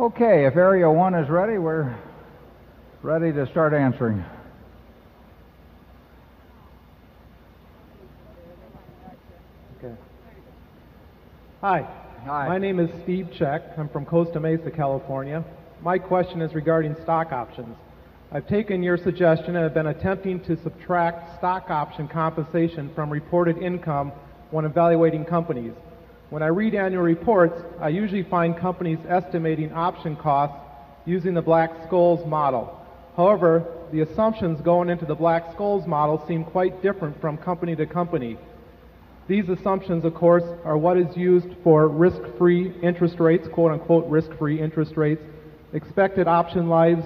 Okay. If area 1 is ready, we're ready to start answering. Hi. My name is Steve Chek. I'm from Costa Mesa, California. My question is regarding stock options. I've taken your suggestion and have been attempting to subtract stock option compensation from reported income when evaluating companies. When I read annual reports, I usually find companies estimating option costs using the Black Scholes model. However, the assumptions going into the Black Scholes model seem quite different from company to company. These assumptions, of course, are what is used for risk free interest rates, quote unquote risk free interest rates, expected option lives,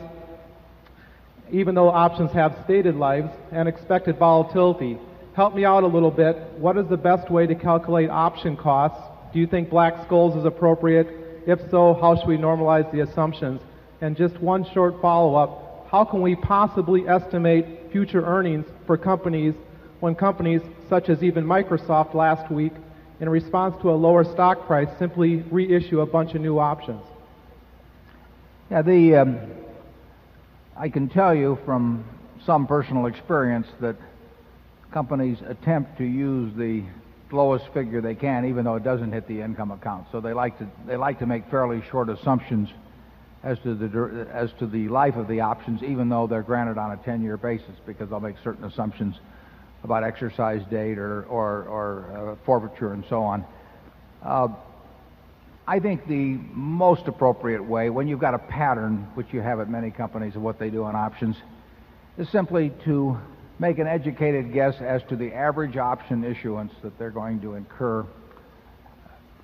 even though options have stated lives and expected volatility. Help me out a little bit. What is the best way to calculate option costs? Do you think Black Scholes is appropriate? If so, how should we normalize the assumptions? And just one short follow-up, how can we possibly estimate future earnings for companies when companies such as even Microsoft last week in response to a lower stock price simply reissue a bunch of new options? Now, the I can tell you from some personal experience that companies attempt to use the lowest figure they can, even though it doesn't hit the income account. So they like to make fairly short assumptions as to the as to the life of the options, even though they're granted on a 10 year basis, because they'll make certain assumptions about exercise date or forfeiture and so on. I think the most appropriate way, when you've got a pattern, which you have at many companies and what they do on options, is simply to make an educated guess as to the average option issuance that they're going to incur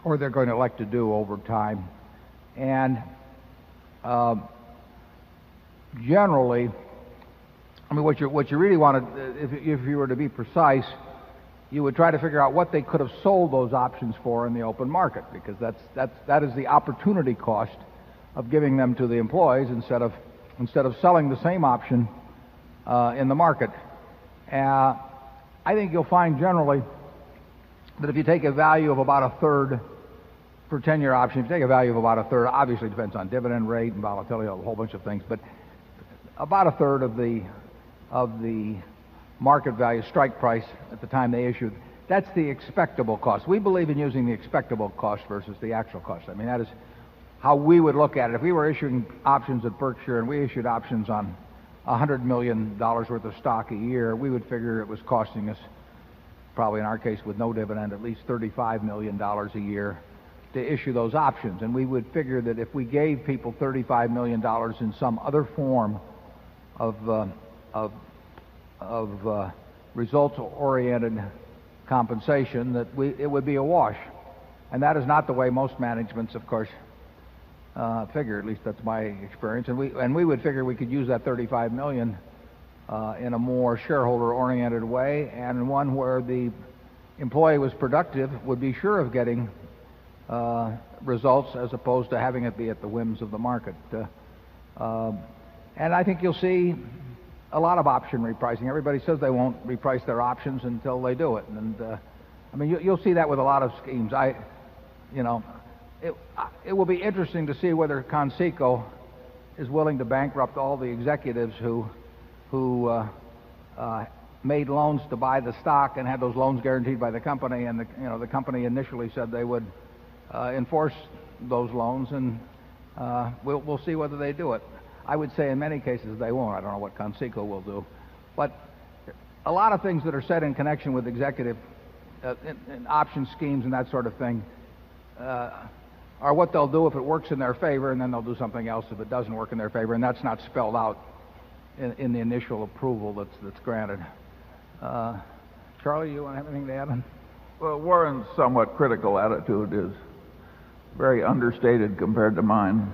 or they're going to elect to do over time. And generally, I mean, what you really wanted if you were to be precise, you would try to figure out what they could have sold those options for in the open market because that's that is the opportunity cost of giving them to the employees instead of selling the same option, in the market. I think you'll find generally that if you take a value of about a third for 10 year option, if you take a value of about a third, obviously, it depends on dividend rate and volatility, a whole bunch of things, but about a third of the market value strike price at the time they issued, that's the expectable cost. We believe in using the expectable cost versus the actual cost. I mean, that is how we would look at it. If we were issuing options at Berkshire and we issued options on $100,000,000 worth of stock a year, we would figure it was costing us, probably in our case with no dividend, at least $35,000,000 a year to issue those options. And we would figure that if we gave people $35,000,000 in some other form of of of results oriented compensation, that we it would be awash. And that is not the way most managements, of course, figure at least that's my and we would figure we could use that 35,000,000 in a more shareholder oriented way, and one where the employee was productive, would be sure of getting results as opposed to having it be at the whims of the market. And I think you'll see a lot of option repricing. Everybody says they won't reprice their options until they do it. And I mean, you'll see that with a lot of schemes. I you know, it will be interesting to see whether Conseco is willing to bankrupt all the executives who who, made loans to buy the stock and have those loans guaranteed by the company. And the, you know, the company initially said they would, enforce those loans, and, we'll we'll see whether they do it. I would say in many cases, they won't. I don't know what Consequo will do. But a lot of things that are said in connection with executive option schemes and that sort of thing are what they'll do if it works in their favor, and then they'll do something else if it doesn't work in their favor, and that's not spelled out in the initial approval that's granted. Charlie, you want to have anything to add on? Well, Warren's somewhat critical attitude is very understated compared to mine.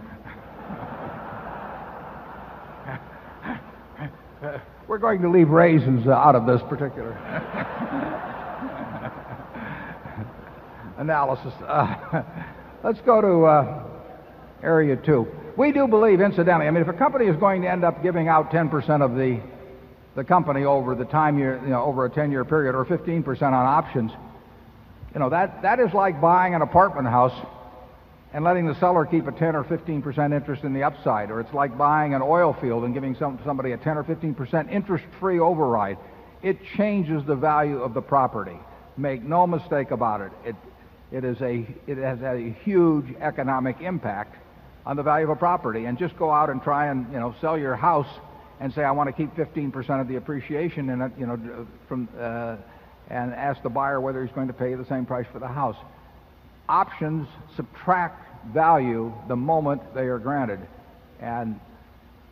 We're going to leave raisins out of this particular analysis. Let's go to area 2. We do believe, incidentally, I mean, if a company is going to end up giving out 10% of the the company over the time year, you know, over a 10 year period or 15% on options, you know, that that is like buying an apartment house and letting the seller keep a 10 or 15 percent interest in the upside, or it's like buying an oil field and giving some somebody a 10 or 15% interest free override. It changes the value of the property. Make no mistake about it. It it is a it has a huge economic impact on the value of a property. And just go out and try and, you know, sell your house and say, I want to keep 15% of the appreciation in it, you know, from and ask the buyer whether he's going to pay the same price for the house. Options subtract value the moment they are granted. And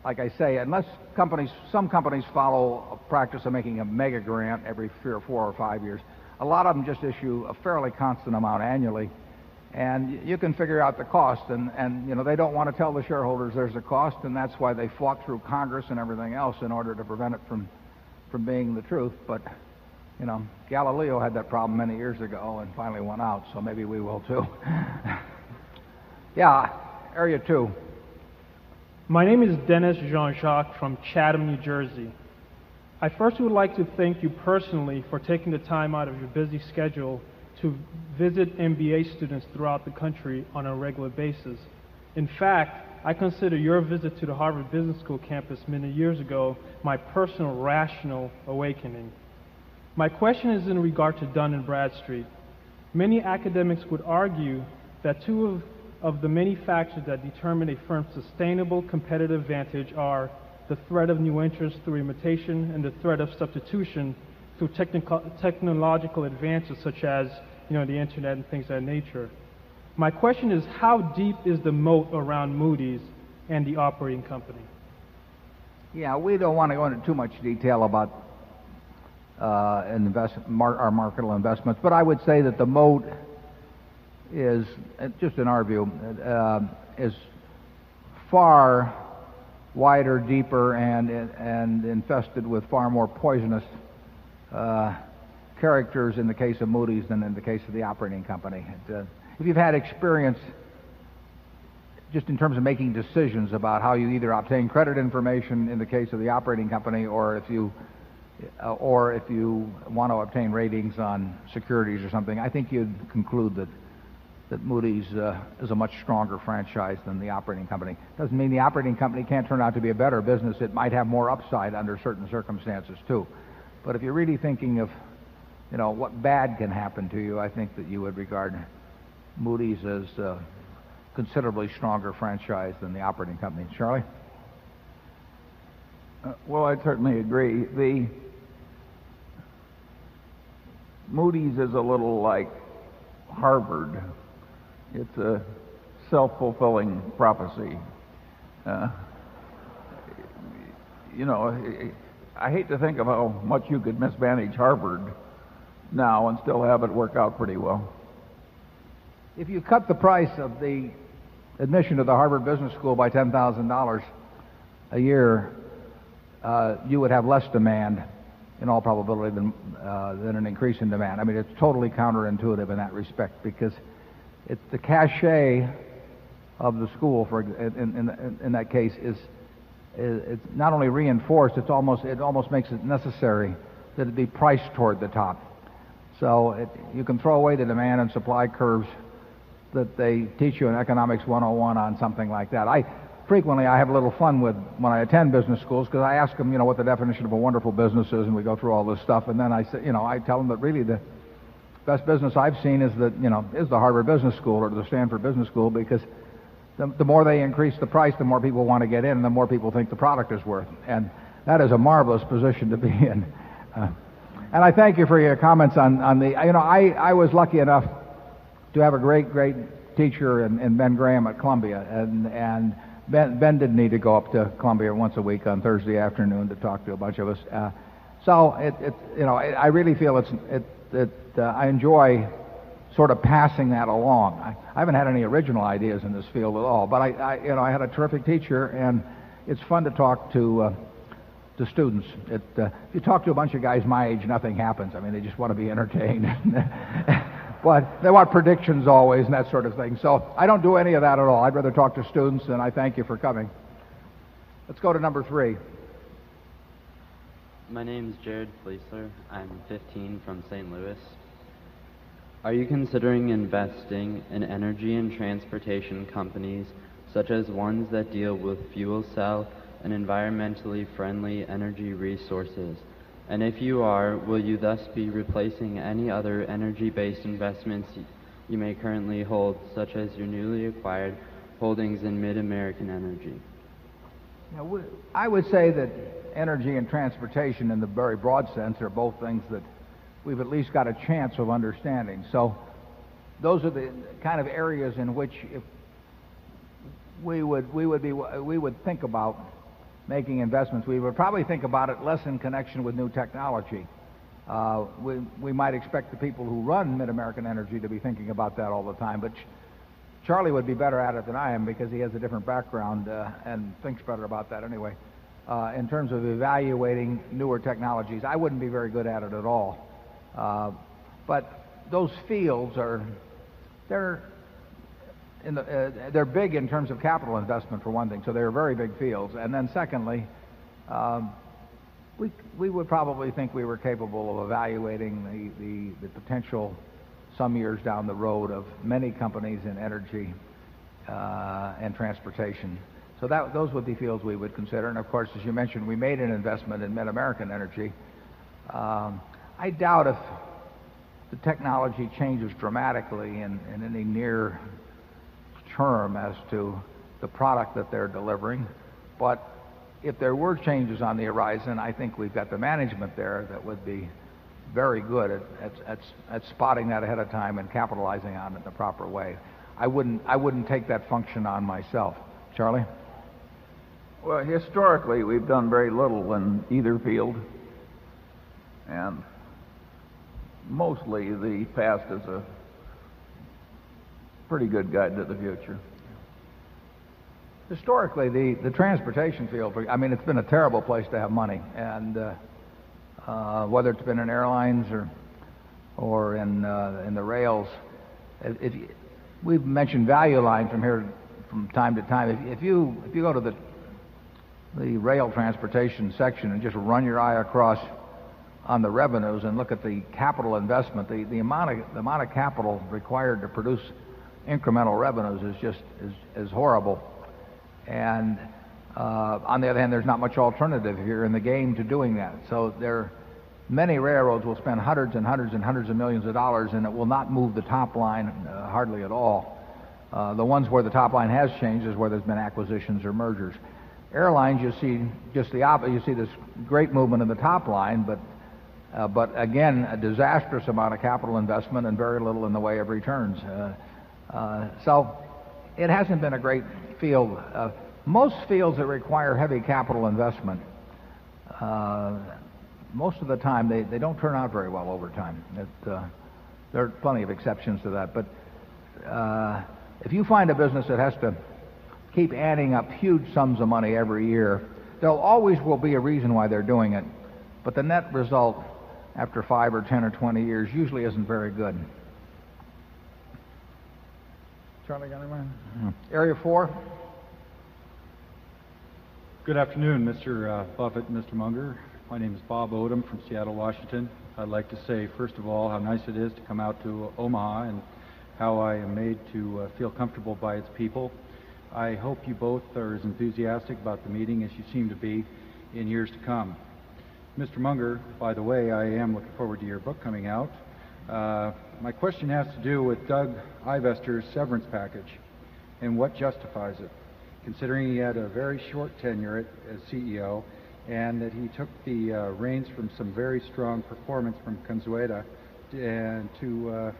like I say, unless companies some companies follow a practice of making a mega grant every 3 or 4 or 5 years, a lot of them just issue a fairly constant amount annually. And you can figure out the cost. And and, you know, they don't want to tell the shareholders there's a cost, and that's why they fought through Congress and everything else in order to prevent it from being the truth. But, you know, Galileo had that problem many years ago and finally won out, so maybe we will too. Yeah. Area 2. My name is Dennis Jean Jacques from Chatham, New Jersey. I first would like to thank you personally for taking the time out of your busy schedule to visit MBA students throughout the country on a regular basis. In fact, I consider your visit to the Harvard Business School campus many years ago my personal rational awakening. My question is in regard to Dun and Bradstreet. Many academics would argue that 2 of the many factors that determine a firm's sustainable competitive advantage are the threat of new entrants through imitation and the threat of substitution through technological advances such as, you know, the Internet and things of that nature. My question is how deep is the moat around Moody's and the operating company? Yeah. We don't want to go into too much detail about, our marketable investments. But I would say that the moat is just in our view, is far wider, deeper, and infested with far more poisonous characters in the case of Moody's than in the case of the operating company. And You've had experience just in terms of making decisions about how you either obtain credit information in the case of the operating company or if you or if you want to obtain ratings on securities or something, I think you'd conclude that Moody's is a much stronger franchise than the operating company. Doesn't mean the operating company can't turn out to be a better business. It might have more upside under certain circumstances too. But if you're really thinking of, you know, what bad can happen to you, I think that you would regard Moody's as a considerably stronger franchise than the operating company. Charlie? Well, I certainly agree. The Moody's is a little like Harvard. It's a self fulfilling prophecy. You know, I hate to think of how much you could mismanage Harvard now and still have it work out pretty well. If you cut the price of the admission of the Harvard Business School by $10,000 a year, you would have less demand, in all probability, than an increase in demand. I mean, it's totally counterintuitive in that respect because it's the cache of the school for in in in that case is it's not only reinforced, it's almost it almost makes it necessary that it be priced toward the top. So you can throw away the demand and supply curves that they teach you in Economics 101 on something like that. I frequently, I have a little fun with when I attend business schools because I ask them, you know, what the definition of a wonderful business is, and we go through all this stuff. And then I say, you know, I tell them that, really, the best business I've seen is that, you know, is the Harvard Business School or the Stanford Business School because the more they increase the price, the more people want to get in, and the more people think the product is worth. And that is a marvelous position to be in. And I thank you for your comments on on the you know, I I was lucky enough to have a great, great teacher in Ben Graham at Columbia. And Ben didn't need to go up to Columbia once a week on Thursday afternoon to talk to a bunch of us. So it it you know, I I really feel it's it that I enjoy sort of passing that along. I haven't had any original ideas in this field at all, but I I you know, I had a terrific teacher, and it's fun to talk to students. It, you talk to a bunch of guys my age, nothing happens. I mean, they just want to be entertained. But they want predictions always and that sort of thing. So I don't do any of that at all. I'd rather talk to students, and I thank you for coming. Let's go to number 3. My name is Jared Flesler. I'm 15 from Saint Louis. Are you considering investing And if you are, will you thus be replacing any other energy based investments you may currently hold such as your newly acquired holdings in Mid American Energy? I would say that energy and transportation in the very broad sense are both things that we've at least got a chance of understanding. So those are the kind of areas in which we would be we would think about making investments. We would probably think about it less in connection with new technology. We might expect the people who run Mid American Energy to be thinking about that all the time, but Charlie would be better at it than I am because he has a different background and thinks better about that anyway. In terms of evaluating newer technologies, I wouldn't be very good at it at all. But those fields are they're in the they're big in terms of capital investment, for one thing. So they're very big fields. And then secondly, we would probably think we were capable of evaluating the potential some years down the road of many companies in energy and transportation. So that those would be fields we would consider. And of course, as you mentioned, we made an investment in mid American energy. I doubt if the technology changes dramatically in any near term as to the product that they're delivering. But if there were changes on the horizon, I think we've got the management there that would be very good at at at spotting that ahead of time and capitalizing on it the proper way. I wouldn't I wouldn't take that function on myself. Charlie? Well, historically, we've done very little in either field, and mostly the past is a pretty good guide into the future. Historically, the transportation field for you, I mean, it's been a terrible place to have money. And whether it's been in airlines or or in, in the rails. We've mentioned value line from here from time to time. If you if you go to the rail transportation section and just run your eye across on the revenues and look at the capital investment. The amount of capital required to produce incremental revenues is just is horrible. And, on the other hand, there's not much alternative here in the game to doing that. So there are many railroads will spend 100 and 100 and 100 of 1,000,000 dollars, and it will not move the top line hardly at all. The ones where the top line has changed is where there's been acquisitions or mergers. Airlines, you'll see just the you'll see this great movement in the top line, but again, a disastrous amount of capital investment and very little in the way of returns. So it hasn't been a great field. Most fields that require heavy capital investment, most of the time, they don't turn out very well over time. There are plenty of exceptions to that. But if you find a business that has to keep adding up huge sums of money every year, there always will be a reason why they're doing it. But the net result after 5 or 10 or 20 years usually isn't very good. Charlie, got it right. Area 4. Good afternoon, mister, Buffet and mister Munger. My name is Bob Odom from Seattle, Washington. I'd like to say, 1st of all, how nice it is to come out to Omaha and how I am made to feel comfortable by its people. I hope you both are as enthusiastic about the meeting as you seem to be in years to come. Mister Munger, by the way, I am looking forward to your book coming out. My question has to do with Doug Ivester's severance package and what justifies it, considering he had a very short tenure as CEO and that he took the reins from some very strong performance from Consuela and to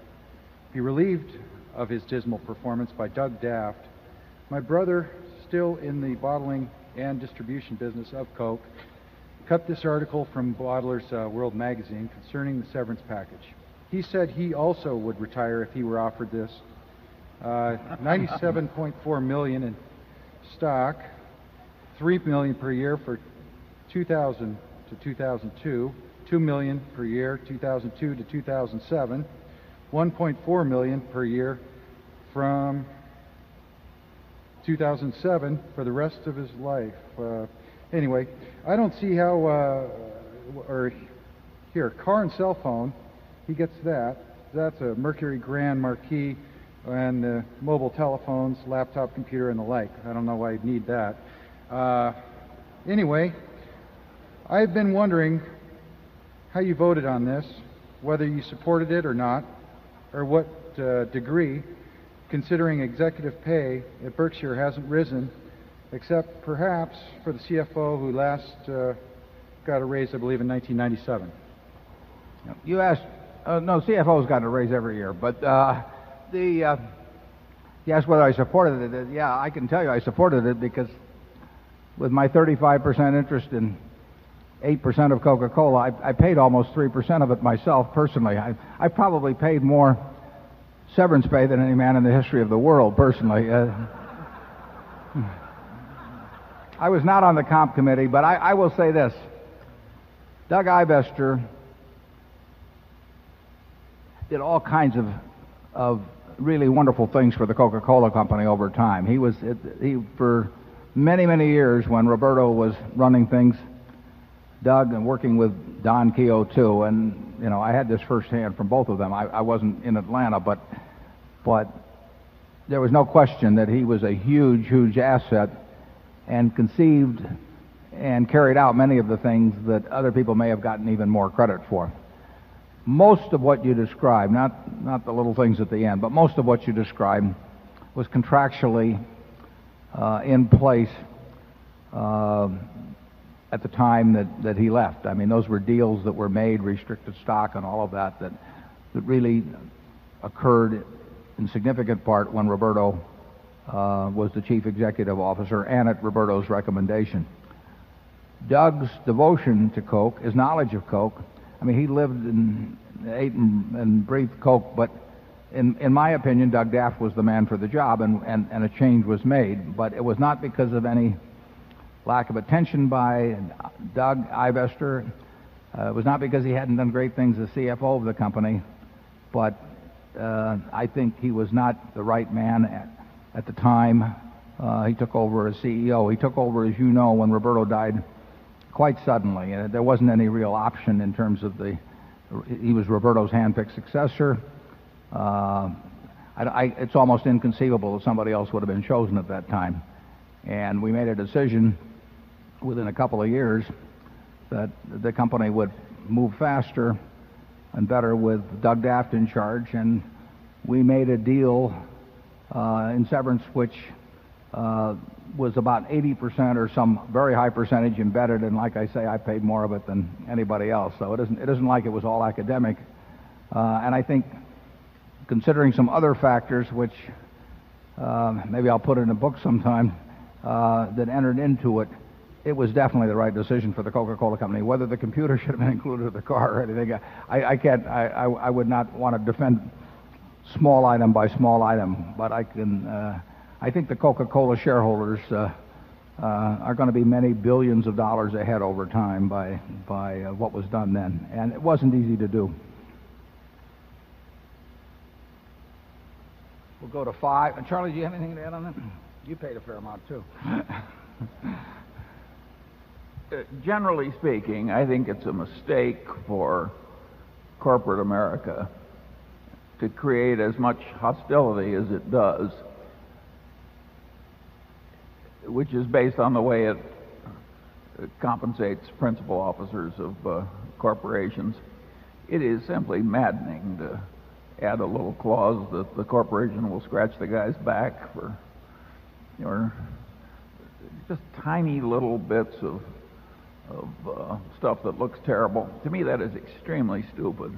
be relieved of his dismal performance by Doug Daft. My brother still in the bottling and distribution business of coke cut this article from bottlers, World Magazine concerning the severance package. He said he also would retire if he were offered this, 97,400,000 in stock, 3,000,000 per year for 2,000 to 2,002, 2,000,000 per year, 2,002 to 2,007, 1,400,000 per year from 2 1,007 for the rest of his life. Anyway, I don't see how, or here, car and cell phone, he gets that. That's a Mercury Grand Marquis and mobile telephones, laptop computer, and the like. I don't know why he'd need that. Anyway, I've been wondering how you voted on this, whether you supported it or not or what degree considering executive pay at Berkshire hasn't risen except perhaps for the CFO who last got a raise, I believe, in 1997. You asked, no, CFO has gotten a raise every year. But, the yes, whether I supported it, yeah, I can tell you I supported it because with my 35% interest in 8% of Coca Cola, I paid almost 3% of it myself personally. I probably paid more severance pay than any man in the history of the world personally. I was not on the comp committee, but I I will say this. Doug Ivester did all kinds of of really wonderful things for the Coca Cola Company over time. He was he for many, many years, when Roberto was running things, Doug and working with Don Keogh too. And, you know, I had this firsthand from both of them. I I wasn't in Atlanta, but but there was no question that he was a huge, huge asset and conceived and carried out many of the things that other people may have gotten even more credit for. Most of what you described, not the little things at the end, but most of what you described was contractually, in place at the time that that he left. I mean, those were deals that were made, restricted stock and all of that, that really occurred in significant part when Roberto was the chief executive officer and at Roberto's recommendation. Doug's devotion to Coke, his knowledge of Coke I mean, he lived and ate and and briefed Coke, but in in my opinion, Doug Daff was the man for the job and and and a change was made. But it was not because of any lack of attention by Doug Ivester. It was not because he hadn't done great things as CFO of the company, but I think he was not the right man at the time, he took over as CEO. He took over, as you know, when Roberto died quite suddenly. And there wasn't any real option in terms of the he was Roberto's handpicked successor. I it's almost inconceivable that somebody else would have been chosen at that time. And we made a decision within a couple of years that the company would move faster and better with Doug Daff in charge. And we made a deal in severance, which was about 80% or some very high percentage embedded. And like I say, I paid more of it than anybody else. So it isn't like it was all academic. And I think considering some other factors, which maybe I'll put in a book sometime, that entered into it, it was definitely the right decision for the Coca Cola Company, whether the computer should have been included in the car or anything. I can't I would not want to defend small item by small item, but I can I think the Coca Cola shareholders are going to be many 1,000,000,000 of dollars ahead over time by what was done then? And it wasn't easy to do. We'll go to 5. And, Charlie, do you have anything to add on that? You paid a fair amount too. Generally speaking, I think it's a mistake for corporate America to create as much hostility as it does, which is based on the way it compensates principal officers of, corporations. It is simply maddening to add a little clause that the corporation will scratch the guy's back or just tiny little bits of of, stuff that looks terrible. To me, that is extremely stupid.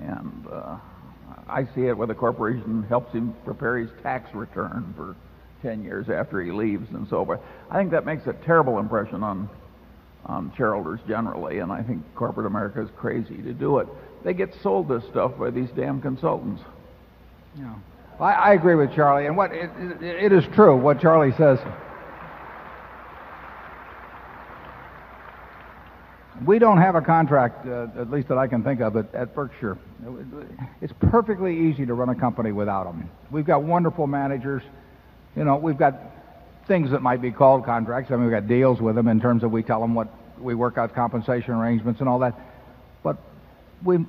And, I see it where the corporation helps him prepare his tax return for 10 years after he leaves and so forth. I think that makes a terrible impression on on shareholders generally, and I think corporate America is crazy to do it. They get sold this stuff by these damn consultants. Yeah. I I agree with Charlie. And what it is true what Charlie says. We don't have a contract, at least that I can think of, at at Berkshire. It's perfectly easy to run a company without them. We've got wonderful managers. We've got things that might be called contracts. I mean, we've got deals with them in terms of we tell them what we work out compensation arrangements and all that. But we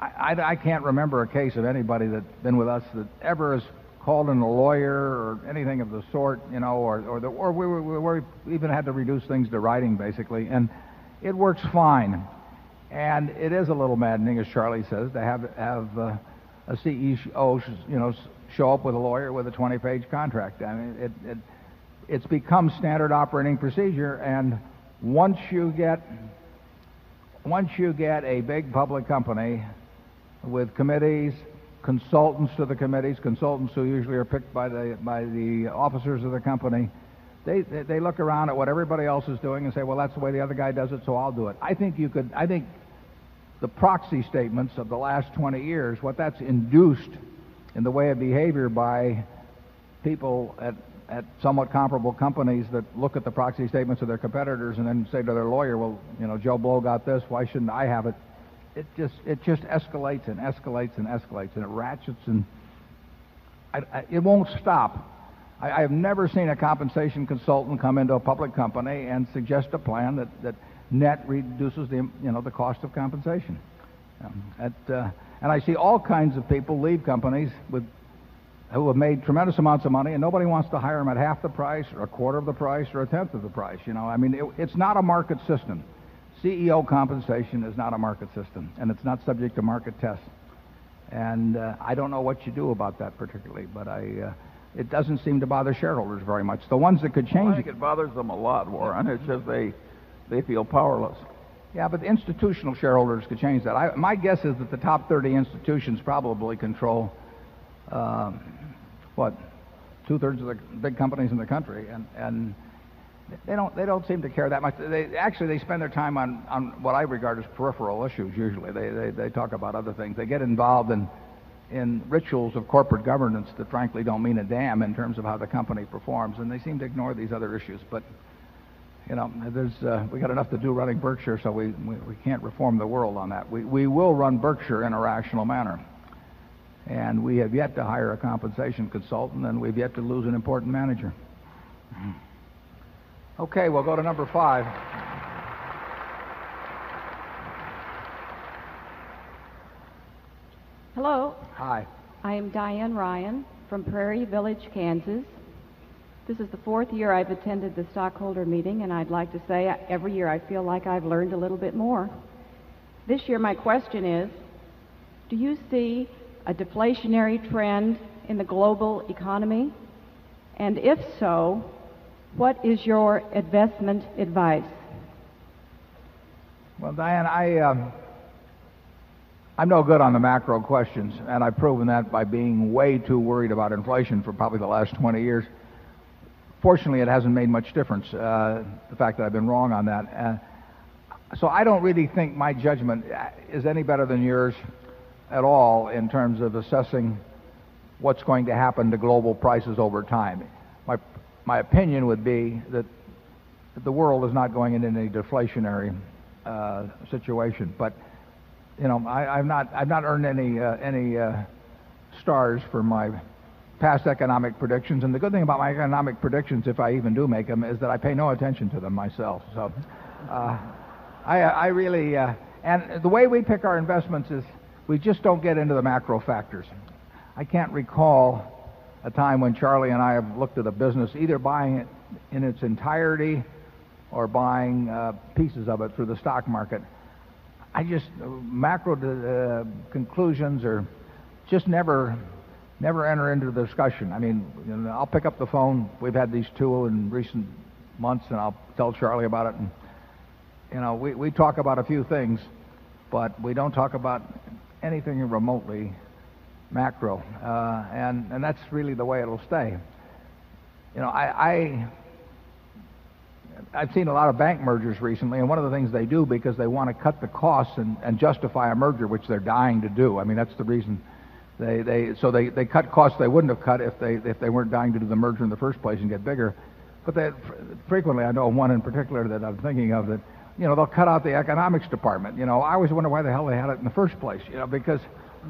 I can't remember a case of anybody that's been with us that ever has called in a lawyer or anything of the sort, you know, or the or we were we even had to reduce things to writing, basically. And it works fine. And it is a little maddening, as Charlie says, to have have a CEO, you know, show up with a lawyer with a 20 page contract. I mean, it's become standard operating procedure. And once you get once you get a big public company with committees, consultants to the committees, consultants who usually are picked by the by the officers of the company, they they look around at what everybody else is doing and say, well, that's the way the other guy does it, so I'll do it. I think you could I think the proxy statements of the last 20 years, what that's induced in the way of behavior by people at at somewhat comparable companies that look at the proxy statements of their competitors and then say to their lawyer, well, you know, Joe Ball got this. Why shouldn't I have it? It just it just escalates and escalates and escalates, and it ratchets. And I I it won't stop. I have never seen a compensation consultant come into a public company and suggest a plan that net reduces the, you know, the cost of compensation. And I see all kinds of people leave companies with who have made tremendous amounts of money, and nobody wants to hire them at half the price, a quarter of the price or a tenth of the price, you know. I mean, it's not a market system. CEO compensation is not a market system, and it's not subject to market tests. And, I don't know what you do about that particularly, but I, it doesn't seem to bother shareholders very much. The ones that could change The ones that could change It bothers them a lot, Warren. It's just they feel powerless. Yeah. But the institutional shareholders could change that. I my guess is that the top 30 institutions probably control, what, 2 thirds of the big companies in the country, and and they don't they don't seem to care that much. They actually, they spend their time on on what I regard as peripheral issues usually. They they they talk about other things. They get involved in in rituals of corporate governance that frankly don't mean a damn in terms of how the company performs, and they seem to ignore these other issues. But, you know, there's, we got enough to do running Berkshire, so we we can't reform the world on that. We we will run Berkshire in a rational manner. And we have yet to hire a compensation consultant, and we've yet to lose an important manager. Okay. We'll go to number 5. Hello. Hi. I am Diane Ryan from Prairie Village, Kansas. This is the 4th year I've attended the Stockholder Meeting, and I'd like to say every year I feel like I've learned a little bit more. This year my question is, do you see a deflationary trend in the global economy? And if so, what is your investment advice? Well, Diane, I I'm no good on the macro questions, and I've proven that by being way too worried about inflation for probably the last 20 years. Fortunately, it hasn't made much difference, the fact that I've been wrong on that. And so I don't really think my judgment is any better than yours at all in terms of assessing what's going to happen to global prices over time. My opinion would be that the world is not going into any deflationary situation. But, you know, I I'm not I've not earned any any stars for my past economic predictions. And the good thing about my economic predictions, if I even do make them, is that I pay no attention to them myself. So I I really and the way we pick our investments is we just don't get into the macro factors. I can't recall a time when Charlie and I have looked at a business either buying it in its entirety or buying, pieces of it for the stock market. I just macro conclusions are just never never enter into the discussion. I mean, you know, I'll pick up the phone. We've had these 2 in recent months, and I'll tell Charlie about it. And, you know, we we talk about a few things, but we don't talk about anything remotely macro. And and that's really the way it'll stay. You know, I I I've seen a lot of bank mergers recently, and one of the things they do because they want to cut the costs and and justify a merger, which they're dying to do I mean, that's the reason they so they cut costs they wouldn't have cut if they weren't dying to do the merger in the 1st place and get bigger. But they frequently, I know one in particular that I'm thinking of that, you know, they'll cut out the economics department. You know, I always wonder why the hell they had it in the 1st place, you know, because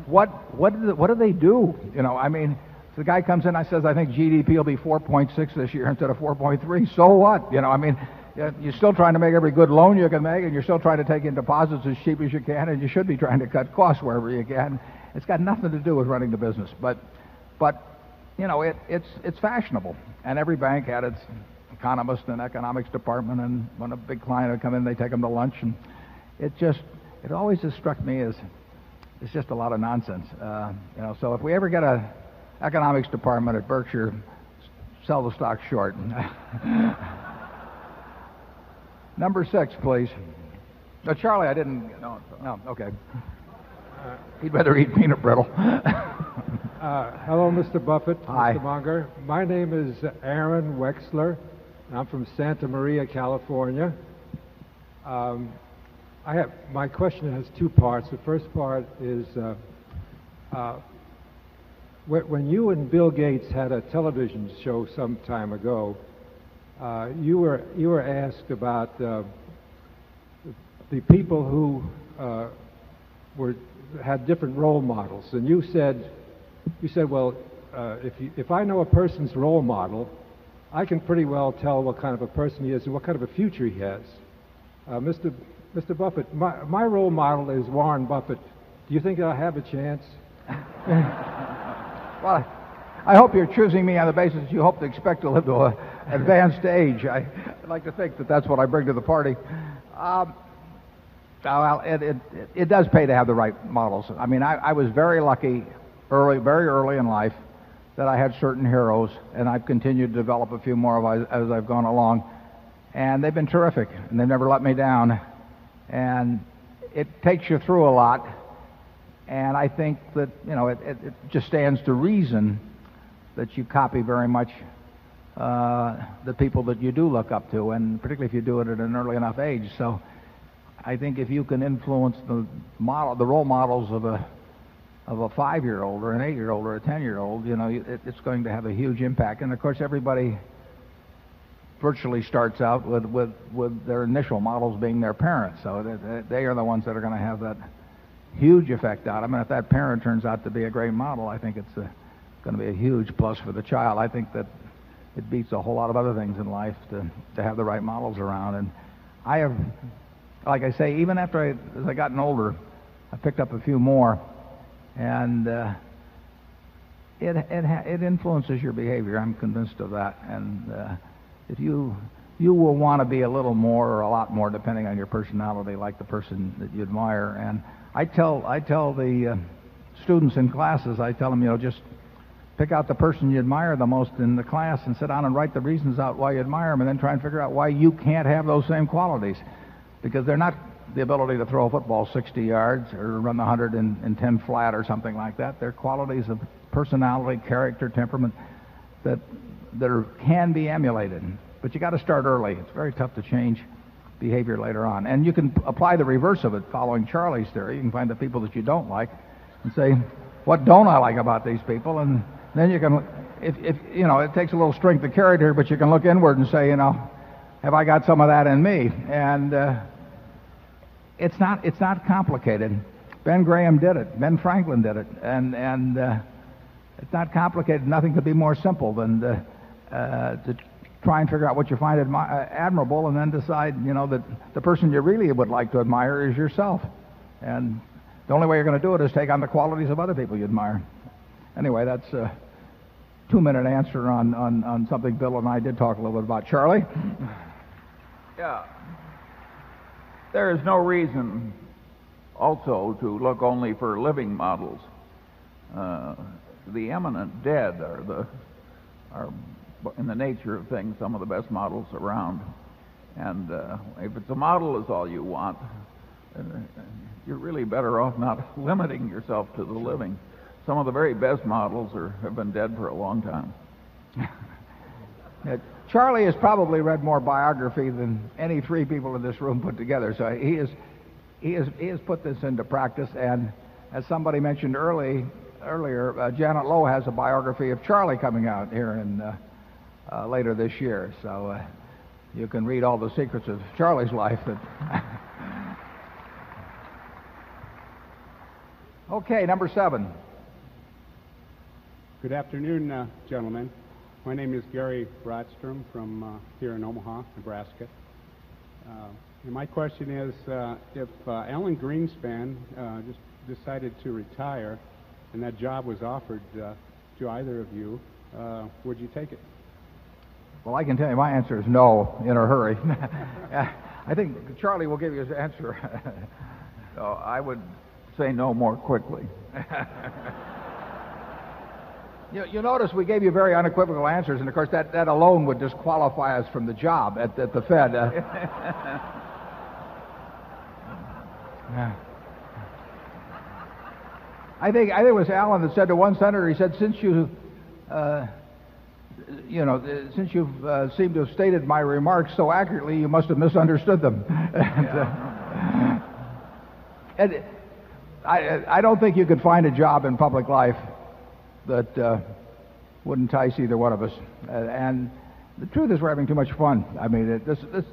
what what do they do? You know, I mean, the guy comes in and says, I think GDP will be 4.6 this year instead of 4.3. So what? You know, I mean, you're still trying to make every good loan you can make. You're still trying to take in deposits as cheap as you can, and you should be trying to cut costs wherever you can. It's got nothing to do with running the business. But but, you know, it it's it's fashionable. And every bank had its economist and economics department. And when a big client would come in, they take them to lunch. And it just it always has struck me as it's just a lot of nonsense. You know, so if we ever get a economics department at Berkshire, sell the stock short. Number 6, please. Now, Charlie, I didn't no. No. Okay. He'd rather eat peanut brittle. Hello, mister Buffet. Hi. Peter Munger. My name is Aaron Wexler. I'm from Santa Maria, California. I have my question has 2 parts. The first part is, when you and Bill Gates had a television show some time ago, you were asked about the people who had different role models. And you said, well, if I know a person's role model, I can pretty well tell what kind of a person he is and what kind of a future he has. Mister Buffett, my my role model is Warren Buffett. Do you think I'll have a chance? Well, I hope you're choosing me on a basis you hope to expect to live to advanced age. I'd like to think that that's what I bring to the party. It does pay to have the right models. I mean, I was very lucky early, very early in life, that I had certain heroes, and I've continued to develop a few more as I've gone along. And they've been terrific, and they never let me down. And it takes you through a lot. And I think that, you know, it just stands to reason that you copy very much, the people that you do look up to, and particularly if you do it at an early enough age. So I think if you can influence the model the role models of a of a 5 year old or an 8 year old or a 10 year old, you know, it it's going to have a huge impact. And of course, everybody virtually starts out with with with their initial models being their parents. So they are the ones that are going to have that huge effect on them. And if that parent turns out to be a great model, I think it's going to be a huge plus for the child. I think that it beats a whole lot of other things in life to to have the right models around. And I have like I say, even after I as I've gotten older, I picked up a few more. And it it it influences your behavior. I'm convinced of that. And if you you will want to be a little more or a lot more depending on your personality like the person that you admire. And I tell I tell the students in classes, I tell them, you know, just pick out the person you admire the most in the class and sit down and write the reasons out why you admire them and then try and figure out why you can't have those same qualities. Because they're not the ability to throw a football 60 yards or run the 110 flat or something like that. They're qualities of personality, character, temperament that that can be emulated. But you got to start early. It's very tough to change behavior later on. And you can apply the reverse of it following Charlie's theory. You can find the people that you don't like and say, what don't I like about these people? And then you can look if if, you know, it takes a little strength to carry there, but you can look inward and say, you know, have I got some of that in me? And it's not it's not complicated. Ben Graham did it. Ben Franklin did it. And and it's not complicated. Nothing could be more simple than to to try and figure out what you find admirable and then decide, you know, that the person you really would like to admire is yourself. And the only way you're going to do it is take on the qualities of other people you admire. Anyway, that's a 2 minute answer on on on something Bill and I did talk a little bit about. Charlie? Yeah. There is no reason also to look only for living models. The imminent dead are the are, in the nature of things, some of the best models around. And, if the model is all you want, you're really better off not limiting yourself to the living. Some of the very best models are have been dead for a long time. Charlie has probably read more biography than any 3 people in this room put together. So he has he has he has put this into practice. And as somebody mentioned early earlier, Janet Lowe has a biography of Charlie coming out here in, later this year. So you can read all the secrets of Charlie's life, but okay. Number 7. Good afternoon, gentlemen. My name is Gary Broadstrom from, here in Omaha, Nebraska. My question is, if, Alan Greenspan, just decided to retire and that job was offered to either of you, would you take it? Well, I can tell you, my answer is no in a hurry. I think Charlie will give you his answer. I would say no more quickly. You notice we gave you very unequivocal answers, and, of course, that that alone would disqualify us from the job at the at the Fed. I think I think it was Alan that said to 1 senator, he said, since you, you know, since you've, seemed to have stated my remarks so accurately, you must have misunderstood them. And I I don't think you could find a job in public life that, wouldn't entice either one of us. And the truth is we're having too much fun. I mean, this this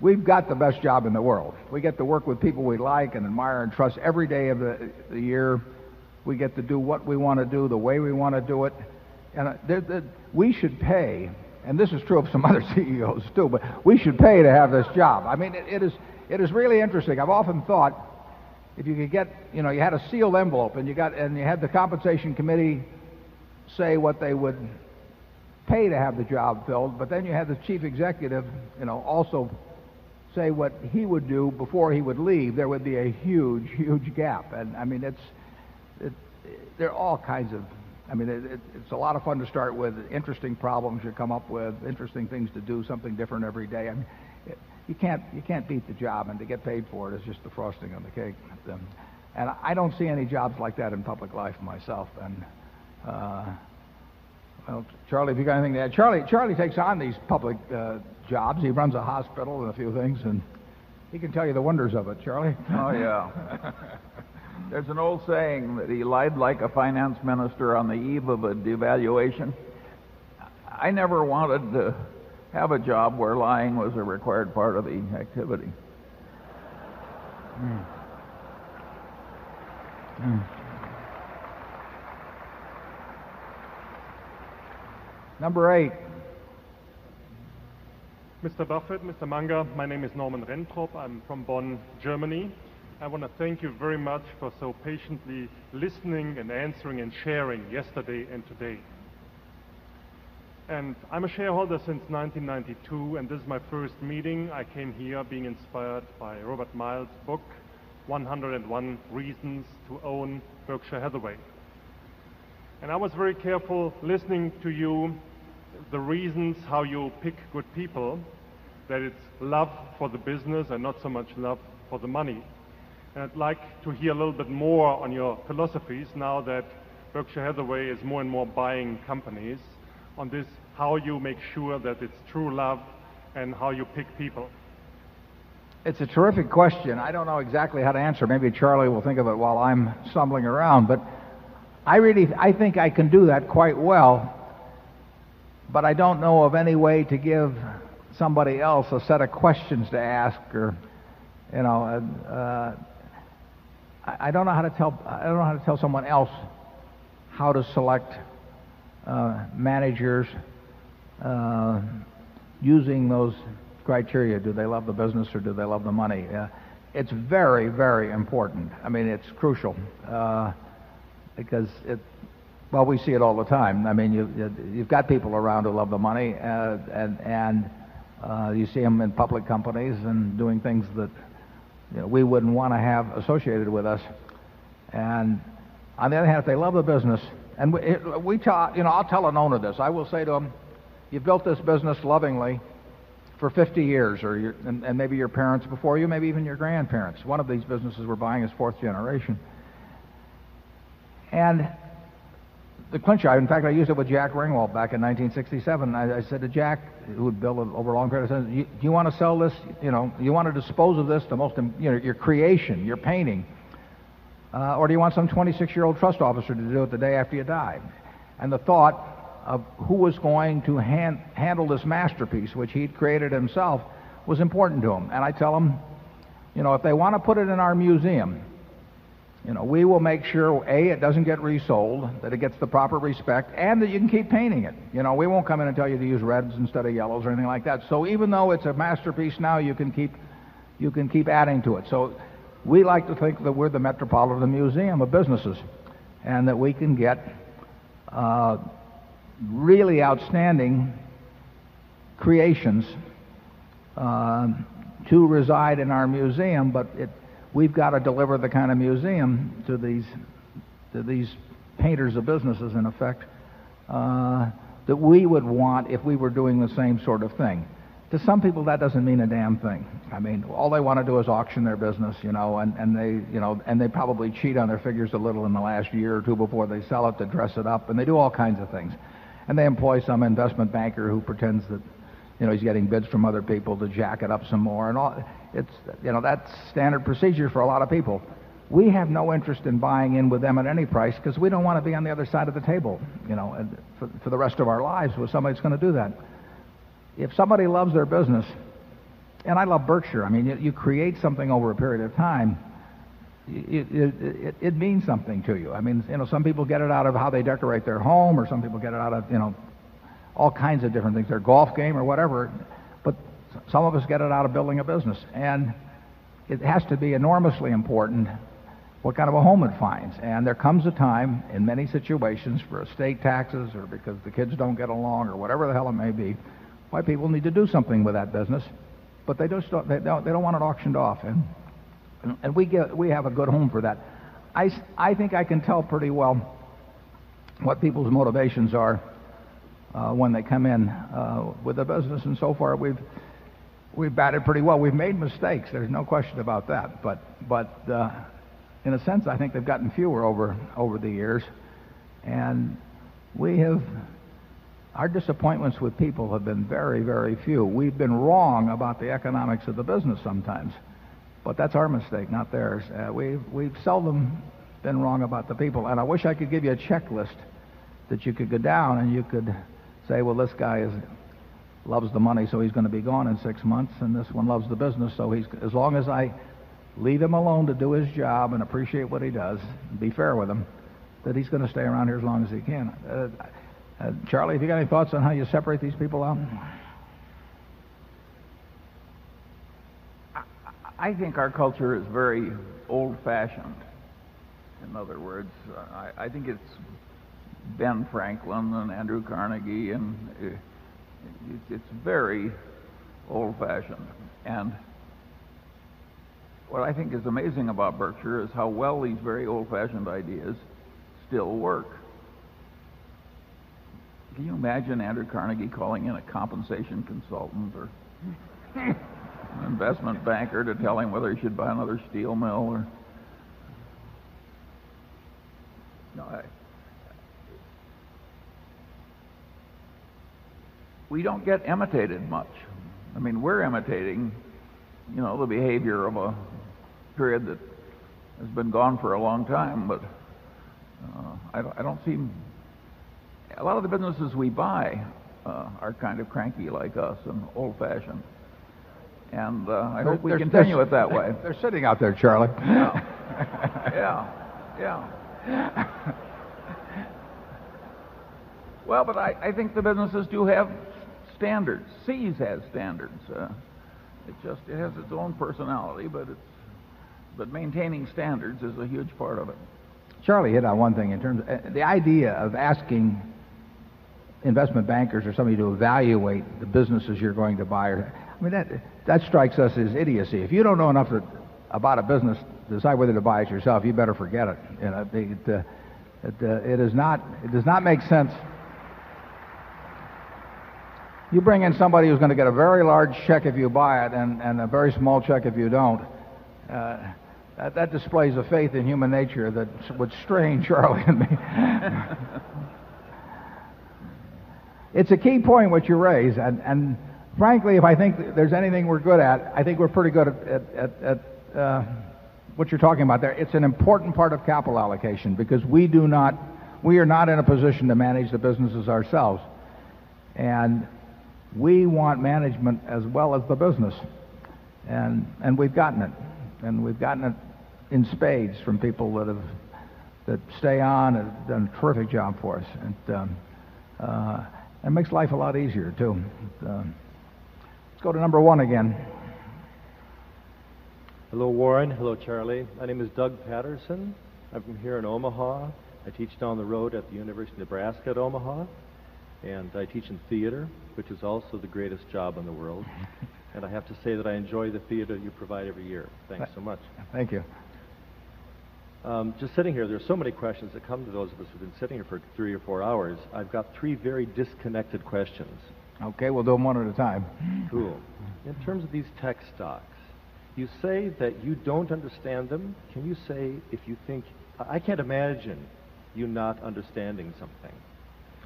we've got the best job in the world. We get to work with people we like and admire and trust every day of the the year. We get to do what we want to do the way we want to do it. And there there we should pay and this is true of some other CEOs too, but we should pay to have this job. I mean, it is it is really interesting. I've often thought if you could get you know, you had a sealed envelope and you got and you had the compensation committee say what they would pay to have the job filled, but then you had the chief executive, you know, also say what he would do before he would leave, there would be a huge, huge gap. And I mean, it's there are all kinds of I mean, it's a lot of fun to start with, interesting problems you come up with, interesting things to do, something different every day. And you can't you can't beat the job. And to get paid for it is just the frosting on the cake. And I don't see any jobs like that in public life myself. And well, Charlie, if you've got anything to add. Charlie takes on these public jobs. He runs a hospital and a few things, and he can tell you the wonders of it, Charlie. Oh, yeah. There's an old saying that he lied like a finance minister on the eve of a devaluation. I never wanted to have a job where lying was a required part of the activity. Number 8. Mr. Buffet, Mr. Munger, my name is Norman Renthrop. I'm from Bonn, Germany. I want to thank you very much for so patiently listening and answering and sharing yesterday and today. I'm a shareholder since 1990 2, and this is my first meeting. I came here being inspired by Robert Myles' book, 101 Reasons to Own Berkshire Hathaway. And I was very careful listening to you, the reasons how you pick good people, that it's love for the business and not so much love for the money. And I'd like to hear a little bit more on your philosophies now that Berkshire Hathaway is more and more buying companies, on this, how you make sure that it's true love and how you pick people. It's a terrific question. I don't know exactly how to answer. Maybe Charlie will think of it while I'm stumbling around. But I really I think I can do that quite well, but I don't know of any way to give somebody else a set of questions to ask or, you know, I don't know how to tell I don't know how to tell someone else how to select managers using those criteria, do they love the business or do they love the money. It's very, very important. I mean, it's crucial because it well, we see it all the time. I mean, you've got people around who love the money, and you see them in public companies and doing things that we wouldn't want to have associated with us. And on the other hand, they love the business. And we you know, I'll tell an owner this. I will say to them, you've built this business lovingly for 50 years, or your and maybe your parents before you, maybe even your grandparents. 1 of these businesses we're buying is 4th generation. And the quintile in fact, I used it with Jack Ringwald back in 1967. I I said to Jack, who would build an overall credit sense, do you want to sell this, You know, do you want to dispose of this to most you know, your creation, your painting, or do you want some 26 year old trust officer to do it the day after you die? And the thought of who was going to hand handle this masterpiece, which he'd created himself, was important to him. And I tell him, you know, if they want to put it in our museum, you know, we will make sure, a, it doesn't get resold, that it gets the proper respect, and that you can keep painting it. You know, we won't come in and tell you to use reds instead of yellows or anything like that. So even though it's a masterpiece now, you can keep you can keep adding to it. So we like to think that we're the Metropolitan Museum of Businesses and that we can get, really outstanding creations to reside in our museum, but it we've got to deliver the kind of museum to these to these painters of businesses, in effect, that we would want if we were doing the same sort of thing. To some people, that doesn't mean a damn thing. I mean, all they want to do is auction their business, you know, and and they, you know, and they probably cheat on their figures a little in the last year or 2 before they sell it to dress it up, and they do all kinds of things. And they employ some investment banker who pretends that, you know, he's getting bids from other people to jack it up some more. And all it's you know, that's standard procedure for a lot of people. We have no interest in buying in with them at any price because we don't want to be on the other side of the table, you know, for the rest of our lives with somebody that's going to do that. If somebody loves their business and I love Berkshire. I mean, you you create something over a period of time, it it it it means something to you. I mean, you know, some people get it out of how they decorate their home or some people get it out of, you know, all kinds of different things, their golf game or whatever. But some of us get it out of building a business. And it has to be enormously important what kind of a home it finds. And there comes a time, in many situations, for estate taxes or because the kids don't get along or whatever the hell it may be, white people need to do something with that business, but they don't they don't they don't want it auctioned off. And we get we have a good home for that. I I think I can tell pretty well what people's motivations are, when they come in with the business. And so far, we've we've batted pretty well. We've made mistakes. There's no question about that. But but, in a sense, I think they've gotten fewer over over the years. And we have our disappointments with people have been very, very few. We've been wrong about the economics of the business sometimes, but that's our mistake, not theirs. We've seldom been wrong about the people. And I wish I could give you a checklist that you could go down, and you could say, well, this guy is loves the money, so he's going to be gone in 6 months, and this one loves the business. So he's as long as I leave him alone to do his job and appreciate what he does and be fair with him, that he's going to stay around here as long as he can. Charlie, have you got any thoughts on how you separate these people out? I think our culture is very old fashioned. In other words, I I think it's Ben Franklin and Andrew Carnegie, and it's very old fashioned. And what I think is amazing about Berkshire is how well these very old fashioned ideas still work. Can you imagine Andrew Carnegie calling in a compensation consultant or investment banker to tell him whether he should buy another steel mill or we don't get imitated much. I mean, we're imitating, you know, the behavior of a period that has been gone for a long time, but I don't see a lot of the businesses we buy are kind of cranky like us and old fashioned, and I hope we continue it that way. They're sitting out there, Charlie. Yeah. Yeah. Yeah. Well, but I I think the businesses do have standards. Seas has standards. It just it has its own personality, but but maintaining standards is a huge part of it. Charlie hit on one thing in terms of the idea of asking investment bankers or somebody to evaluate the businesses you're going to buy, I mean, that strikes us as idiocy. If you don't know enough about a business to decide whether to buy it yourself, you better forget it. And I think it, it is not it does not make sense. You bring in somebody who's gonna get a very large check if you buy it and and a very small check if you don't, that displays a faith in human nature that would strain Charlie and me. It's a key point in which you raise. And and frankly, if I think there's anything we're good at, I think we're pretty good at at at at what you're talking about there. It's an important part of capital allocation because we do not we are not in a position to manage the businesses ourselves. And we want management as well as the business. And we've gotten it. And we've gotten it in spades from people that have that stay on and have done a terrific job for us. And it makes life a lot easier too. Let's go to number 1 again. Hello, Warren. Hello, Charlie. My name is Doug Patterson. I'm from here in Omaha. I teach down the road at the University of Nebraska at Omaha, and I teach in theater, which is also the greatest job in the world. And I have to say that I enjoy the theater you provide every year. Thanks so much. Thank you. Just sitting here, there are so many questions that come to those of us who've been sitting here for 3 or 4 hours. I've got 3 very disconnected questions. Okay. We'll do them 1 at a time. Cool. In terms of these tech stocks, you say that you don't understand them. Can you say if you think I can't imagine you not understanding something.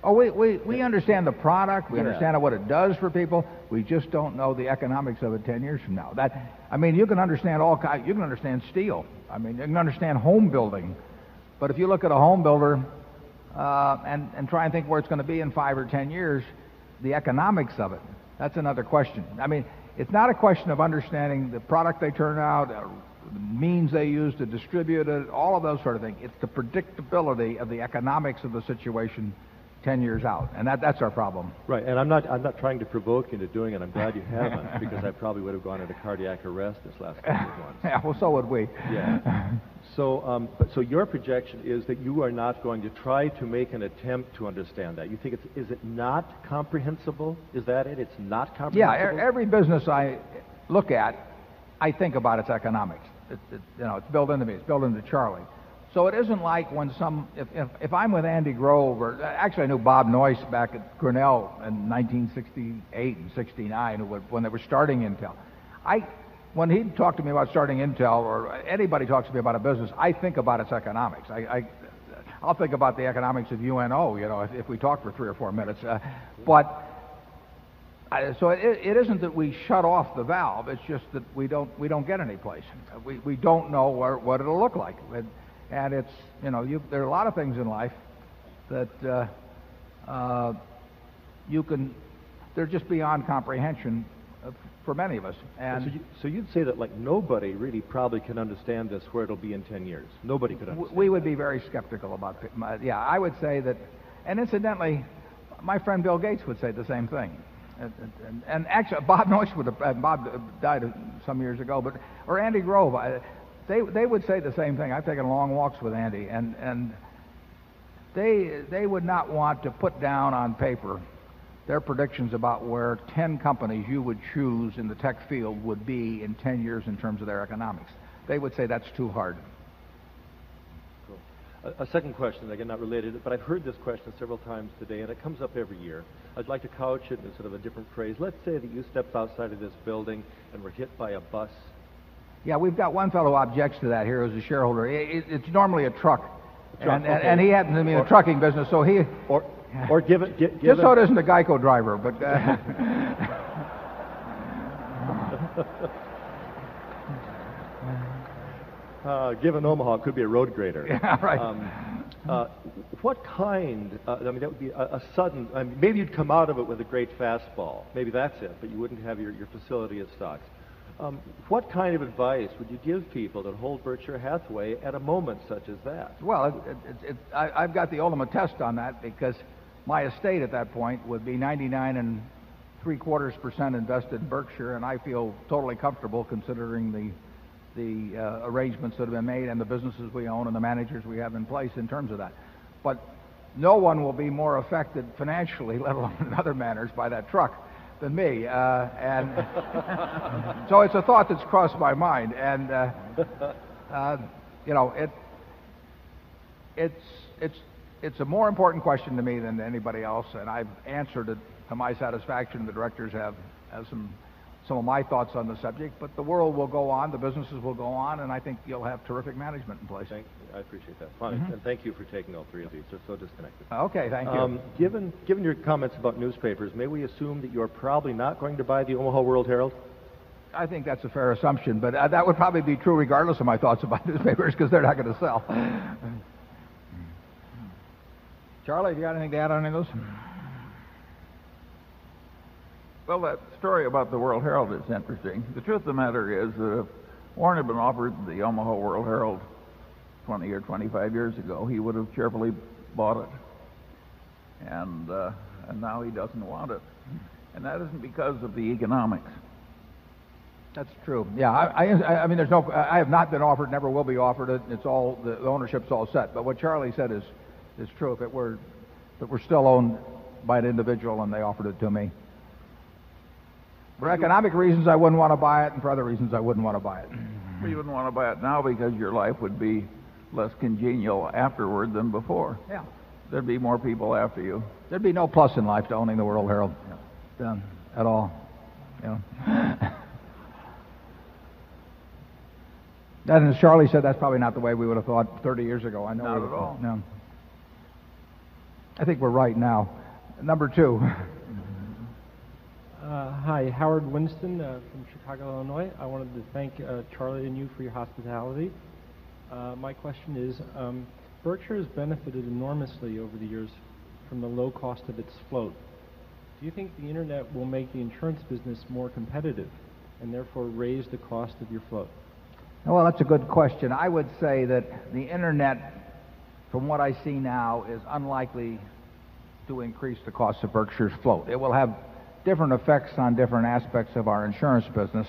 Oh, wait. Wait. We understand the product. We understand what it does for people. We just don't know the economics of it 10 years from now. That I mean, you can understand all kind you can understand steel. I mean, you can understand homebuilding. But if you look at a homebuilder, and try and think where it's going to be in 5 or 10 years, the economics of it, that's another question. I mean, it's not a question of understanding the product they turn out, the means they use to distribute it, all of those sort of things. It's the predictability of the economics of the situation 10 years out. And that that's our problem. Right. And I'm not I'm not trying to provoke you into doing it. I'm glad you haven't because I probably would have gone into cardiac arrest this last time we were going. Yeah. Well, so would we. Yeah. So, so your projection is that you are not going to try to make an attempt to understand that. You think it's is it not comprehensible? Is that it? It's not comprehensible? Yeah. Every business I look at, I think about its economics. It's it's, you know, it's built into me. It's built into Charlie. It isn't like when some if if I'm with Andy Grove or actually, I knew Bob Noyce back at Grinnell in 1968 and 'sixty nine when they were starting Intel. I when he talked to me about starting Intel or anybody talks to me about a business, I think about its economics. I I I'll think about the economics of UNO, you know, if we talk for 3 or 4 minutes. But so it isn't that we shut off the valve. It's just that we don't get any place. We don't know what it'll look like. And it's you know, there are a lot of things in life that you can they're just beyond comprehension for many of us. And So you'd say that, like, nobody really probably can understand this, where it'll be in 10 years? Nobody could understand. We would be very skeptical about yeah. I would say that and incidentally, my friend Bill Gates would say the same thing. And actually, Bob Noyce would have Bob died some years ago, but or Andy Grove. They they would say the same thing. I've taken long walks with Andy, and and they would not want to put down on paper their predictions about where 10 companies you would choose in the tech field would be in 10 years in terms of their economics. They would say that's too hard. A second question, again, not related, but I've heard this question several times today, and it comes up every year. I'd like to couch it in sort of a different phrase. Let's say that you stepped outside of this building and were hit by a bus. Yeah. We've got one follow-up to that here as a shareholder. It's normally a truck. A truck. And he had him in the trucking business, so he Or give it give it And so does the GEICO driver, but Given Omaha could be a road grader. What kind, I mean, that would be a sudden, I mean, maybe you'd come out of it with a great fastball. Maybe that's it, but you wouldn't have your facility stocks. What kind of advice would you give people that hold Berkshire Hathaway at a moment such as that? Well, it it it I I've got the ultimate test on that because my estate at that point would be 99 3 quarters percent invested in Berkshire, and I feel totally comfortable considering the arrangements that have been made and the businesses we own and the managers we have in place in terms of that. But no one will be more affected financially, let alone in other manners, by that truck than me. And so it's a thought that's crossed my mind. And you know, it's a more important question to me than anybody else, and I've answered it to my satisfaction. The directors have had some some of my thoughts on the subject. But the world will go on. The businesses will go on, and I think you'll have terrific management in place. Thank you. I appreciate that. Fine. And thank you for taking all 3 of these. We're so disconnected. Okay. Thank you. Given given your comments about newspapers, may we assume that you're probably not going to buy the Omaha World Herald? I think that's a fair assumption, but that would probably be true regardless of my thoughts about newspapers because they're not going to sell. Charlie, do you have anything to add on anything else? Well, that story about the World Herald is interesting. The truth of the matter is that if Warren had been offered the Omaha World Herald 20 or 25 years ago, he would have cheerfully bought it. And now he doesn't want it, and that isn't because of the economics. That's true. Yeah. I I I mean, there's no I have not been offered, never will be offered it, and it's all the ownership's all set. But what Charlie said is is true. If it were if it were still owned by an individual and they offered it to me. For economic reasons, I wouldn't want to buy it, and for other reasons, I wouldn't want buy it. But you wouldn't want to buy it now because your life would be less congenial afterward than before. Yeah. There'd be more people after you. There'd be no plus in life to owning the world, Harold, Yeah. None at all. Yeah. And as Charlie said, that's probably not the way we would have thought 30 years ago. I know. Not at all. No. I think we're right now. Number 2. Hi. Howard Winston from Chicago, Illinois. I wanted to thank Charlie and you for your hospitality. My question is, Berkshire has benefited enormously over the years from the low cost of its float. Do you think the Internet will make the insurance business more competitive and therefore raise the cost of your float? Well, that's a good question. I would say that the Internet, from what I see now, is unlikely to increase the cost of Berkshire's float. It will have different effects on different aspects of our insurance business,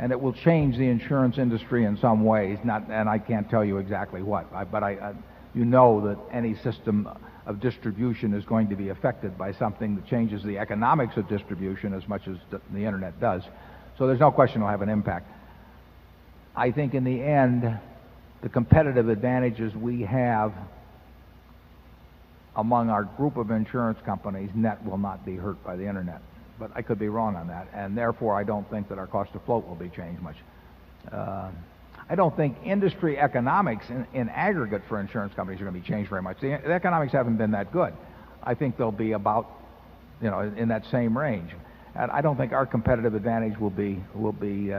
and it will change the insurance industry in some ways, not and I can't tell you exactly what. But I you know that any system of distribution is going to be affected by something that changes the economics of distribution as much as the Internet does. So there's no question it'll have an impact. I think in the end, the competitive advantages we have among our group of insurance companies, NET will not be hurt by the Internet. But I could be wrong on that. And therefore, I don't think that our cost to float will be changed much. I don't think industry economics, in aggregate, for insurance companies are going to be changed very much. The economics haven't been that good. I think they'll be about, you know, in that same range. And I don't think our competitive advantage will be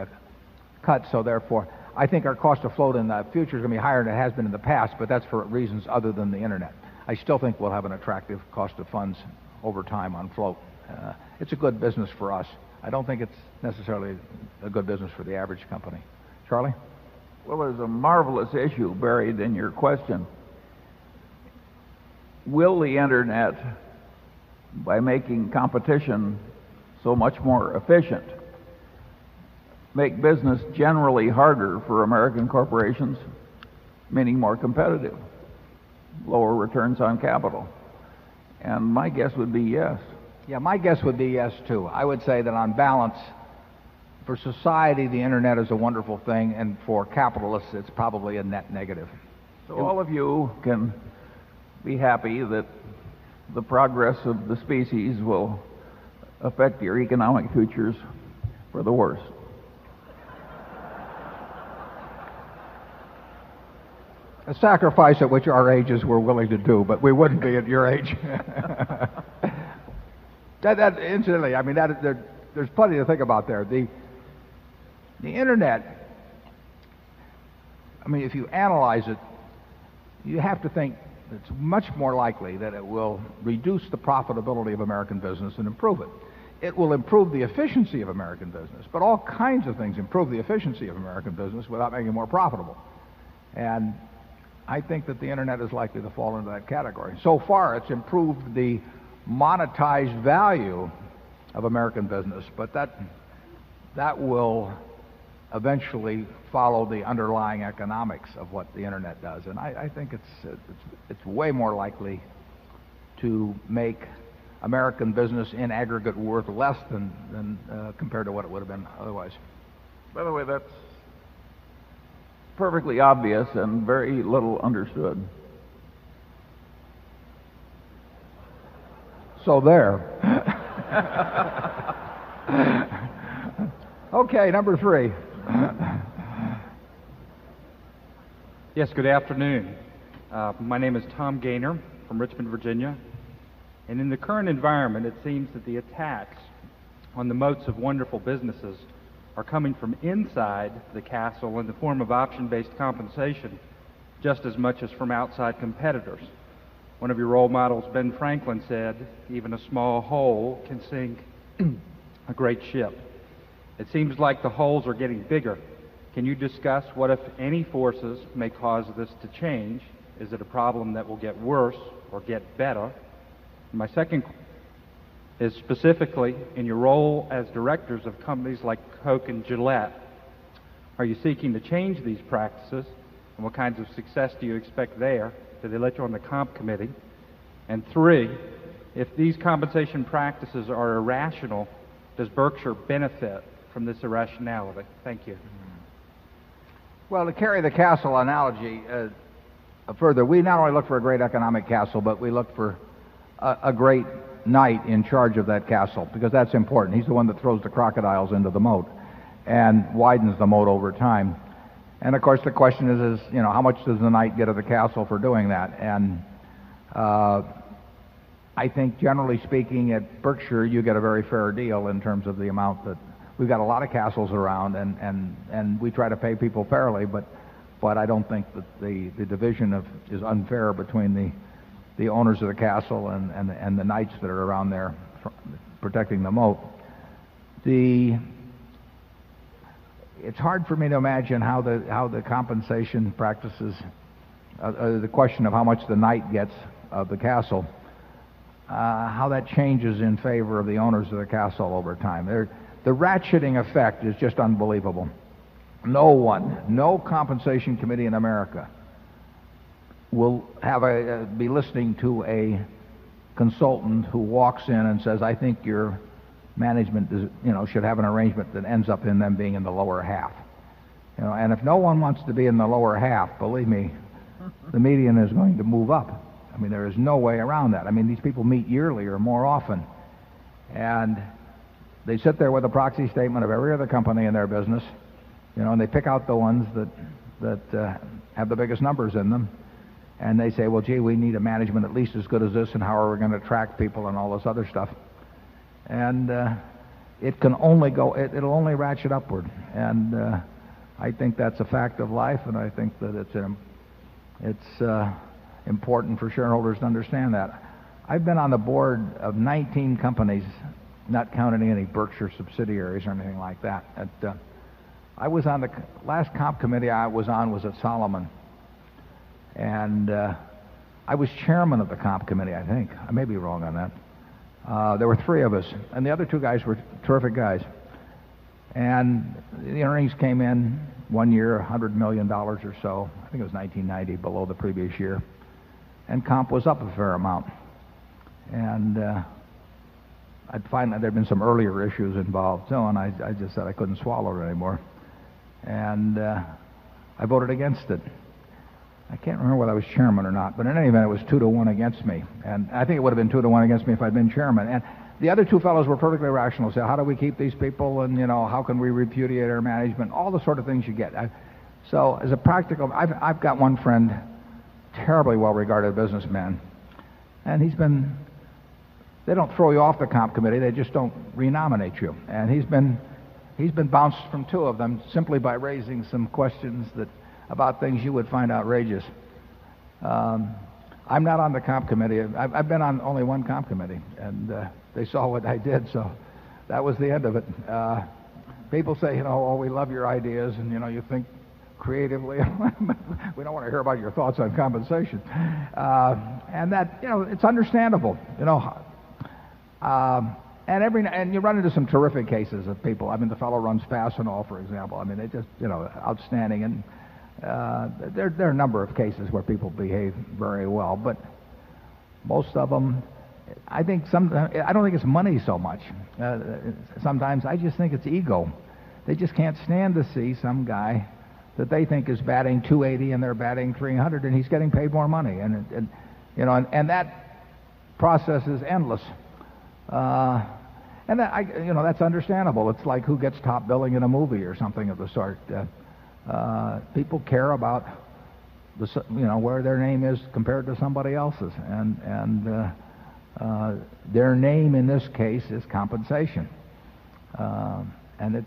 cut. So therefore, I think our cost of float in the future is going to be higher than it has been in the past, but that's for reasons other than the Internet. I still think we'll have an attractive cost of funds over time on float. It's a good business for us. I don't think it's necessarily a good business for the average company. Charlie? Well, it is a marvelous issue buried in your question. Will the Internet, by making competition so much more efficient, make business generally harder for American corporations, meaning more competitive, lower returns on capital? And my guess would be yes. Yeah. My guess would be yes too. I would say that on balance, for society, the Internet is a wonderful thing. And for capitalists, it's probably a net negative. So all of you can be happy that the progress of the species will affect your economic futures for the worse. A sacrifice at which our ages were willing to do, but we wouldn't be at your age. That that incidentally, I mean, that is there there's plenty to think about there. The the Internet, I mean, if you analyze it, you have to think it's much more likely that it will reduce the profitability of American business and improve it. It will improve the efficiency of American business, but all kinds of things improve the efficiency of American business without making it more profitable. And I think that the Internet is likely to fall into that category. So far, it's improved the monetized value of American business. But that that will eventually follow the underlying economics of what the Internet does. And I I think it's way more likely to make American business in aggregate worth less than than compared to what it would have been otherwise. By the way, that's perfectly obvious and very little understood. So there. Okay. Number 3. Yes. Good afternoon. My name is Tom Gayner from Richmond, Virginia. And in the current environment, it seems that the attacks on the moats of wonderful businesses are coming from inside the castle in the form of option based compensation just as much as from outside competitors. 1 of your role models, Ben Franklin, said, even a small hole can sink a great ship. It seems like the holes are getting bigger. Can you discuss what, if any, forces may cause this to change? Is it a problem that will get worse or get better? And my second And what kinds of success do you expect there? Did they let you on the comp committee? And 3, if these compensation practices are irrational, does Berkshire benefit from this irrationality? Thank you. Well, to carry the castle analogy further, we not only look for a great economic castle, but we look for a great knight in charge of that castle because that's important. He's the one that throws the crocodiles into the moat and widens the moat over time. And of course, the question is, is, you know, how much does the knight get at the castle for doing that? And I think, generally speaking, at Berkshire, you get a very fair deal in terms of the amount that we've got a lot of castles around, and and we try to pay people fairly. But I don't think that the division of is unfair between the owners of the castle and the knights that are around there protecting the moat. The it's hard for me to imagine how the compensation practices the question of how much the knight gets of the castle, how that changes in favor of the owners of the castle over time. There The ratcheting effect is just unbelievable. No one, no compensation committee in America will have a be listening to a consultant who walks in and says, I think your management, you know, should have an arrangement that ends up in them being in the lower half. And if no one wants to be in the lower half, believe me, the median is going to move up. I mean, there is no way around that. I mean, these people meet yearly or more often. And they sit there with a proxy statement of every other company in their business, you know, and they pick out the ones that have the biggest numbers in them, and they say, well, gee, we need a management at least as good as this, and how are we going to attract people and all this other stuff. And it can only go it it'll only ratchet upward. And I think that's a fact of life, and I think that it's it's important for shareholders to understand that. I've been on the board of 19 companies, not counting any Berkshire subsidiaries or anything like that. And I was on the last comp committee I was on was at Solomon. And I was chairman of the Comp Committee, I think. I may be wrong on that. There were 3 of us. And the other 2 guys were terrific guys. And the earnings came in 1 year, dollars 100,000,000 or so. I think it was 19.90, below the previous year. And comp was up a fair amount. And I'd find that there had been some earlier issues involved. So I I just said I couldn't swallow it anymore. And I voted against it. I can't remember whether I was chairman or not, but in any event, it was 2 to 1 against me. And I think it would have been 2 to 1 against me if I'd been chairman. And the other 2 fellows were perfectly rational, said, How do we keep these people? And, you know, how can we repudiate our management? All the sort of things you get. So as a practical I've got one friend, terribly well regarded businessman, and he's been they don't throw you off the comp committee. They just don't renominate you. And he's been he's been bounced from 2 of them simply by raising some questions that about things you would find outrageous. I'm not on the Comp Committee. I've been on only one Comp Committee, and they saw what I did. So that was the end of it. People say, you know, oh, we love your ideas. And, you know, you think creatively. We don't want to hear about your thoughts on compensation. And that you know, it's understandable, you know. And every and you run into some terrific cases of people. I mean, the fellow runs Fastenal, for example. I mean, they're just, you know, outstanding. And there there are a number of cases where people behave very well. But most of them, I think some I don't think it's money so much. Sometimes, I just think it's ego. They just can't stand to see some guy that they think is batting 280 and they're batting 300 and he's getting paid more money. And and, you know, and that process is endless. And I you know, that's understandable. It's like who gets top billing in a movie or something of the sort. People care about the, you know, where their name is compared to somebody else's. And and their name in this case is compensation. And it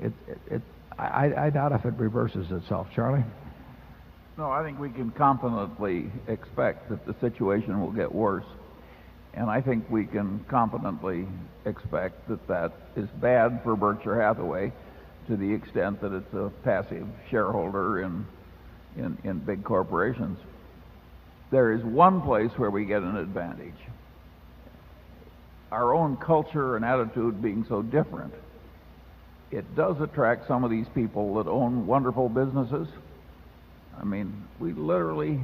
it it it I I doubt if it reverses itself. Charlie? No. I think we can confidently expect that the situation will get worse. And I think we can confidently expect that that is bad for Berkshire Hathaway to the extent that it's a passive shareholder in big corporations. There is one place where we get an advantage, Our own culture and attitude being so different, it does attract some of these people that own wonderful businesses. I mean, we literally,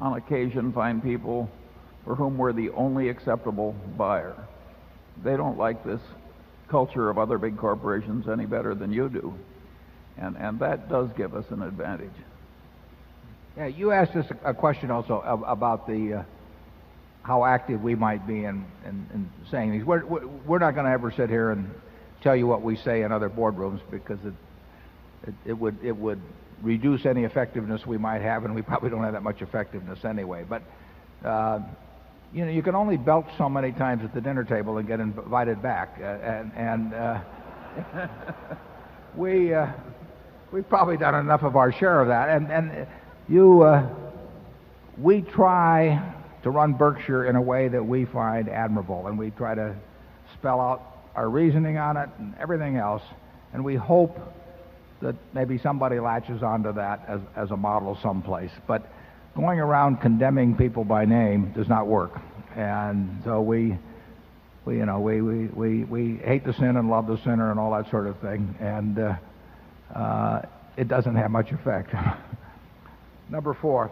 on occasion, find people for whom we're the only acceptable buyer. They don't like this culture of other big corporations any better than you do, and and that does give us an advantage. You asked us a question also about the how active we might be in saying these. We're not going to ever sit here and tell you what we say in other boardrooms because it would reduce any effectiveness we might have, and we probably don't have that much effectiveness anyway. But, you know, you can only belt so many times at the dinner table and get invited back. And we've probably done enough of our share of that. And you we try to run Berkshire in a way that we find admirable, and we try to spell out our reasoning on it and everything else. And we hope that maybe somebody latches on to that as a model someplace. But going around condemning people by name does not work. And so we you know, we hate the sin and love the sinner and all that sort of thing, and it doesn't have much effect. Number 4.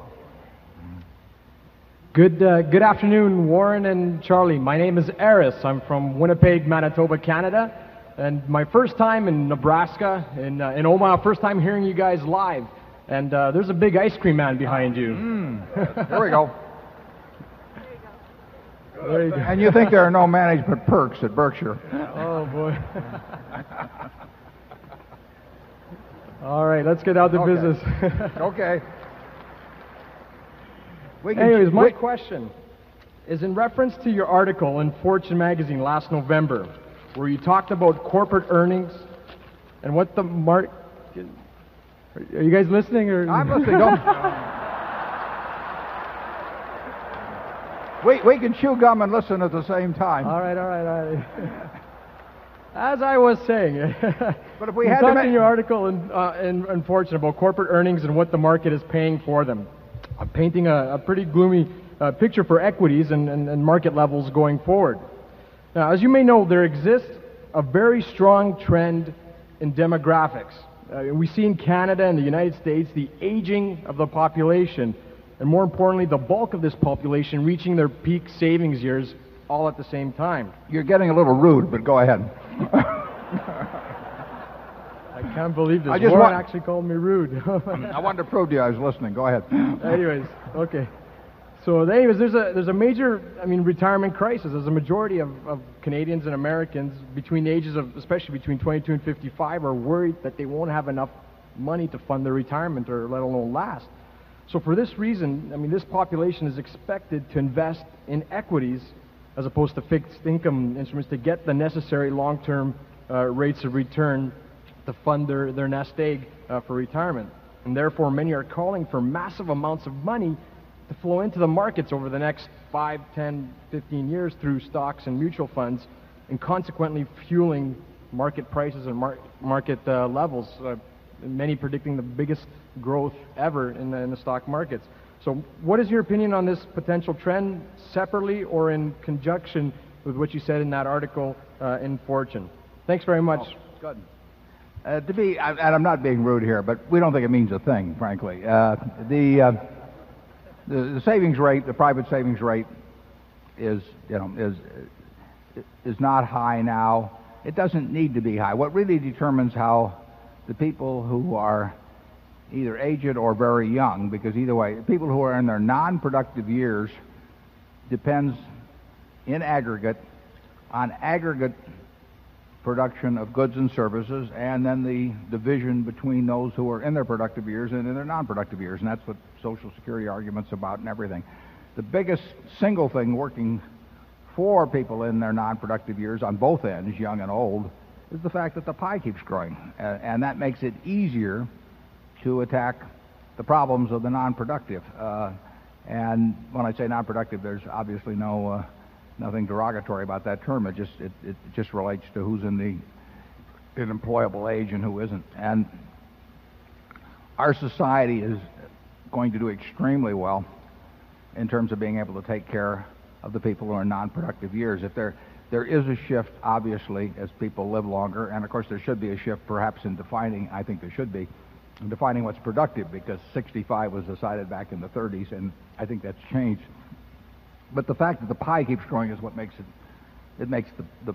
Good, good afternoon Warren and Charlie. My name is Aris. I'm from Winnipeg, Manitoba, Canada. And my first time in Nebraska, in Omaha, first time hearing you guys live. And there's a big ice cream man behind you. There we go. And you think there are no management perks at Berkshire? Oh, boy. Alright. Let's get out of business. Okay. My question is in reference to your article in Fortune Magazine last November, where you talked about corporate earnings and what the mark are you guys listening or I'm listening. We we can chew gum and listen at the same time. Alright. Alright. Alright. As I was saying But it's a funny article and unfortunate about corporate earnings and what the market is paying for them. I'm painting a pretty gloomy picture for equities and and and market levels going forward. Now, as you may know, there exists a very strong trend in demographics. We see in Canada and the United States the aging of the population, and more importantly, the bulk of this population reaching their peak savings years all at the same time? You're getting a little rude, but go ahead. I can't believe this one actually to call me rude. I want to prove to you. I was listening. Go ahead. Anyways, okay. So there is there is a major, I mean, retirement crisis. There is a majority of of Canadians and Americans between ages of especially between 22 and 55 are worried that they won't have enough money to fund their retirement or let alone last. So for this reason, I mean, this population is expected to invest in equities as opposed to fixed income instruments to get the necessary long term rates of return to fund their nest egg for retirement. And therefore, many are calling for massive amounts of money to flow into the markets over the next 5, 10, 15 years through stocks and mutual funds and consequently fueling market prices and market levels, many predicting the biggest growth ever in the stock markets. So what is your opinion on this potential trend separately or in conjunction with what you said in that article, in Fortune? Thanks very much. Go ahead. David, and I'm not being rude here, but we don't think it means a thing, frankly. The the savings rate, the private savings rate is, you know, is not high now. It doesn't need to be high. What really determines how the people who are either aged or very young because either way, people who are in their nonproductive years depends in aggregate on aggregate production of goods and services and then the division between those who are in their productive years and in their nonproductive years. And that's what Social Security argument's about and everything. The biggest single thing working for people in their non productive years on both ends, young and old, is the fact that the pie keeps growing. And that makes it easier to attack the problems of the non productive. And when I say non productive, there's obviously no nothing derogatory about that term. It just relates to who's in the unemployable age and who isn't. And our society is going to do extremely well in terms of being able to take care of the people who are in nonproductive years. If there there is a shift, obviously, as people live longer and, of course, there should be a shift, perhaps, in defining I think there should be in defining what's productive because 65 was decided back in the thirties, and I think that's changed. But the fact that the pie keeps growing is what makes it it makes the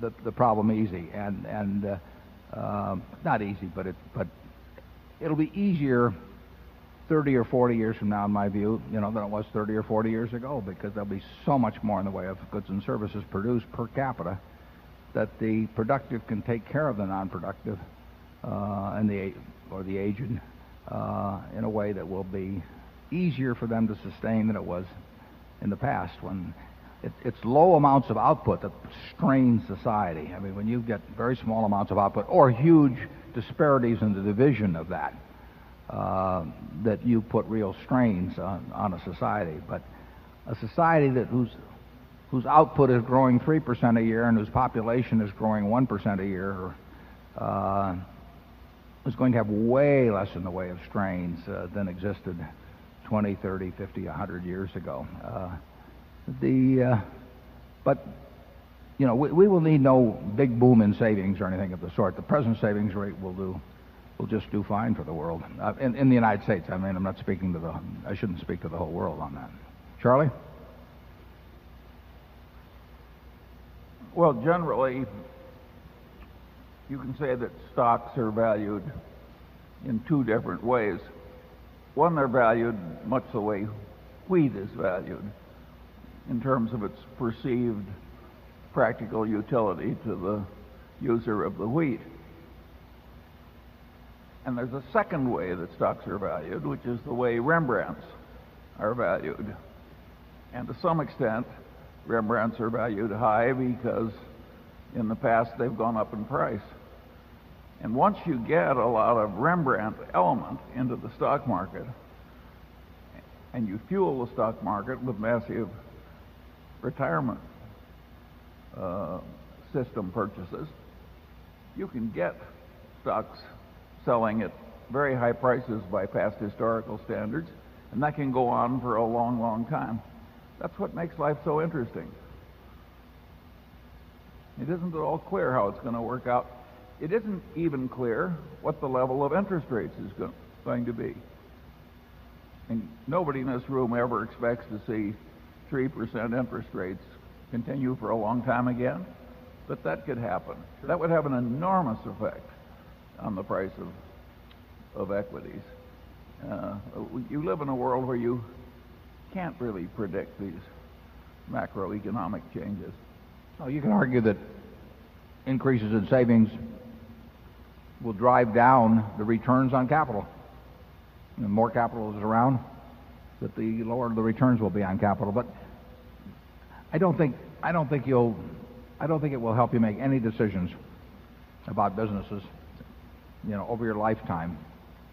the the problem easy. And and, not easy, but it but will be easier 30 or 40 years from now, in my view, you know, than it was 30 or 40 years ago because there'll be so much more in the way of goods and services produced per capita that the productive can take care of the nonproductive, and the or the agent, in a way that will be easier for them to sustain than it was in the past when it's low amounts of output that strains society. I mean, when you get very small amounts of output or huge disparities in the division of that, that you put real strains on a society. But a society that whose output is growing 3% a year and whose population is growing 1% a year is going to have way less in the way of strains than existed 20, 30, 50, a 100 years ago. The but, you know, we will need no big boom in savings or anything of the sort. The present savings rate will do will just do fine for the world in the United States. I mean, I'm not speaking to the I shouldn't speak to the whole world on that. Charlie? Well, generally, you can say that stocks are valued in 2 different ways. One, they're valued much the way wheat is valued in terms of its perceived practical utility to the user of the wheat. And there's a second way that stocks are valued, which is the way Rembrandts are valued. And to some extent, Rembrandts are valued high because in the past, they've gone up in price. And once you get a lot of Rembrandt element into the stock market and you fuel the stock market with massive retirement system purchases, you can get stocks selling at very high prices by past historical standards and that can go on for a long, long time. Gonna work out. It isn't even clear what the level of interest rates is going to be. And nobody in this room ever expects to see 3% interest rates continue for a long time again, but that could happen. That would have an enormous effect on the price of of equities. You live in a world where you can't really predict these macroeconomic changes. Oh, you can argue that increases in savings will drive down the returns on capital. The more capital is around, but the lower the returns will be on capital. But I don't think I don't think you'll I don't think it will help you make any decisions about businesses, over your lifetime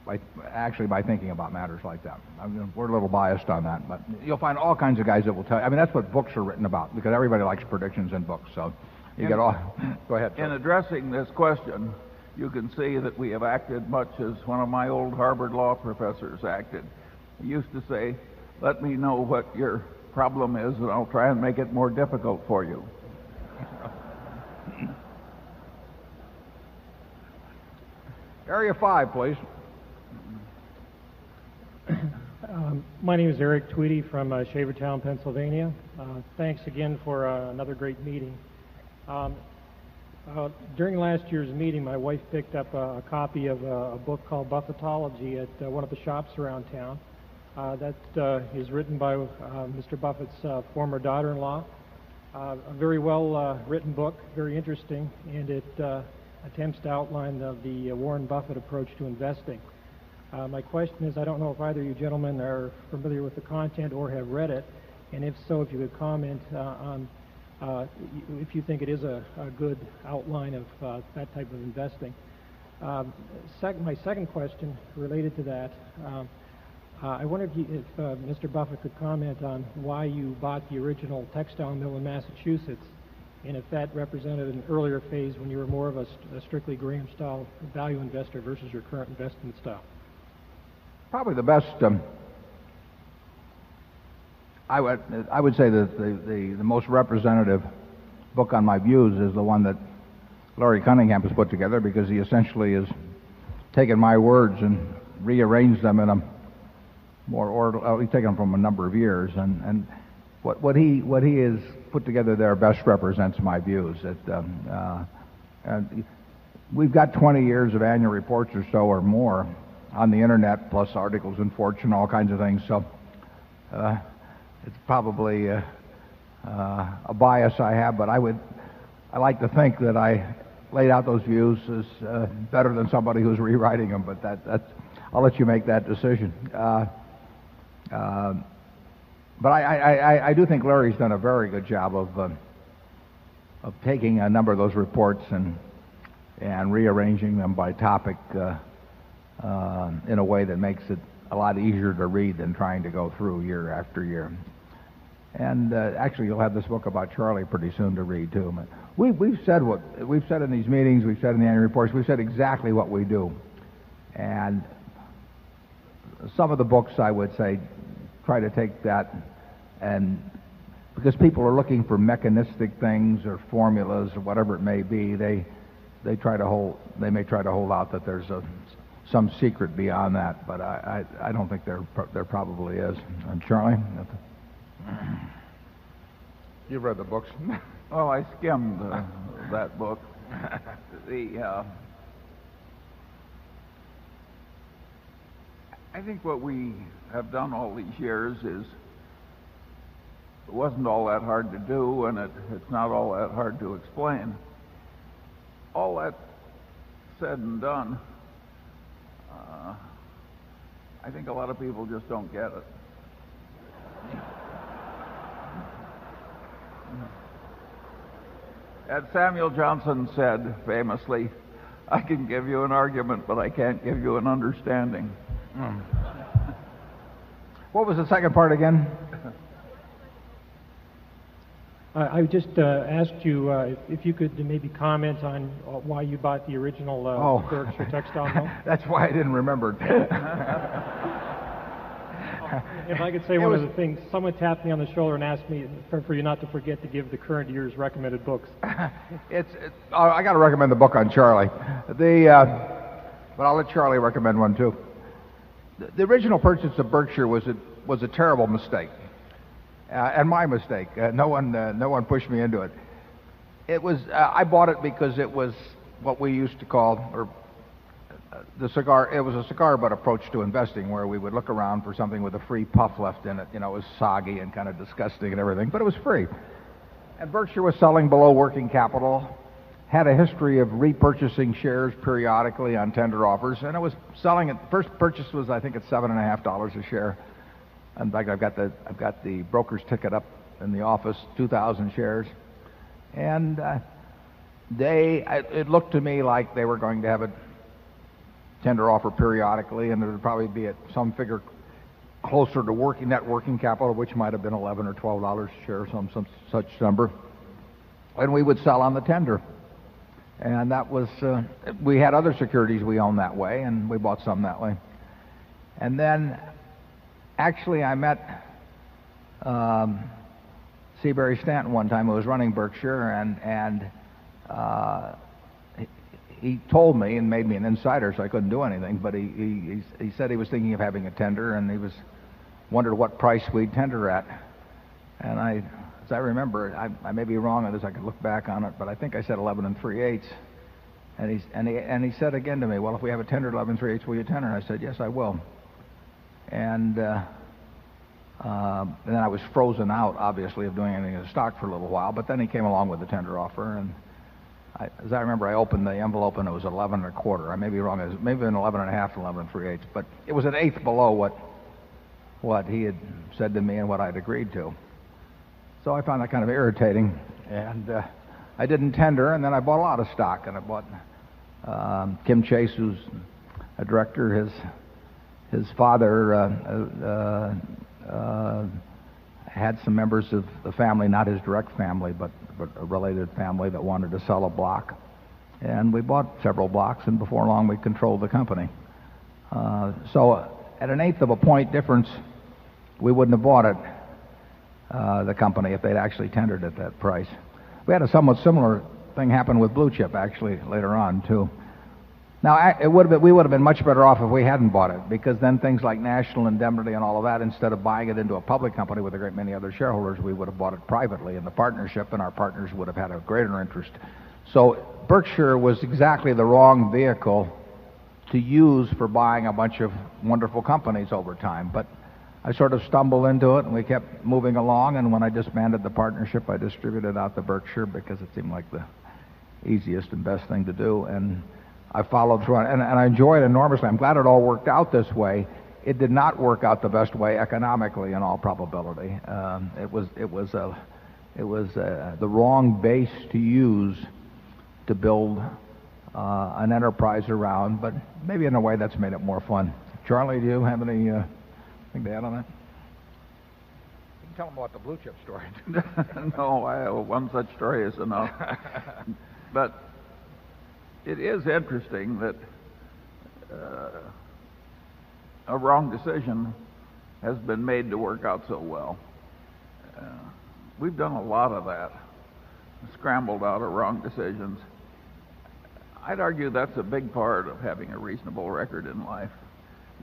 by actually by thinking about matters like that. I mean, we're a little biased on that, but you'll find all kinds of guys that will tell I mean, that's what books are written about because everybody likes predictions in books. So you get all go ahead. In addressing this question, you can see that we have acted much as one of my old Harvard law professors acted. He used to say, let me know what your problem is and I'll try and make it more difficult for you. Area 5, please. My name is Eric Tweedy from Shavertown, Pennsylvania. Thanks again for another great meeting. During last year's meeting, my wife picked up a copy of a book called Buffetology at one of the shops around town. I'm shops around town. That is written by mister Buffet's former daughter-in-law. A very well written book, very interesting, and it attempts to outline the Warren Buffett approach to investing. My question is, I don't know if either you gentlemen are familiar with the content or have read it. And if so, if you could comment on if you think it is a good outline of that type of investing. My second question related to that, I wondered if mister Buffet could comment on why you bought the original textile mill in Massachusetts and if that represented an earlier phase when you were more of a strictly Graham style value investor versus your current investment style? Probably the best I would say that the most representative book on my views is the one that Laurie Cunningham has put together because he essentially has taken my words and rearranged them in a more order we've taken them from a number of years. And what he has put together there best represents my view is that We've got 20 years of annual reports or so or more on the Internet, plus articles and fortune, all kinds of things. So it's probably a bias I have, but I would I like to think that I laid out those views as better than somebody who's rewriting them, but that's I'll let you make that decision. But I do think Larry's done a very good job of taking a number of those reports and rearranging them by topic in a way that makes it a lot easier to read than trying to go through year after year. And actually, you'll have this book about Charlie pretty soon to read too. But we've said what we've said in these meetings, we've said in the annual reports, we've said exactly what we do. And some of the books, I would say, try to take that and because people are looking for mechanistic things or formulas or whatever it may be, they try to hold they may try to hold out that there's some secret beyond that. But I I don't think there there probably is. Charlie? You've read the books. Oh, I skimmed that book. The I think what we have done all these years is it wasn't all that hard to do, and it's not all that hard to explain. All that said and done, I think a lot of people just don't get it. And Samuel Johnson said famously, I can give you an argument, but I can't give you an understanding. What was the second part again? I I just, asked you, if if you could maybe comment on, why you bought the original, Berkshire textile? That's why I didn't remember. If I could say one of the things, someone tapped me on the shoulder and asked me for you not to forget to give the current year's recommended books. It's I got to recommend the book on Charlie. The but I'll let Charlie recommend one too. The original purchase of Berkshire was a terrible mistake, and my mistake. No one pushed me into it. It was I bought it because it was what we used to call or the cigar it was a cigar butt approach to investing, where we would look around for something with a free puff left in it. You know, it was soggy and kind of disgusting Berkshire was selling below working capital, had a history of repurchasing shares periodically on tender offers, and it was selling it. The first purchase was, I think, at $7.5 a share. In fact, I've got the I've got the broker's ticket up in the office, 2,000 shares. And they it looked to me like they were going to have a tender offer periodically, and it would probably be at some figure closer to working net working capital, which might have been $11 or $12 a share or some some such number. And we would sell on the tender. And that was, we had other securities we owned that way, and we bought some that way. And then, actually, I met Seabury Stanton one time who was running Berkshire, and he told me and made me an insider, so I couldn't do anything. But he said he was thinking of having a tender, and he was wondering what price we'd tender at. And I as I remember, I I may be wrong as I can look back on it, but I think I said 11 3 eighths. And he and he and he said again to me, well, if we have a tenor 11 3 eighths, will you tenor? And I said, yes, I will. And then I was frozen out, obviously, of doing anything in the stock for a little while. But then he came along with the tender offer. And as I remember, I opened the envelope, and it was 11 a quarter. I may be wrong. It was maybe an 11a half to 11 3 eighths, but it was an eighth below what what he had said to me and what I'd agreed to. So I found that kind of irritating. And I didn't tend her, and then I bought a lot of stock. And I bought Kim Chase, who's a director. His father had some members of the family, not his direct family, but a related family that wanted to sell a block. And we bought several blocks. And before long, we controlled the company. So an eighth of a point difference, we wouldn't have bought it, the company, if they'd actually tendered at that price. We had a somewhat similar thing happen with Blue Chip, actually, later on, too. Now, I it would have been we would have been much better off if we hadn't bought it, because then things like National and Denver Day and all of that, instead of buying it into a public company with a great many other shareholders, we would have bought it privately. And the partnership and our partners would have had a greater interest. So Berkshire was exactly the wrong vehicle to use for buying a bunch of wonderful companies over time. But I sort of stumbled into it, and we kept moving along. And when I disbanded the partnership, I distributed out the Berkshire because it seemed like the easiest and best thing to do. And I followed and I enjoyed it enormously. I'm glad it all worked out this way. It did not work out the best way economically in all probability. It was the wrong base to use to build an enterprise around. But maybe in a way, that's made it more fun. Charlie, do you have anything to add on it? You can tell them about the blue chip story. No. I have one such story is enough. But it is interesting that a wrong decision has been made to work out so well. We've done a lot of that, scrambled out of wrong decisions. I'd argue that's a big part of having a reasonable record in life.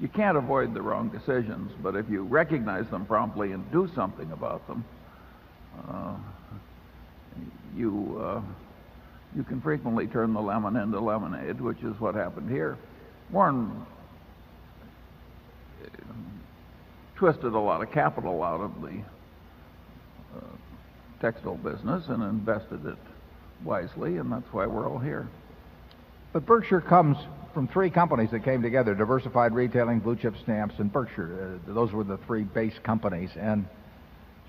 You can't avoid the wrong decisions, but if you recognize them promptly and do something about them, you can frequently turn the lemon into lemonade, which is what happened here. Warren twisted a lot of capital out of the textile business and invested it wisely, and that's why we're all here. But Berkshire comes from 3 companies that came together: Diversified Retailing, Blue Chip Stamps, and Berkshire. Those were the 3 base companies. And base companies. And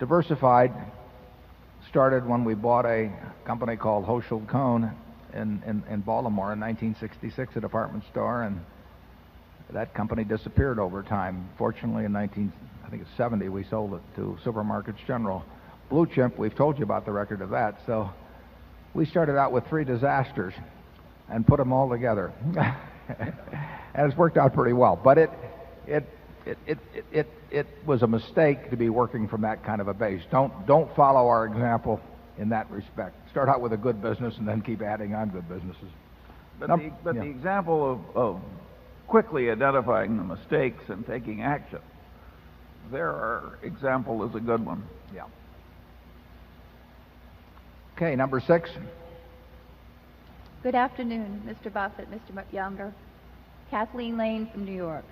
Diversified started when we bought a company called Hochschild Cone in in in Baltimore in 1960 66, a department store, and that company disappeared over time. Fortunately, in 19 I think it's 70, we sold it to Supermarkets General. Blue Chip, we've told you about the record of that. So we started out with 3 disasters and put them all together, and it's worked out pretty well. But it was a mistake to be working from that kind of a base. Don't follow our example in that respect. Start out with a good business and then keep adding on good businesses. But the but the example of quickly identifying the mistakes and taking action, Their example is a good one. Yeah. Okay. Number 6. Good afternoon, mister Buffet, mister Younger. Kathleen Lane from New York.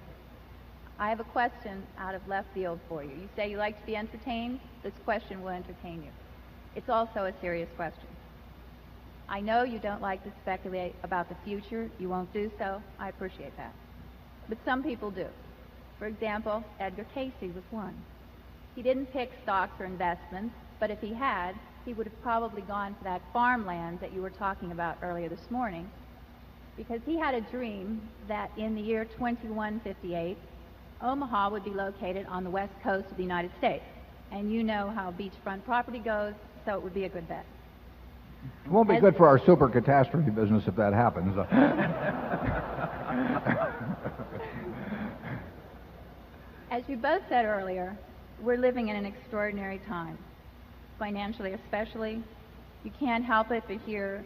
I have a question out of left field for you. You say you like to be entertained, this question will entertain you. It's also a serious question. I know you don't like to speculate about the future, you won't do so, I appreciate that. But some people do. For example, Edgar Casey was 1. He didn't pick stocks or investments, but if he had, he would have probably gone to that farm and you know how beachfront property goes, so it would be a good bet. It won't be good for our super catastrophe business if that happens. As you both said earlier, we're living in an extraordinary time. Financially, especially, you can't help it but hear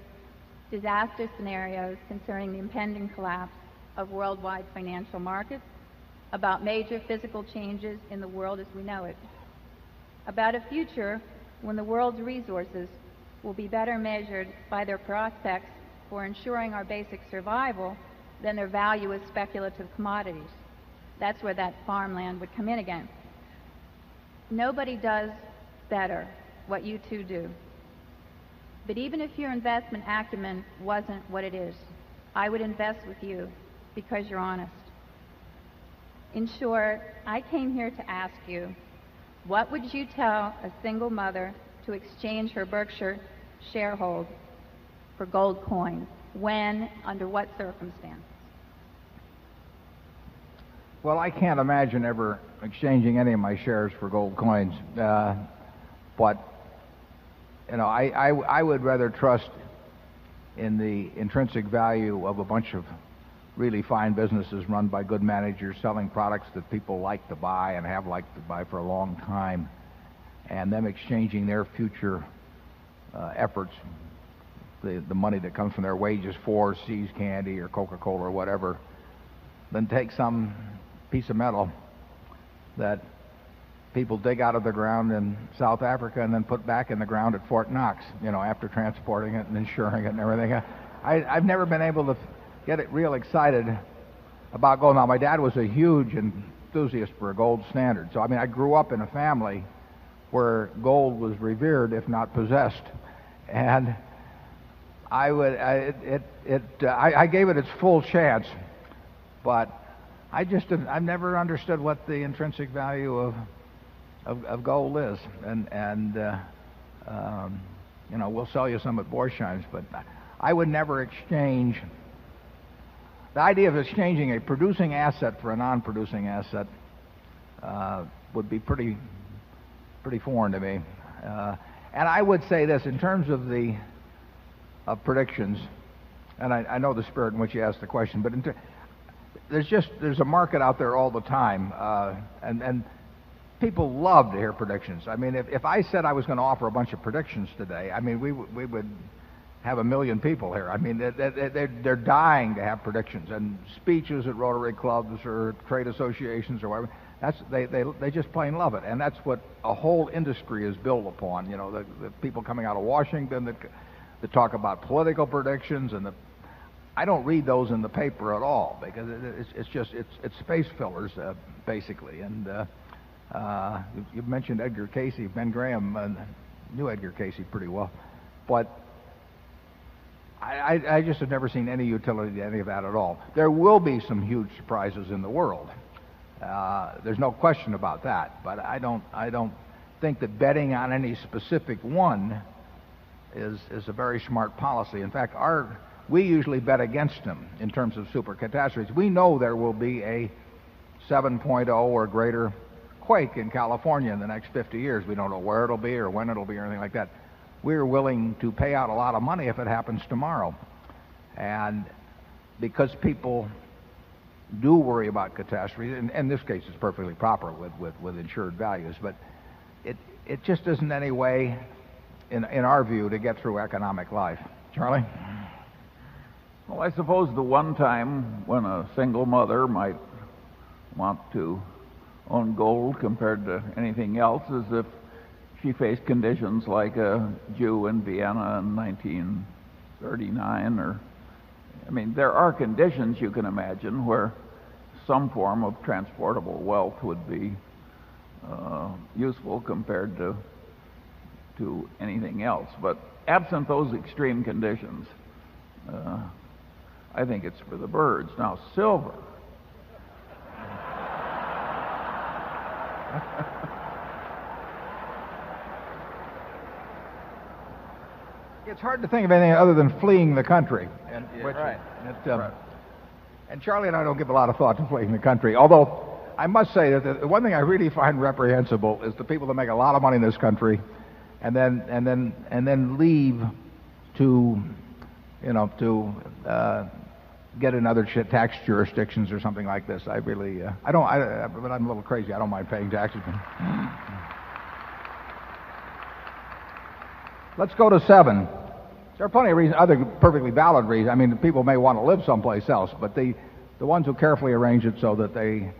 disaster scenarios concerning the impending collapse of worldwide financial markets about major physical changes in the world as we know it, about a future when the world's resources will be better measured by their prospects for ensuring our basic survival than their value as speculative commodities. That's where that farmland would come in again. Nobody does better what you 2 do. But even if your investment acumen wasn't what it is, I would invest with you because you're honest. In short, I came here to ask you, what would you tell a single mother to exchange her Berkshire shareholder for gold coin? When? Under what circumstance? Well, I can't imagine ever exchanging any of my shares for gold coins. But, you know, I would rather trust in the intrinsic value of a bunch of really fine businesses run by good managers selling products that people like to buy and have liked to buy for a long time, and them exchanging their future efforts, the money that comes from their wages for See's candy or Coca Cola or whatever, than take some piece of metal that people dig out of the ground in South Africa and then put back in the ground at Fort Knox, you know, after transporting it and insuring it and everything. I I've never been able to get it real excited about gold. Now my dad was a huge enthusiast for a gold standard. So I mean, I grew up in a family where gold was revered, if not possessed. And I would I it it it I I gave it its full chance, but I just didn't I never understood what the intrinsic value of of of gold is. And and, you know, we'll sell you some at voice times, but I would never exchange the idea of exchanging a producing asset for a non producing asset would be pretty foreign to me. And I would say this. In terms of the predictions and I know the spirit in which you asked the question, but there's just there's a market out there all the time, and and people love to hear predictions. I mean, if if I said I was going to offer a bunch of predictions today, I mean, we we would have a 1000000 people here. I mean, they're dying to have predictions a whole industry is built upon, you know, the people coming out of Washington that talk about political predictions and the I don't read those in the paper at all because it's just it's space pillars, basically. And, you've mentioned Edgar Cayce. Ben Graham knew Edgar Cayce pretty well. But I just have never seen any utility to any of that at all. There will be some huge surprises in the world. There's no question about that. But I don't think that betting on any specific one is a very smart policy. In fact, our we usually bet against them in terms of super catastrophes. We know there will be a 7.0 or greater quake in California in the next 50 years. We don't know where it'll be or when it'll be or anything like that. We are willing to pay out a lot of money if it happens tomorrow. And because people do worry about catastrophes and in this case, it's perfectly proper with insured values but it it just isn't any way, in in our view, to get through economic life. Charlie? Well, I suppose the one time when a single mother might want to own gold compared to anything else is that she faced conditions like a Jew in Vienna in 1939 or I mean, there are conditions you can imagine where some form of transportable wealth would be, useful compared to anything else. But absent those extreme conditions, I think it's for the birds. Now silver It's hard to think of anything other than fleeing the country. And Which which Right. It's right. And Charlie and I don't give a lot of thought to fleeing the country. Although, I must say that the one thing I really find reprehensible is the people that make a lot of money in this country and then and then and then leave to, you know, to get another tax jurisdictions or something like this. I really I don't I don't but I'm a little crazy. I don't mind paying taxes. Let's go to 7. There are plenty of other perfectly valid reasons. I mean, the people may want to live someplace else, but the ones who carefully arrange it so that they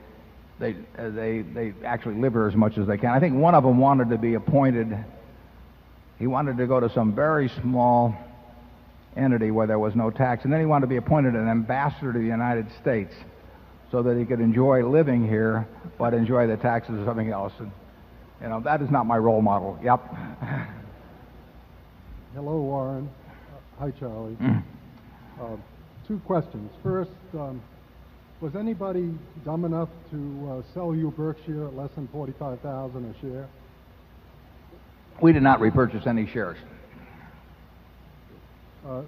they actually live here as much as they can. I think one of them wanted to be appointed he wanted to go to some very small entity where there was no tax. And then he wanted to be appointed an ambassador to the United States so that he could enjoy living here, but enjoy the taxes or something else. And, you know, that is not my role model. Yep. Hello, Warren. Hi, Charlie. Two questions. First, was anybody dumb enough to sell you Berkshire at less than 45,000 a share? We did not repurchase any shares.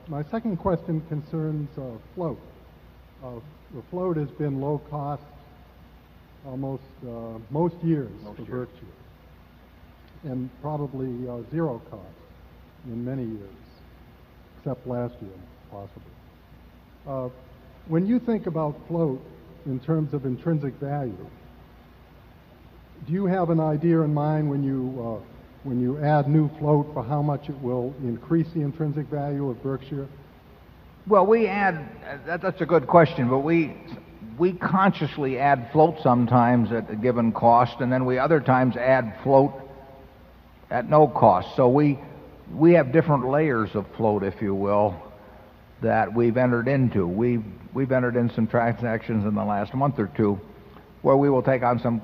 My second question concerns, float. The float has been low cost almost most years for Berkshire and probably zero cost in many years, except last year, possibly. When you think about float in terms of intrinsic value, do you have an idea in mind when you when you add new float for how much it will increase the intrinsic value of Berkshire? Well, we add that's a good question. But we we consciously add float sometimes at a given cost, and then we other times add float at no cost. So we have different layers of float, if you will, that we've entered into. We've entered in some transactions in the last month or 2 where we will take on some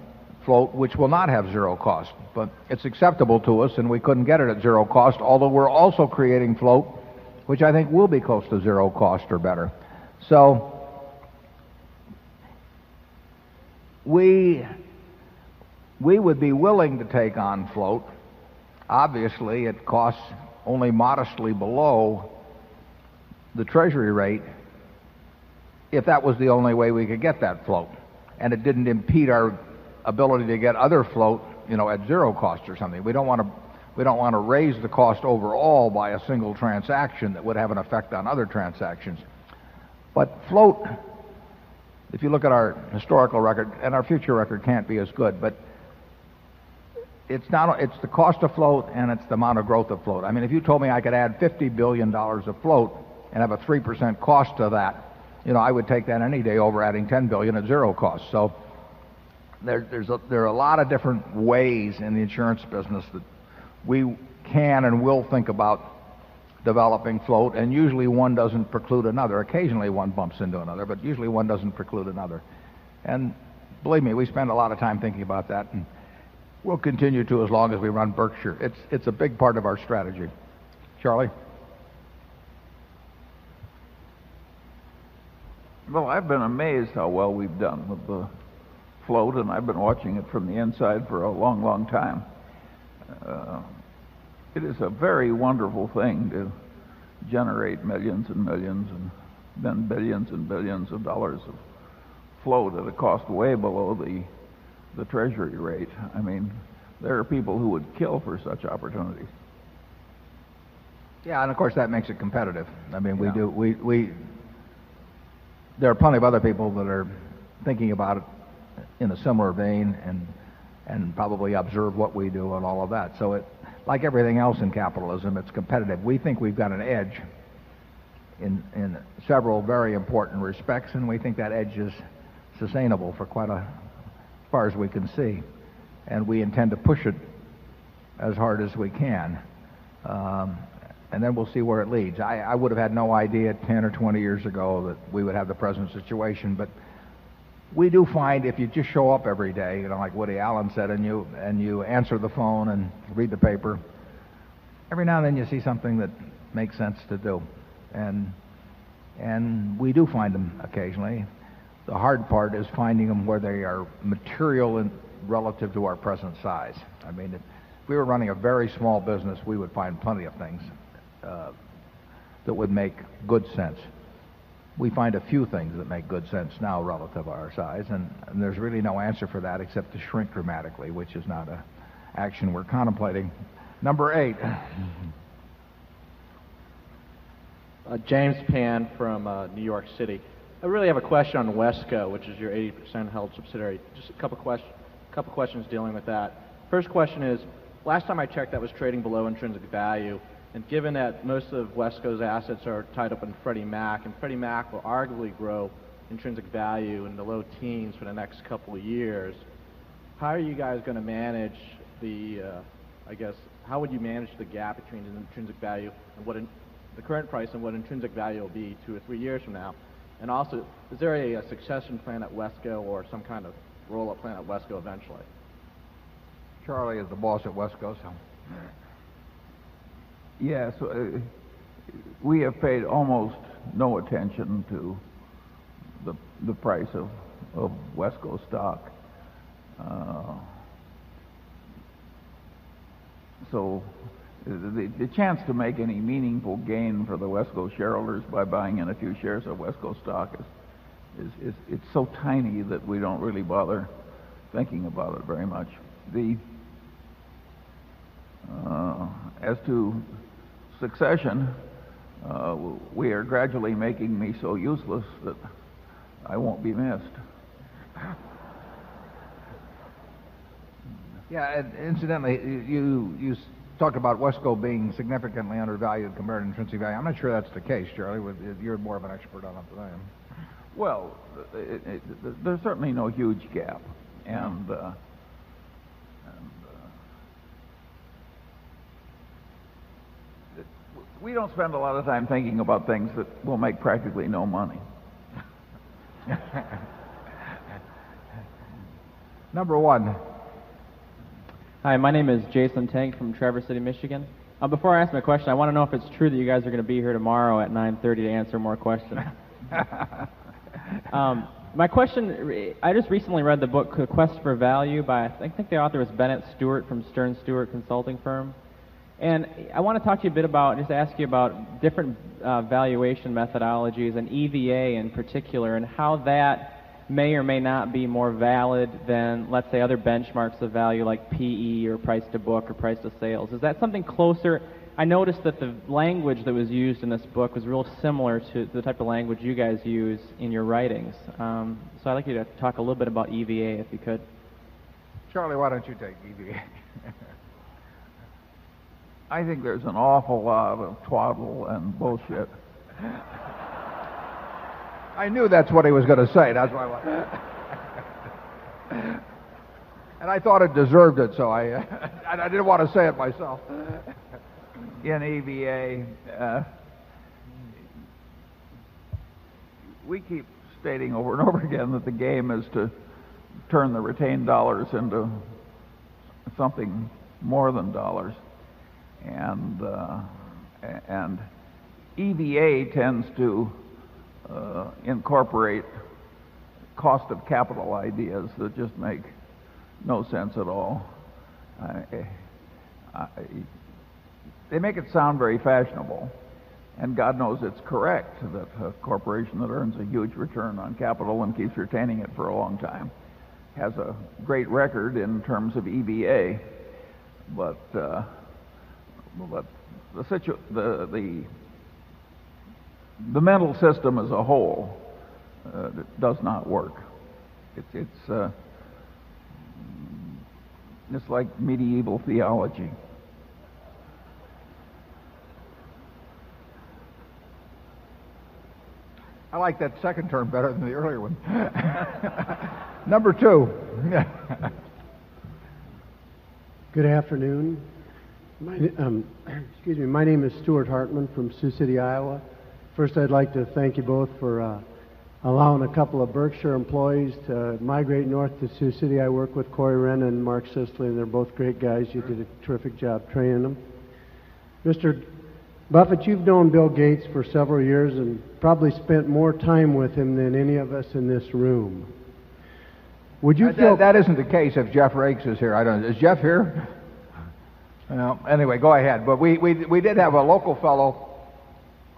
float which will not have zero cost. But it's acceptable to us, and we couldn't get it at 0 cost, although we're also creating float, which I think will be close to 0 cost or better. So We would be willing to take on float. Obviously, it costs only modestly below the Treasury rate if that was the only way we could get that float. And it didn't impede our ability to get other float, you know, at 0 cost or something. We don't want to raise the cost overall by a single transaction that would have an effect on other transactions. But float, if you look at our historical record and our future record can't be as good, but it's not it's the cost of float and it's the amount of growth of float. I mean, if you told me I could add $50,000,000,000 of float and have a 3% cost to that, you know, I would take that any day over adding $10,000,000,000 at 0 cost. So there are a lot of different ways in the insurance business that we can and will think about developing float. And usually, one doesn't preclude another. Occasionally, one bumps into another, but usually, one doesn't preclude another. And believe me, we spend a lot of time thinking about that, and we'll continue to as long as we run Berkshire. It's a big part of our strategy. Charlie? Well, I've been amazed how well we've done with the float, and I've been watching it from the inside for a long, long time. It is a very wonderful thing to generate 1,000,000 and 1,000,000,000 and then 1,000,000,000 and 1,000,000,000 of dollars of float at a cost way below the treasury rate. I mean, there are people who would kill for such opportunities. Yeah. And of course, that makes it competitive. I mean, we do we there are plenty of other people that are thinking about it in a similar vein and probably observe what we do and all of that. So it like everything else in capitalism, it's competitive. We think we've got an edge in several very important respects, and we think that edge is sustainable for quite a far as we can see. And we intend to push it as hard as we can. And then we'll see where it leads. I would have had no idea 10 or 20 years ago that we would have the present situation. But we do find if you just show up every day, you know, like Woody Allen said, and you and you answer the phone and read the paper, every now and then you see something that makes sense to do. And and we do find them occasionally. The hard part is finding them where they are material relative to our present size. I mean, if we were running a very small business, we would find plenty of things that would make good sense. We find a few things that make good sense now relative of our size. And there's really no answer for that except to shrink dramatically, which is not an action we're contemplating. Number 8. James Pan from, New York City. I really have a question on WESCO, which is your 80% held subsidiary. Just a couple of questions dealing with that. First question is, last time I checked that was trading below intrinsic value and given that most of West Coast assets are tied up in Freddie Mac and Freddie Mac will arguably grow intrinsic value in the low teens for the next couple of years, how are you guys going to manage the, I guess, how would you manage the gap between an intrinsic value and what the current price and what intrinsic value will be 2 or 3 years from now? And also, is there a succession plan at WESCO or some kind of roll up plan at WESCO eventually? Charlie is the boss at WESCO. Yeah. So we have paid almost no attention to the the price of of WESCO stock. So the chance to make any meaningful gain for the Wesco shareholders by buying in a few shares of Wesco stock is is it's so tiny that we don't really bother thinking about it very much. The, as to succession, we are gradually making me so useless that I won't be missed. Yeah. And incidentally, you you talked about Wesco being significantly undervalued compared to intrinsic value. I'm not sure that's the case, Jerry, with you're more of an expert it. Well, there's certainly no huge gap, and we don't spend a lot of time thinking about things that will make practically no money. Number 1. Hi. My name is Jason Tank from Traverse City, Michigan. Before I ask my question, I want to know if it's true that you guys are going to be here tomorrow at 9:30 to answer more questions. My question, I just recently read the book, Quest for Value by, I think the author is Bennett Stewart from Stern Stewart Consulting Firm. And I want to talk to you a bit about, just ask you about different valuation methodologies and EVA in particular and how that may or may not be more valid than let's say other benchmarks of value like PE or price to book or price to sales. Is that something closer? I noticed that the language that was used in this book was real similar to the type of language you guys use in your writings. So I'd like you to talk a little bit about EVA, if you could. Charlie, why don't you take EVA? I think there's an awful lot of twaddle and bullshit. I knew that's what he was going to say. That's why I want that. And I thought it deserved it, so I and I didn't want to say it myself. NEBA, we keep stating over and over again that the game is to turn the retained dollars into something more than dollars. And, and EVA tends to incorporate cost of capital ideas that just make no sense at all. They make it sound very fashionable. And God knows it's correct that a corporation that earns a huge return on capital and keeps retaining it for a long time has a great record in terms of EBA. But but the the the mental system as a whole does not work. It's it's just like medieval theology. I like that second term better than the earlier one. Number 2. Good afternoon. Excuse me. My name is Stuart Hartman from Sioux City, Iowa. First, I'd like to thank you both for allowing a couple of Berkshire employees to migrate north to Sioux City. I work with Corey Wren and Mark Sisley. They're both great guys. You did a terrific job training them. Mister Buffett, you've known Bill Gates for several years and probably spent more time with him than any of us in this room. Would you think that isn't the case if Jeff Rakes is here. I don't is Jeff here? No. Anyway, go ahead. But we we did have a local fellow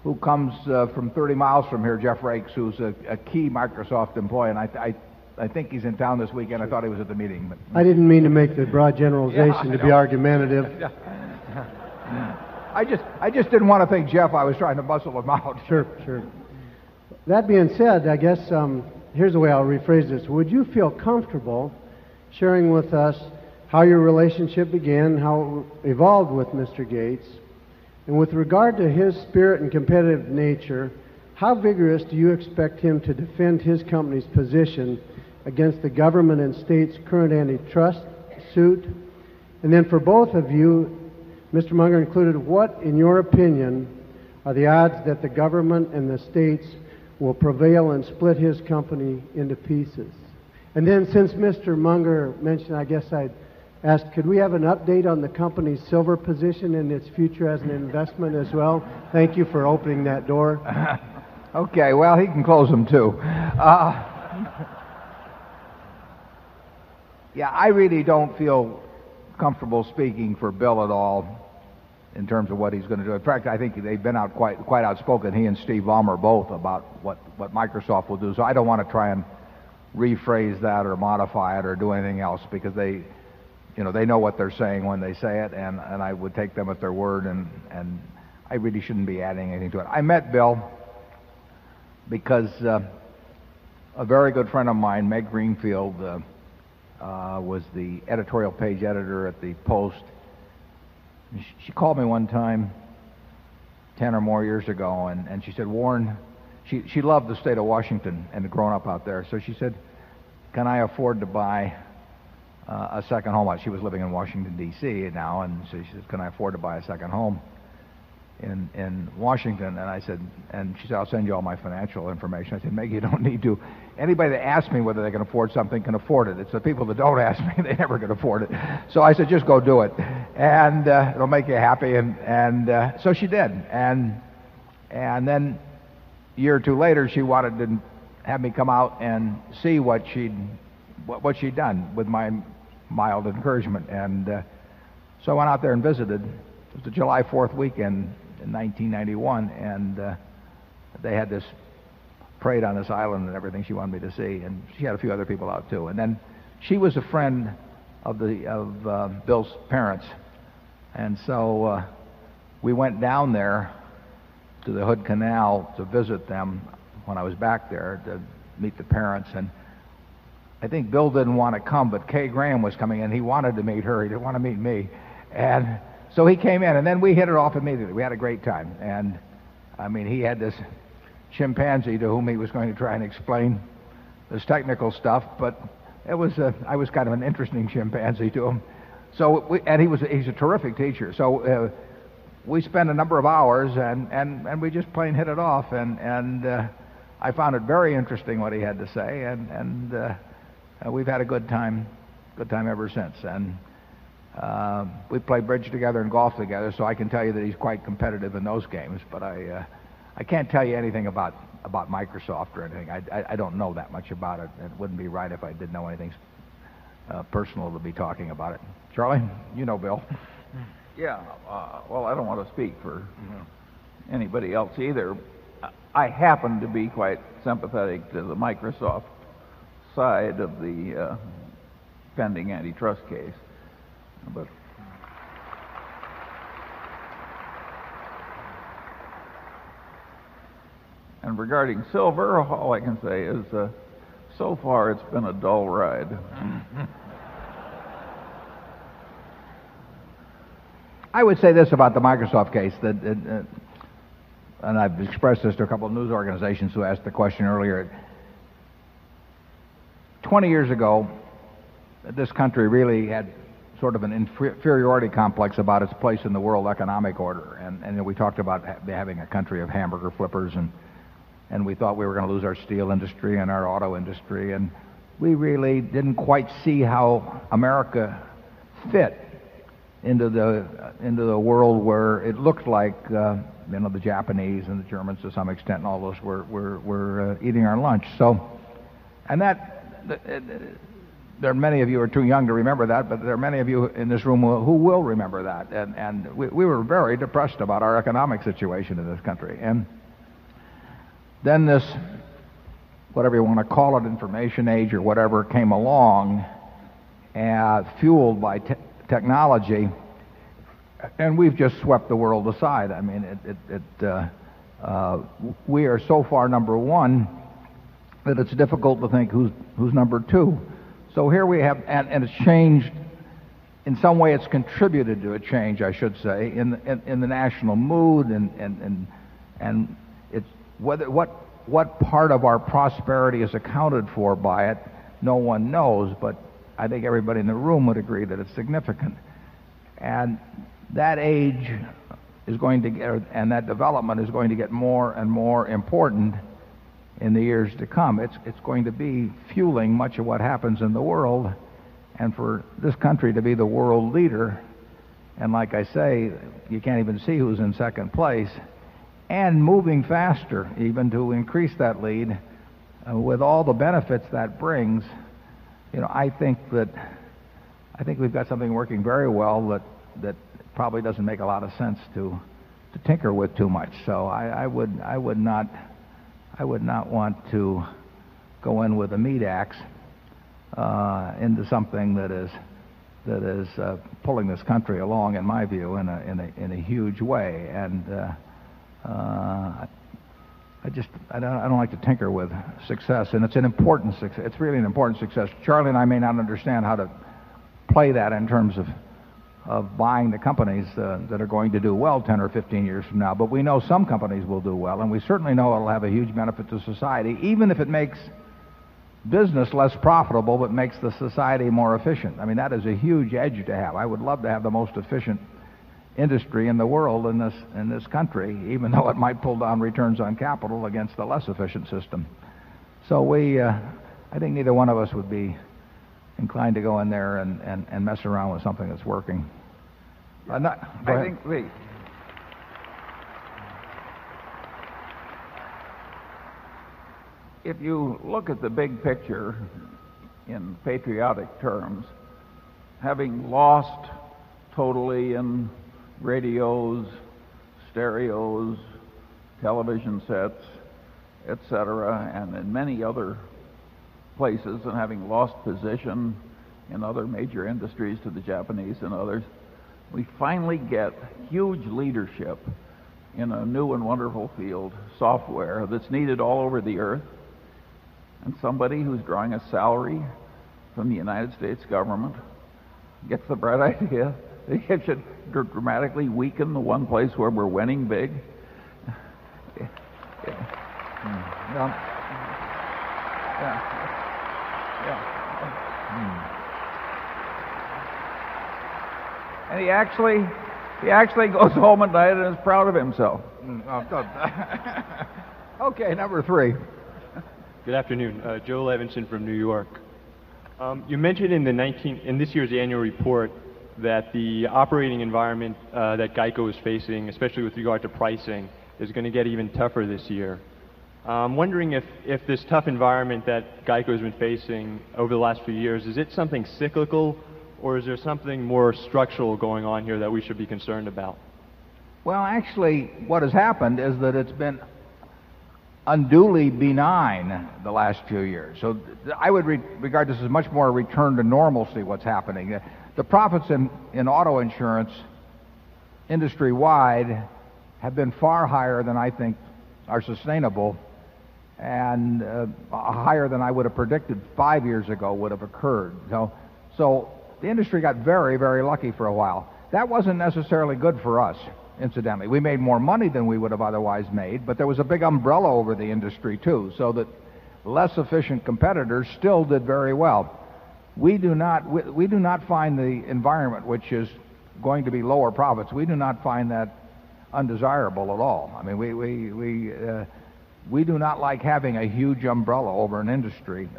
who comes from 30 miles from here, Jeff Raikes, who's a key Microsoft employee. And I think he's in town this weekend. I thought he was at the meeting, I didn't mean to make the broad generalization to be argumentative. I just I just didn't want to thank Jeff. I was trying to bustle him out. Sure, sure. That being said, I guess, here's the way I'll rephrase this. Would you feel comfortable sharing with us how your relationship began, how evolved with Mr. Gates? And with regard to his spirit and competitive nature, how vigorous do you expect him to defend his company's position against the government and state's current antitrust suit? And then for both of you, Mr. Munger included, what in your opinion are the odds that the government and the States will prevail and split his company into pieces? And then since Mr. Munger mentioned, I guess I'd ask, could we have an update on the company's silver position and its future as an investment as well? Thank you for opening that door. Okay. Well, he can close them too. Yeah, I really don't feel comfortable speaking for Bill at all in terms of what he's going to do. In fact, I think they've been out quite outspoken, he and Steve Ballmer both, about what Microsoft will do. So I don't want to try and rephrase that or modify it or do anything else because they, you know, they know what they're saying when they say it. And would take them at their word, and I really shouldn't be adding anything to it. I met Bill because a very good friend of mine, Meg Greenfield, was the editorial page editor at The Post. And she called me one time 10 or more years ago, and and she said, Warren she she loved the state of Washington and the grown up out there. So she said, Can I afford to buy a second home? Well, she was living in Washington, D. C. Now. And so she said, Can I afford to buy a second home in in Washington? And I said and she said, I'll send you all my financial information. I said, Maggie, you don't need to anybody that asks me whether they afford something can afford it. It's the people that don't ask me, they never can afford it. So I said, Just go do it. And it'll make you happy. And so she did. And then a year or 2 later, she wanted to have me come out and see what she'd done with my mild encouragement. And so I went out there and visited. It was a July 4th weekend in 1991. And they had this parade on this island and everything she wanted me to see. And she had a few other people out too. And then she was a friend of the of Bill's parents. And so we went down there to the Hood Canal to visit them when I was back there to meet the parents. And I I think Bill didn't want to come, but Kay Graham was coming in. He wanted to meet her. He didn't want to meet me. And so he came in. And then we hit it off immediately. We had a great time. And, I mean, he had this chimpanzee to whom he was going to try and explain this technical stuff, but it was a I was kind of an interesting chimpanzee to him. So we and he was a he's a terrific teacher. So we spent a number of hours, and and and we just plain hit it off. And and I found it very interesting what he had to say. And we've had a good time good time ever since. And we play bridge together and golf together, so I can tell you that he's quite competitive in those games. But I can't tell you anything about Microsoft or anything. I don't know that much about it. It wouldn't be right if I didn't know anything. Personal to be talking about it. Charlie, you know Bill. Yeah. Well, I don't want to speak for anybody else either. I happen to be quite sympathetic to the Microsoft side of the pending antitrust case. And regarding silver, all I can say is, so far, it's been a dull ride. I would say this about the Microsoft case that, and I've expressed this to a couple of news organizations who asked the question earlier. 20 years ago, this country really had sort of an inferiority complex about its place in the world economic order. And we talked about having a country of hamburger flippers, and we thought we were going to lose our steel industry and our auto industry. And we really didn't quite see how America fit into the into the world where it looked like, you know, the Japanese and the Germans to some extent and all those were were were eating our lunch. So and that there are many of you who are too young to remember that, but there are many of you in this room who will remember that. And and we were very depressed about our economic situation in this country. And then this, whatever you want to call it, Information Age or whatever, came along, fueled by technology. And we've just swept the world aside. I mean, it we are so far number 1 that it's difficult to think who's number 2. So here we have and it's changed in some way, it's contributed to a change, I should say, in the national mood and it's whether what part of our prosperity is accounted for by it, no one knows. But I think everybody in the room would agree that it's significant. And that age is going to and that development is going to get more and more important in the years to come. It's going to be fueling much of what happens in the world, and for this country to be the world leader. And like I say, you can't even see who's in 2nd place, and moving faster even to increase that lead, with all the benefits that brings, you know, I think that I think we've got something working very well that that probably doesn't make a lot of sense to tinker with too much. So I would not want to go in with a meat axe into something that is that is pulling this country along, in my view, in a in a in a huge way. And I just I don't like to tinker with success. And it's an important success. It's really an important success. Charlie and I may not understand how to play that in terms buying the companies that are going to do well 10 or 15 years from now, but we know some companies will do well. And we certainly know it'll have a huge benefit to society, even if it makes business less profitable, but makes the society more efficient. I mean, that is a huge edge to have. I would love to have the most efficient industry in the world in this country, even though it might pull down returns on capital against the less efficient system. So we I think neither one of us would be inclined to go in there and and and mess around with something that's working. I'm not I think we, If you look at the big picture in patriotic terms, having lost totally in radios, stereos, television sets, etcetera, and in many other places and having lost position in other major industries to the Japanese and others, we finally get huge leadership in a new and wonderful field, software, that's needed all over the Earth. And somebody who's drawing a salary from the United States government gets the bright idea, it should dramatically weaken the one place where we're winning big. And he actually he actually goes home at night and is proud of himself. Okay. Number 3. Good afternoon. Joe Levinson from New York. You mentioned in the 19th in this year's annual report that the operating environment that GEICO is facing, especially with regard to pricing, is going to get even tougher this year. I'm wondering if this tough environment that GEICO has been facing over the last few years, is it something cyclical or is there something more structural going on here that we should be concerned Well, actually, what has happened is that it's been unduly benign the last few years. So I would regard this as much more a return to normalcy, what's happening. The profits in auto insurance industry wide have been far higher than I think are sustainable and higher than I would have predicted 5 years ago would have occurred. So the industry got very, very lucky for a while. That wasn't necessarily good for us, incidentally. We made more money than we would have otherwise made, but there was a big umbrella over the industry, too, so that less efficient competitors still did very well. Environment, which is going to be lower profits, we do not find that undesirable at all. I mean, we do not like having a huge umbrella over an industry.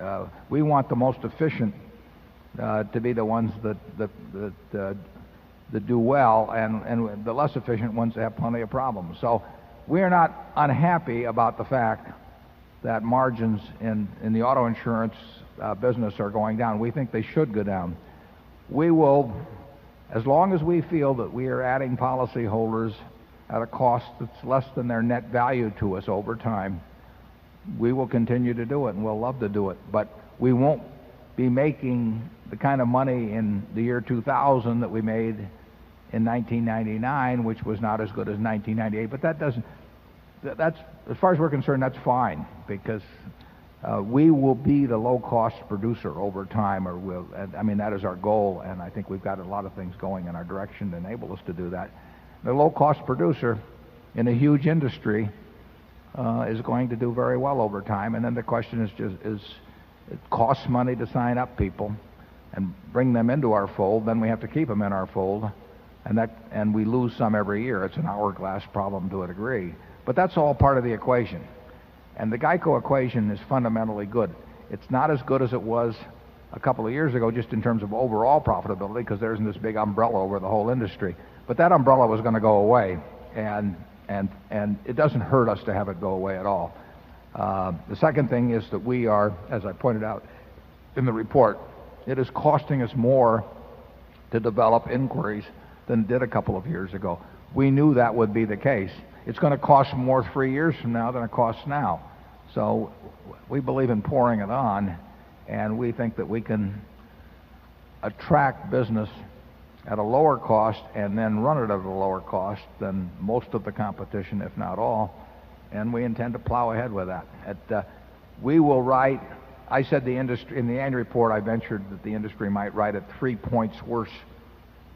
We want the most efficient to be the ones that do well, and the less efficient ones that have plenty of problems. So we are not unhappy about the fact that margins in the auto insurance business are going down. We think they should go down. We will as long as we feel that we are adding policyholders at a cost that's less than their net value to us over time, we will continue to do it and we'll love to do it. But we won't be making the kind of money in the year 2000 that we made in 1999, which was not as good as 1998. But that doesn't that's as far as we're concerned, that's fine because we will be the low cost producer over time or will I mean, that is our goal, and I think we've got a lot of things going in our direction to enable us to do that. The low cost producer in a huge industry is going to do very well over time. And then the question is, it costs money to sign up people and bring them into our fold. Then we have to keep them in our fold. And that and we lose some every year. It's an hourglass problem to a degree. But that's all part of the equation. And the GEICO equation is fundamentally good. It's not as good as it was a couple of years ago, just in terms of overall profitability, because there isn't this big umbrella over the whole industry. But that umbrella was going to go away, and it doesn't hurt us to have it go away at all. The second thing is that we are, as I pointed out in the report, it is costing us more to develop inquiries than it did a couple of years ago. We knew that would be the case. It's going to cost more 3 years from now than it costs now. So we believe in pouring it on, and we think that we can attract business at a lower cost and then run it at a lower cost than most of the competition, if not all. And we intend to plow ahead with that. At we will write I said the industry in the annual report, I ventured that the industry might write at 3 points worse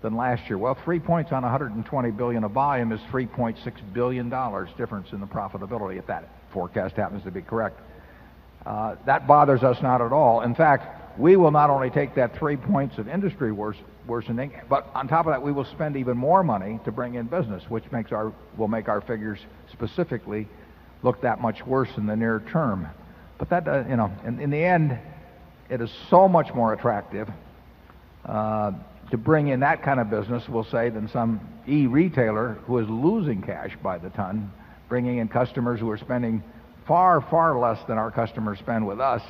than last year. Well, 3 points on $120,000,000,000 of volume is $3,600,000,000 difference in the profitability, if that forecast happens to be correct. That bothers us not at all. In fact, we will not only take that 3 points of industry worsening, but on top of that, we will spend even more money to bring in business, which makes our will make our figures specifically look that much worse in the near term. But that, you know, in the end, it is so much more attractive, to bring in that kind of business, we'll say, than some e retailer who is losing cash by the ton, bringing in customers who are spending far, far less than our customers spend with us,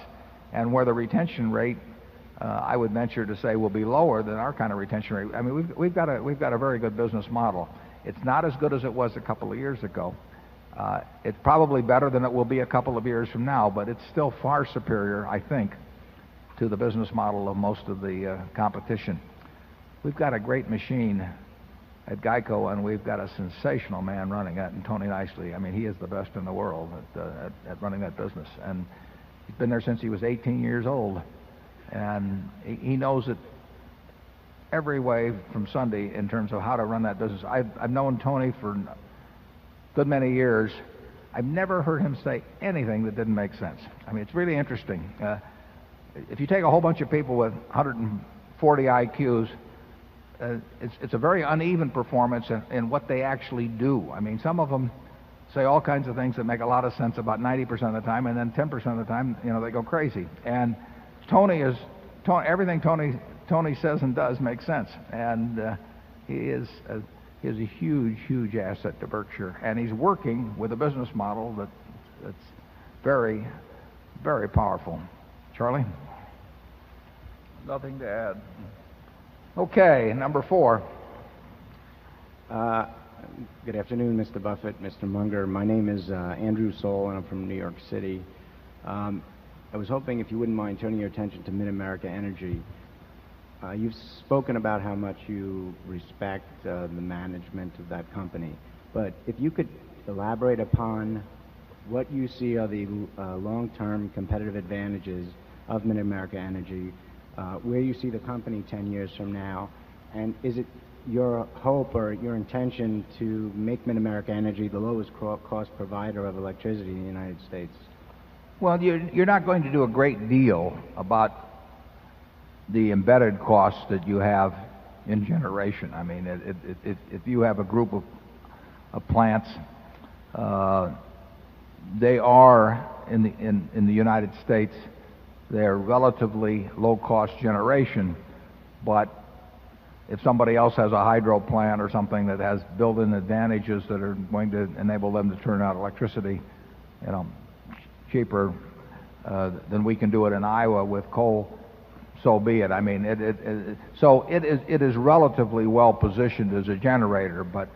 and where the retention rate, I would venture to say, will be lower than our kind of retention rate. I mean, we've got a very good business model. It's not as good as it was a couple of years ago. It's probably better than it will be a couple of years from now, but it's still far superior, I think, to the business model of most of the competition. We've got a great machine at GEICO, and we've got a sensational man running it, Tony Nicely. I mean, he is the best in the world at running that business. And he's been there since he was 18 years old. And he knows it every way from Sunday in terms of how to run that business. I've I've known Tony for a good many years. I've never heard him say anything that didn't make sense. I mean, it's really interesting. If you take a whole bunch of people with 140 IQs, it's it's a very uneven performance in in what they actually do. I mean, some of them say all kinds of things that make a lot of sense about 90% of the time. And then 10% of the time, you know, they go crazy. And Tony is everything Tony Tony says and does makes sense. And he is a he is a huge, huge asset to And he's working with a business model that's very, very powerful. Charlie? Nothing to add. Okay. Number 4. Good afternoon, mister Buffet, mister Munger. My name is, Andrew Soll, and I'm from New York City. I was hoping if you wouldn't mind turning your attention to Mid America Energy. You've spoken about how much you respect, the management of that company. But if you could elaborate upon what you see are the long term competitive advantages of Mid America Energy, where you see the company 10 years from now, and is it your hope or your intention to make Mid America Energy the lowest cost provider of electricity in the United States? Well, you're not going to do a great deal about the embedded costs that you have in generation. I mean, if you have a group of plants, they are in the United States, they're relatively low cost generation. But if somebody else has a hydro plant or something that has built in advantages that are going to enable them to turn out electricity, you know, cheaper than we can do it in Iowa with coal, so be it. I mean, it so it is relatively well positioned as a generator, but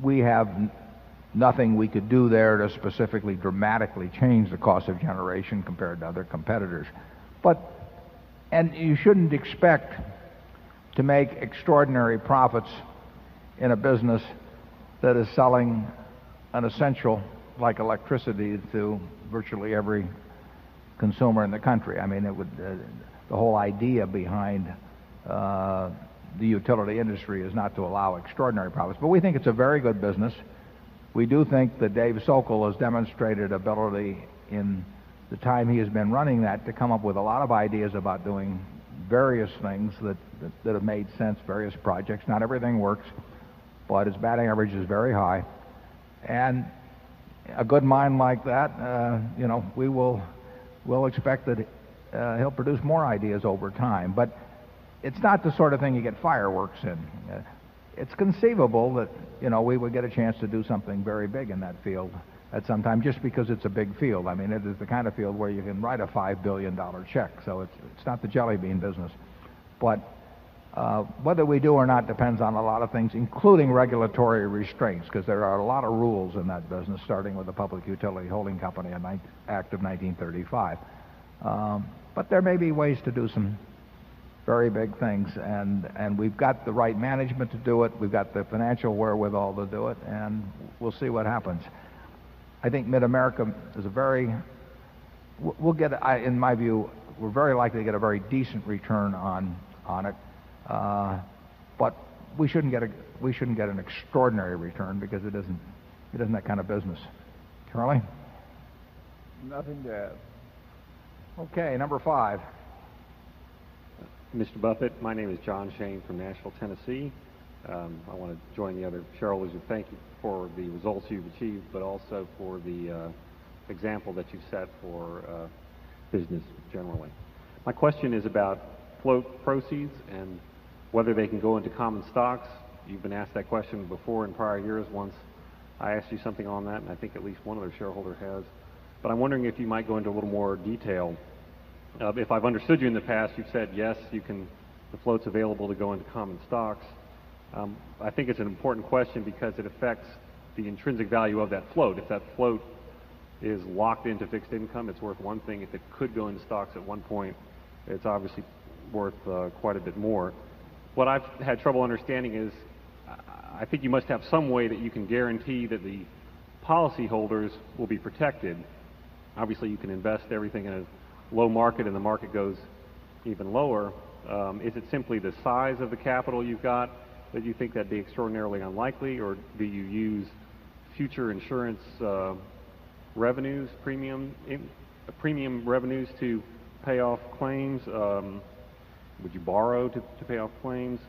we have nothing we could do there to specifically dramatically change the cost of generation compared to other competitors. But and you shouldn't expect to make extraordinary profits in a business that is selling an essential, like electricity, to virtually every consumer in the country. I mean, it would the whole idea behind the utility industry is not to allow extraordinary problems. But we think it's a very good business. We do think that Dave Sokol has demonstrated ability in the time he has been running that to come up with a lot of ideas about doing various things that have made sense, various projects. Not everything works, but his batting average is very high. And a good mind like that, you know, we will we'll expect that he'll produce more ideas over time. But it's not the sort of thing you get fireworks in. It's conceivable that, you know, we would get a chance to do something very big in that field at some time just because it's a big field. I mean, it is the kind of field where you can write a $5,000,000,000 check. So it's not the jelly bean business. But whether we do or not depends on a lot of things, including regulatory restraints, because there are a lot of rules in that business, starting with the Public Utility Holding Company Act of 1935. But there may be ways to do some very big things. And we've got the right management to do it. We've got the financial wherewithal to do it, and we'll see what happens. I think mid America is a very we'll get in my view, we're very likely to get a very decent return on it. But we shouldn't get an extraordinary return because it isn't it isn't that kind of business. Charlie? Nothing to add. Okay. Number 5. Mister Buffet, my name is John Shane from Nashville, Tennessee. I want to join the other shareholders and thank you for the results you've achieved, but also for the example that you've set for business generally. My question is about float proceeds and whether they can go into common stocks. You've been asked that question before in prior years once I asked you something on that, and I think at least one of their shareholder has. But I'm wondering if you might go into a little more detail. If I've understood you in the past, you've said, yes, you can the float is available to go into common stocks. I think it's an important question because it affects the intrinsic value of that float. If that float is locked into fixed income, it's worth one thing. If it could go into stocks at one point, it's obviously worth, quite a bit more. What I've had trouble understanding is, I think you must have some way that you can guarantee that the policyholders will be protected. Obviously, you can invest everything in a low market and the market goes even lower. Is it simply the size of the capital you've got that you think that'd be extraordinarily unlikely or do you use future insurance revenues, premium premium revenues to pay off claims? Would you borrow to to pay off claims?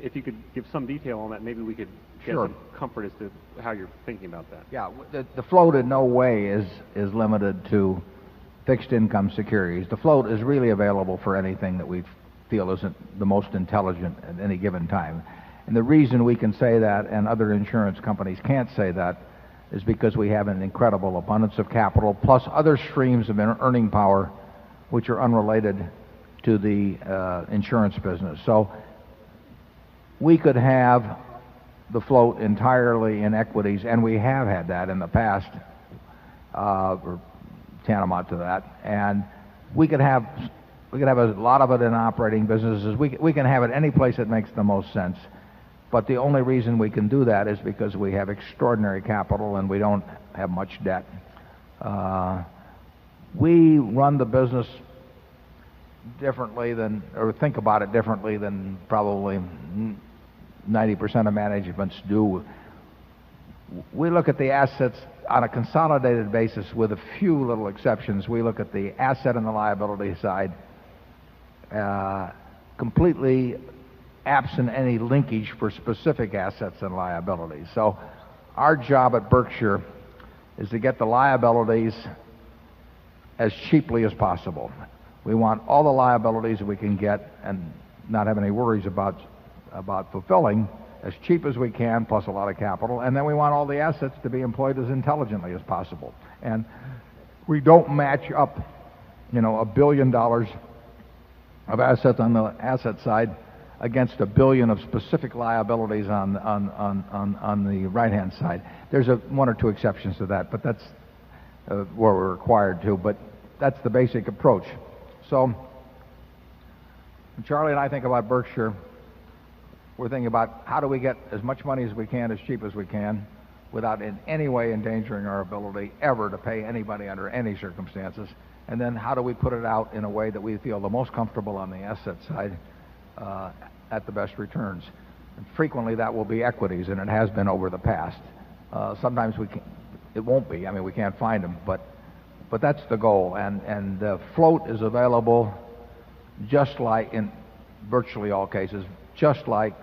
If you could give some detail on that, maybe we could get some comfort as to how you're thinking about that. Yeah. The float, in no way, is limited to fixed income securities. The float is really available for anything that we feel isn't the most intelligent at any given time. And the reason we can say that and other insurance companies can't say that is because we have an incredible abundance of capital, plus other streams of earning power which are unrelated to the insurance business. So we could have the float entirely in equities, and we have had that in the past, or tantamount to that. And we can have a lot of it in operating businesses. We can have it any place that makes the most sense. But the only reason we can do that is because we have extraordinary capital and we don't have much debt. We run the business differently than or think about it differently than probably 90% of managements do. We look at the assets on a consolidated basis, with a few little exceptions. We look at the asset and the liability side, completely absent any linkage for specific assets and liabilities. So our job at Berkshire is to get the liabilities as cheaply as possible. We want all the liabilities that we can get and not have any worries about fulfilling as cheap as we can, plus a lot of capital. And then we want all the assets to be employed as intelligently as possible. And we don't match up, you know, dollars 1,000,000,000 of assets on the asset side against a $1,000,000,000 of specific liabilities on on on on the right hand side. There's 1 or 2 exceptions to that, but that's where we're required to. But that's the basic approach. So when Charlie and I think about Berkshire, we're thinking about how do we get as much money as we can, as cheap as we can, without in any way endangering our ability ever to pay anybody under any circumstances. And then how do we put it out in a way that we feel the most comfortable on the asset side, at the best returns? And frequently, that will be equities, and it has been over the past. Sometimes we can it won't be. I mean, we can't find them, But that's the goal. And and the float is available just like in virtually all cases, just like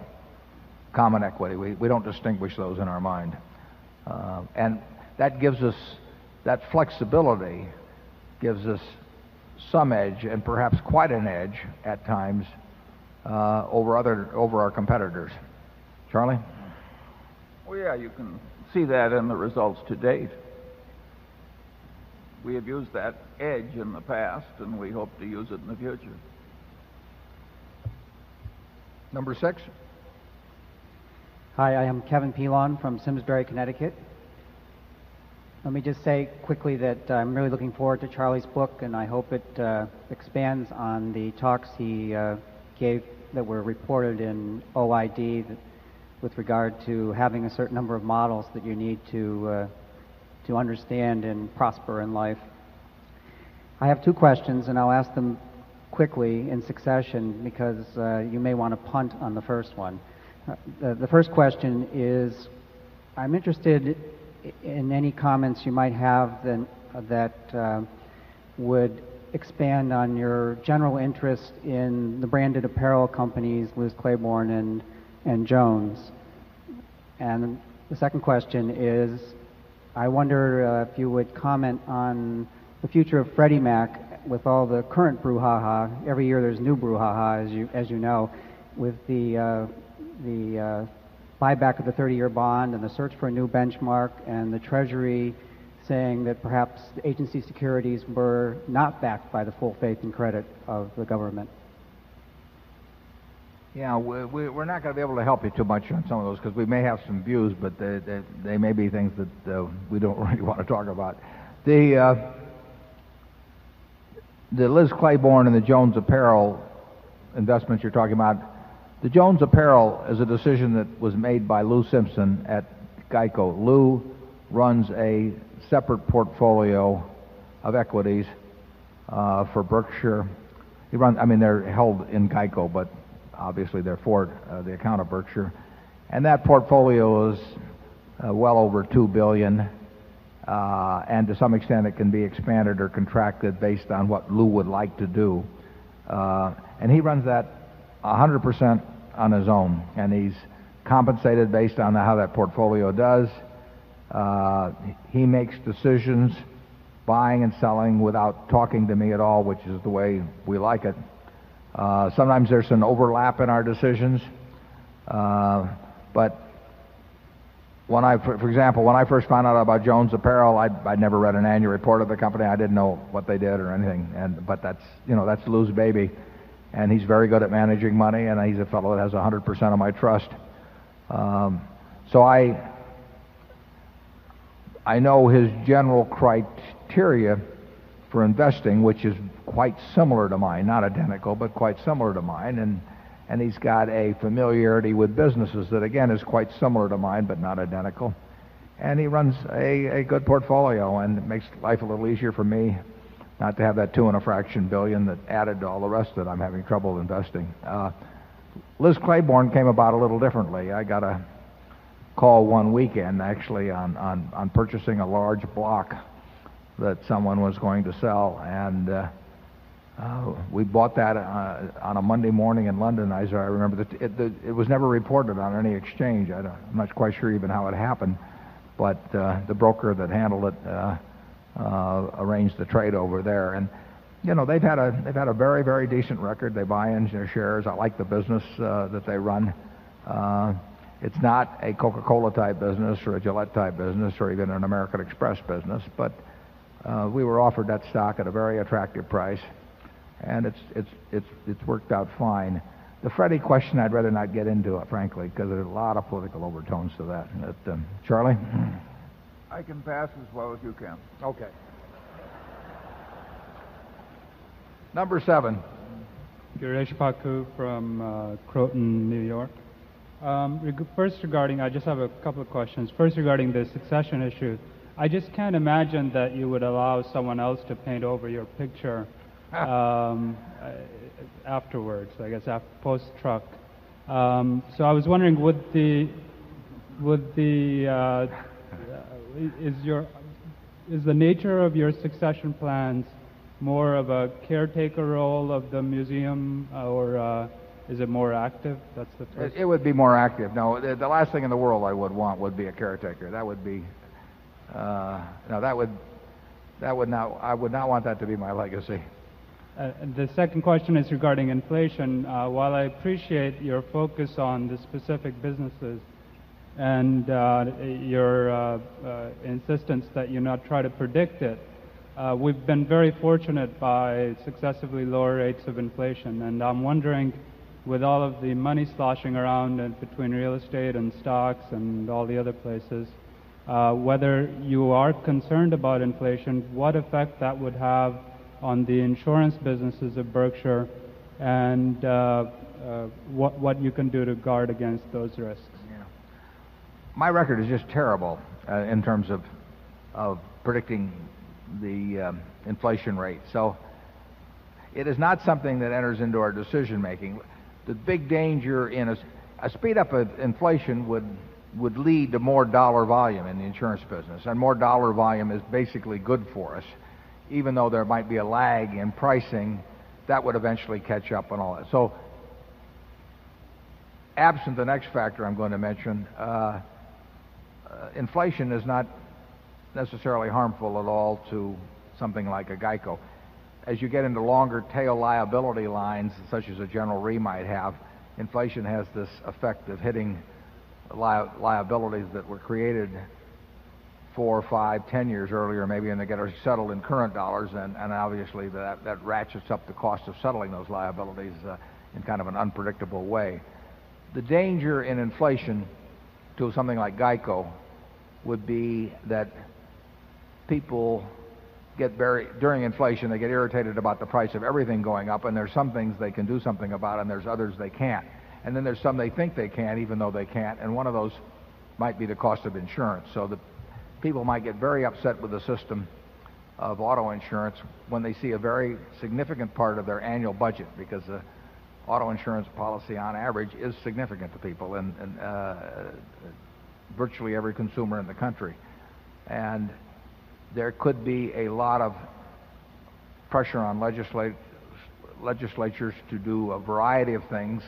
common equity. We don't distinguish those in our mind. And that gives us that flexibility gives us some edge, and perhaps quite an edge at times, over other over our competitors. Charlie? Well, yeah, you can see that in the results to date. We have used that edge in the past, and we hope to use it in the future. Number 6. Hi. I am Kevin Phelan from Simsbury, Connecticut. Let me just say quickly that I'm really looking forward to Charlie's book and I hope it expands on the talks he gave that were reported in OID with regard to having a certain number of models that you need to understand and prosper in life. I have 2 questions and I'll ask them quickly in succession because you may want to punt on the first one. The first question is, I'm interested in any comments you might have that would expand on your general interest in the branded apparel companies, Liz Claiborne and Jones? And the second question is, I wonder if you would comment on the future of Freddie Mac with all the current brouhaha. Every year, there's new brouhaha, as you know, with the buyback of the 30 year bond and the search for a new benchmark and the treasury saying that perhaps agency securities were not backed by the full faith and credit of the government? Yeah. We're not going to be able to help you too much on some of those because we may have some views, but they may be things that we don't really want to talk about. The Liz Claiborne and the Jones Apparel investments you're talking about, the Jones Apparel is a decision that was made by Lou Simpson at GEICO. Lou runs a separate portfolio of equities, for Berkshire. He runs I mean, they're held in GEICO, but obviously they're for the account of Berkshire. And that portfolio is well over 2,000,000,000 dollars And to some extent, it can be expanded or contracted based on what Lew would like to do. And he runs that 100% on his own, and he's compensated based on how that portfolio does. He makes decisions buying and selling, without talking to me at all, which is the way we like it. Sometimes there's an overlap in our decisions. But when I for example, when I first found out about Jones Apparel, I'd never read an annual report of the company. I didn't know what they did or anything. And but that's Lou's baby, and he's very good at managing money, and he's a fellow that has 100% of my trust. So I know his general criteria for investing, which is quite similar to mine not identical, but quite similar to mine. And he's got a familiarity with businesses that, again, is quite similar to mine but not identical. And he runs a good portfolio. And it makes life a little easier for me not to have that 2 and a fraction billion that added to all the rest that I'm having trouble investing. Liz Claiborne came about a little differently. I got a call one weekend, actually, on purchasing a large block that someone was going to sell. And we bought that on a Monday morning in London, and I saw I remember that it was never reported on any exchange. I'm not quite sure even how it happened, but the broker that handled it arranged the trade over there. And you know, they've had a they've had a very, very decent record. They buy ins and their shares. I like the business that they run. It's not a Coca Cola type business or a Gillette type business or even an American Express business, but we were offered that stock at a very attractive price, and it's worked out fine. The Freddie question, I'd rather not get into it, frankly, because there are a lot of political overtones to that. Charlie? I can pass as well as you can. Okay. Number 7. Guresh Panku from, Croton, New York. First regarding I just have a couple questions. First regarding the succession issue. I just can't imagine that you would allow someone else to paint over your picture afterwards, I guess post truck. So I was wondering is the nature of your succession plans more of a caretaker role of the museum or is it more active? That's the first. It would be more active. No. The last thing in the world I would want would be a caretaker. That would be, no, that would that would not I would not want that to be my legacy. And the second question is regarding inflation. While I appreciate your focus on the specific businesses and your insistence that you not try to predict it. We've been very fortunate by successively lower rates of inflation and I'm wondering with all of the money sloshing around and between real estate and stocks and all the other places whether you are concerned about inflation what effect that would have on the insurance businesses of Berkshire and what you can do to guard against those risks? My record is just terrible in terms of predicting the inflation rate. So it is not something that enters into our decision making. The big danger in a a speed up of inflation would lead to more dollar volume in the insurance business. And more dollar volume is basically good for us. Even though there might be a lag in pricing, that would eventually catch up on all that. So absent the next factor I'm going to mention, inflation is not necessarily harmful at all to something like a GEICO. As you get into longer tail liability lines, such as a general REE might have, inflation has this effect of hitting liabilities that were created 4, 5, 10 years earlier, maybe, and they get settled in current dollars. And and obviously, that ratchets up the cost of settling those liabilities in kind of an unpredictable way. The danger in inflation to something like GEICO would be that people get very during inflation, they get irritated about the price of everything going up. And there's some things they can do something about, and there's others they can't. And then there's some they think they can't, even though they can't. And one of those might be the cost of insurance. So the people might get very upset with the system of auto insurance when they see a very significant part of their annual budget, because the auto insurance policy, on average, is significant to people and virtually every consumer in the country. And there could be a lot of pressure on legislatures to do a variety of things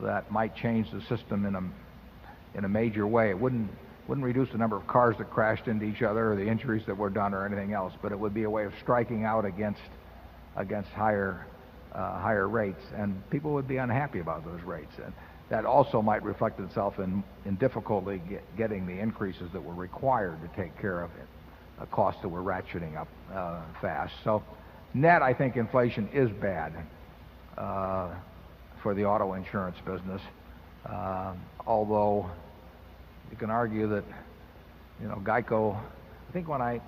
that might change the system in a major way. It wouldn't reduce the number of cars that crashed into each other or the injuries that were done or anything else, but it would be a way of striking out against higher rates. And people would be unhappy about those rates. And that also might reflect itself in in difficulty getting the increases that were required to take care of a cost that we're ratcheting up fast. So net, I think inflation is bad for the auto insurance business, although you can argue that, you know, GEICO I think when I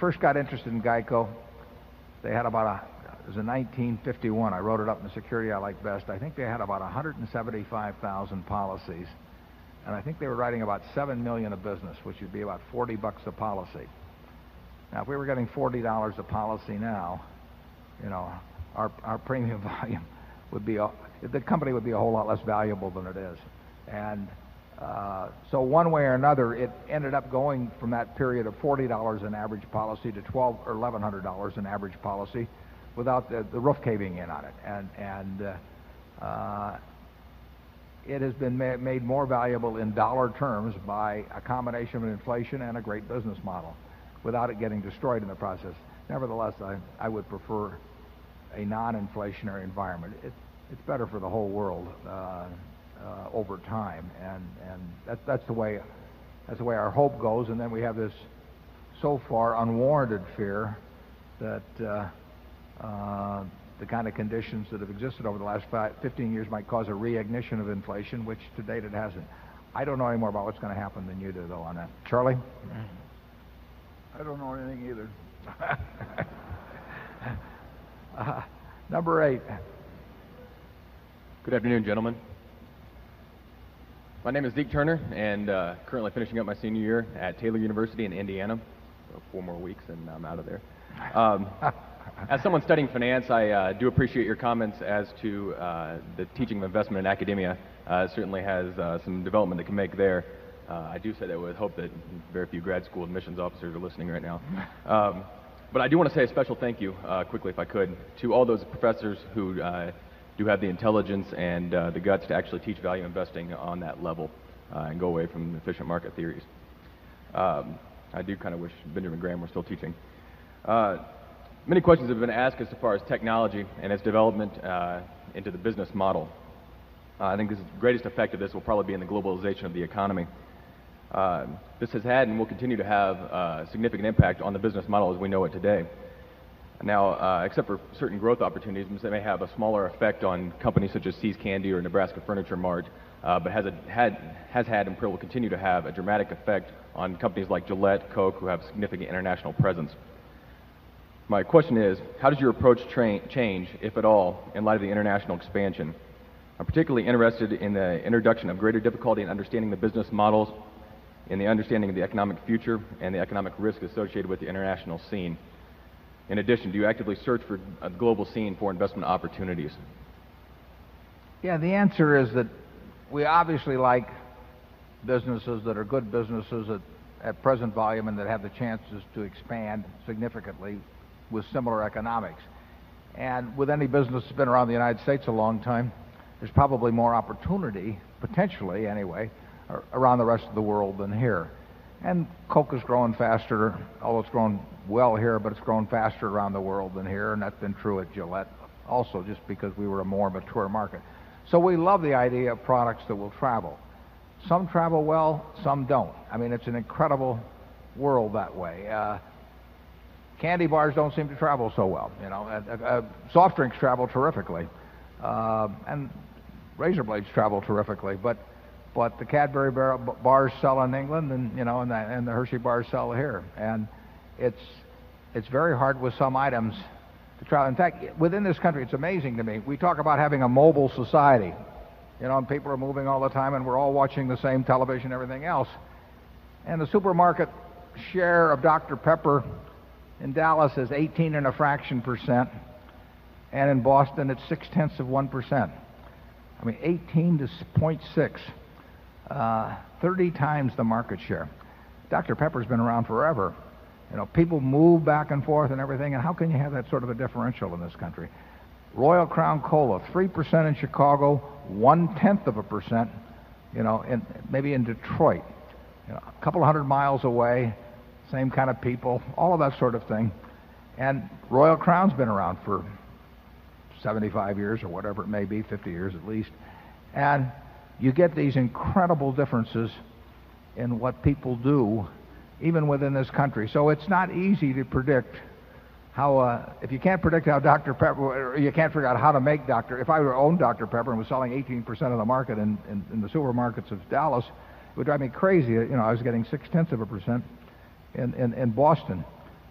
first got interested in GEICO, they had about a it was a 1951. I wrote it up in the security I like best. I think they had about 175,000 policies. And I think they were writing about 7,000,000 of business, which would be about $40 a policy. Now, if we were getting $40 a policy now, you know, our our premium volume would be the company would be a whole lot less our premium volume would be the company would be a whole lot less valuable than it is. And so one way or another, it ended up going from that period of $40 an average policy to $12 or $1100 an average policy without the roof caving in on it. And it has been made more valuable in dollar terms by a combination of inflation and a great business model without it getting destroyed in the process. Nevertheless, I would prefer a non inflationary environment. It's better for the whole world over time. And that's the way our hope goes. And then we have this, so far, unwarranted fear that the kind of conditions that have existed over the last 15 years might cause a reignition of inflation, which, to date, it hasn't. I don't know any more about what's going to happen than you do, though, on that. Charlie? I don't know anything either. Number 8. Good afternoon, gentlemen. My name is I'm finishing up my senior year at Taylor University in Indiana. Four more weeks, and I'm out of there. As someone studying finance, I do appreciate your comments as to the teaching of investment in academia. Certainly has some development they can make there. I do say that I would hope that very few grad school admissions officers are listening right now. But I do wanna say a special thank you, quickly if I could, to all those professors who do have the intelligence and the guts to actually teach value investing on that level and go away from efficient market theories. I do kind of wish Benjamin Graham were still teaching. Many questions have been asked as far as technology and its development, into the business model. I think the greatest effect of this will probably be in the globalization of the economy. This has had and will continue to have significant impact on the business model as we know it today. Now, except for certain growth opportunities, they may have a smaller effect on See's Candy or Nebraska Furniture Mart, but has had and will continue to have a dramatic effect on companies like Gillette, Coke, who have significant international presence. My question is, how does your approach change, if at all, in light of the international expansion? I'm particularly interested in the introduction of greater difficulty understanding the business models and the understanding of the economic future and the economic risk associated with the international scene. In addition, do you actively search for a global scene for investment opportunities? Yeah. The answer is that we obviously like businesses that are good businesses at present volume and that have the chances to expand significantly with similar economics. And with any business that's been around the United States a long time, there's probably more opportunity potentially, anyway around the rest of the world than here. And Coke is growing faster although it's growing well here, but it's growing faster around the world than here. And that's been true at Gillette also, just because we were a more mature market. So we love the idea of products that will travel. Some travel well, some don't. I mean, it's an incredible world that way. Candy bars don't seem to travel so well, you know. Soft drinks travel terrifically, and razor blades travel terrifically. But the Cadbury bars sell in England and, you know, and the Hershey bars sell here. And it's it's very hard with some items to try. In fact, within this country, it's amazing to me. We talk about having a mobile society, you know, and people are moving all the time, and we're all watching the same television, everything else. And the supermarket share of Doctor Pepper in Dallas is 18 a fraction percent. And in Boston it's 6 tenths of 1%. I mean, 18 to 0.6, 30 times the market share. Doctor Pepper's been around forever. You know, people move back and forth and everything. And how can you have that sort of a differential in this country? Royal Crown Cola, 3% in Chicago, 1 tenth of a percent, you know, in maybe in Detroit, you know, a couple of 100 miles away, same kind of people, all of that sort of thing. And Royal Crown's been around for 75 years or whatever it may be, 50 years at least. And you get these incredible differences in what people do, even within this country. So it's not easy to predict how, if you can't predict how Doctor. Pepper or you can't figure out how to make Doctor. If I were to own Doctor. Pepper and was selling 18% of the market in the supermarkets of Dallas, would drive me crazy. You know, I was getting 6 tenths of a percent in in in Boston,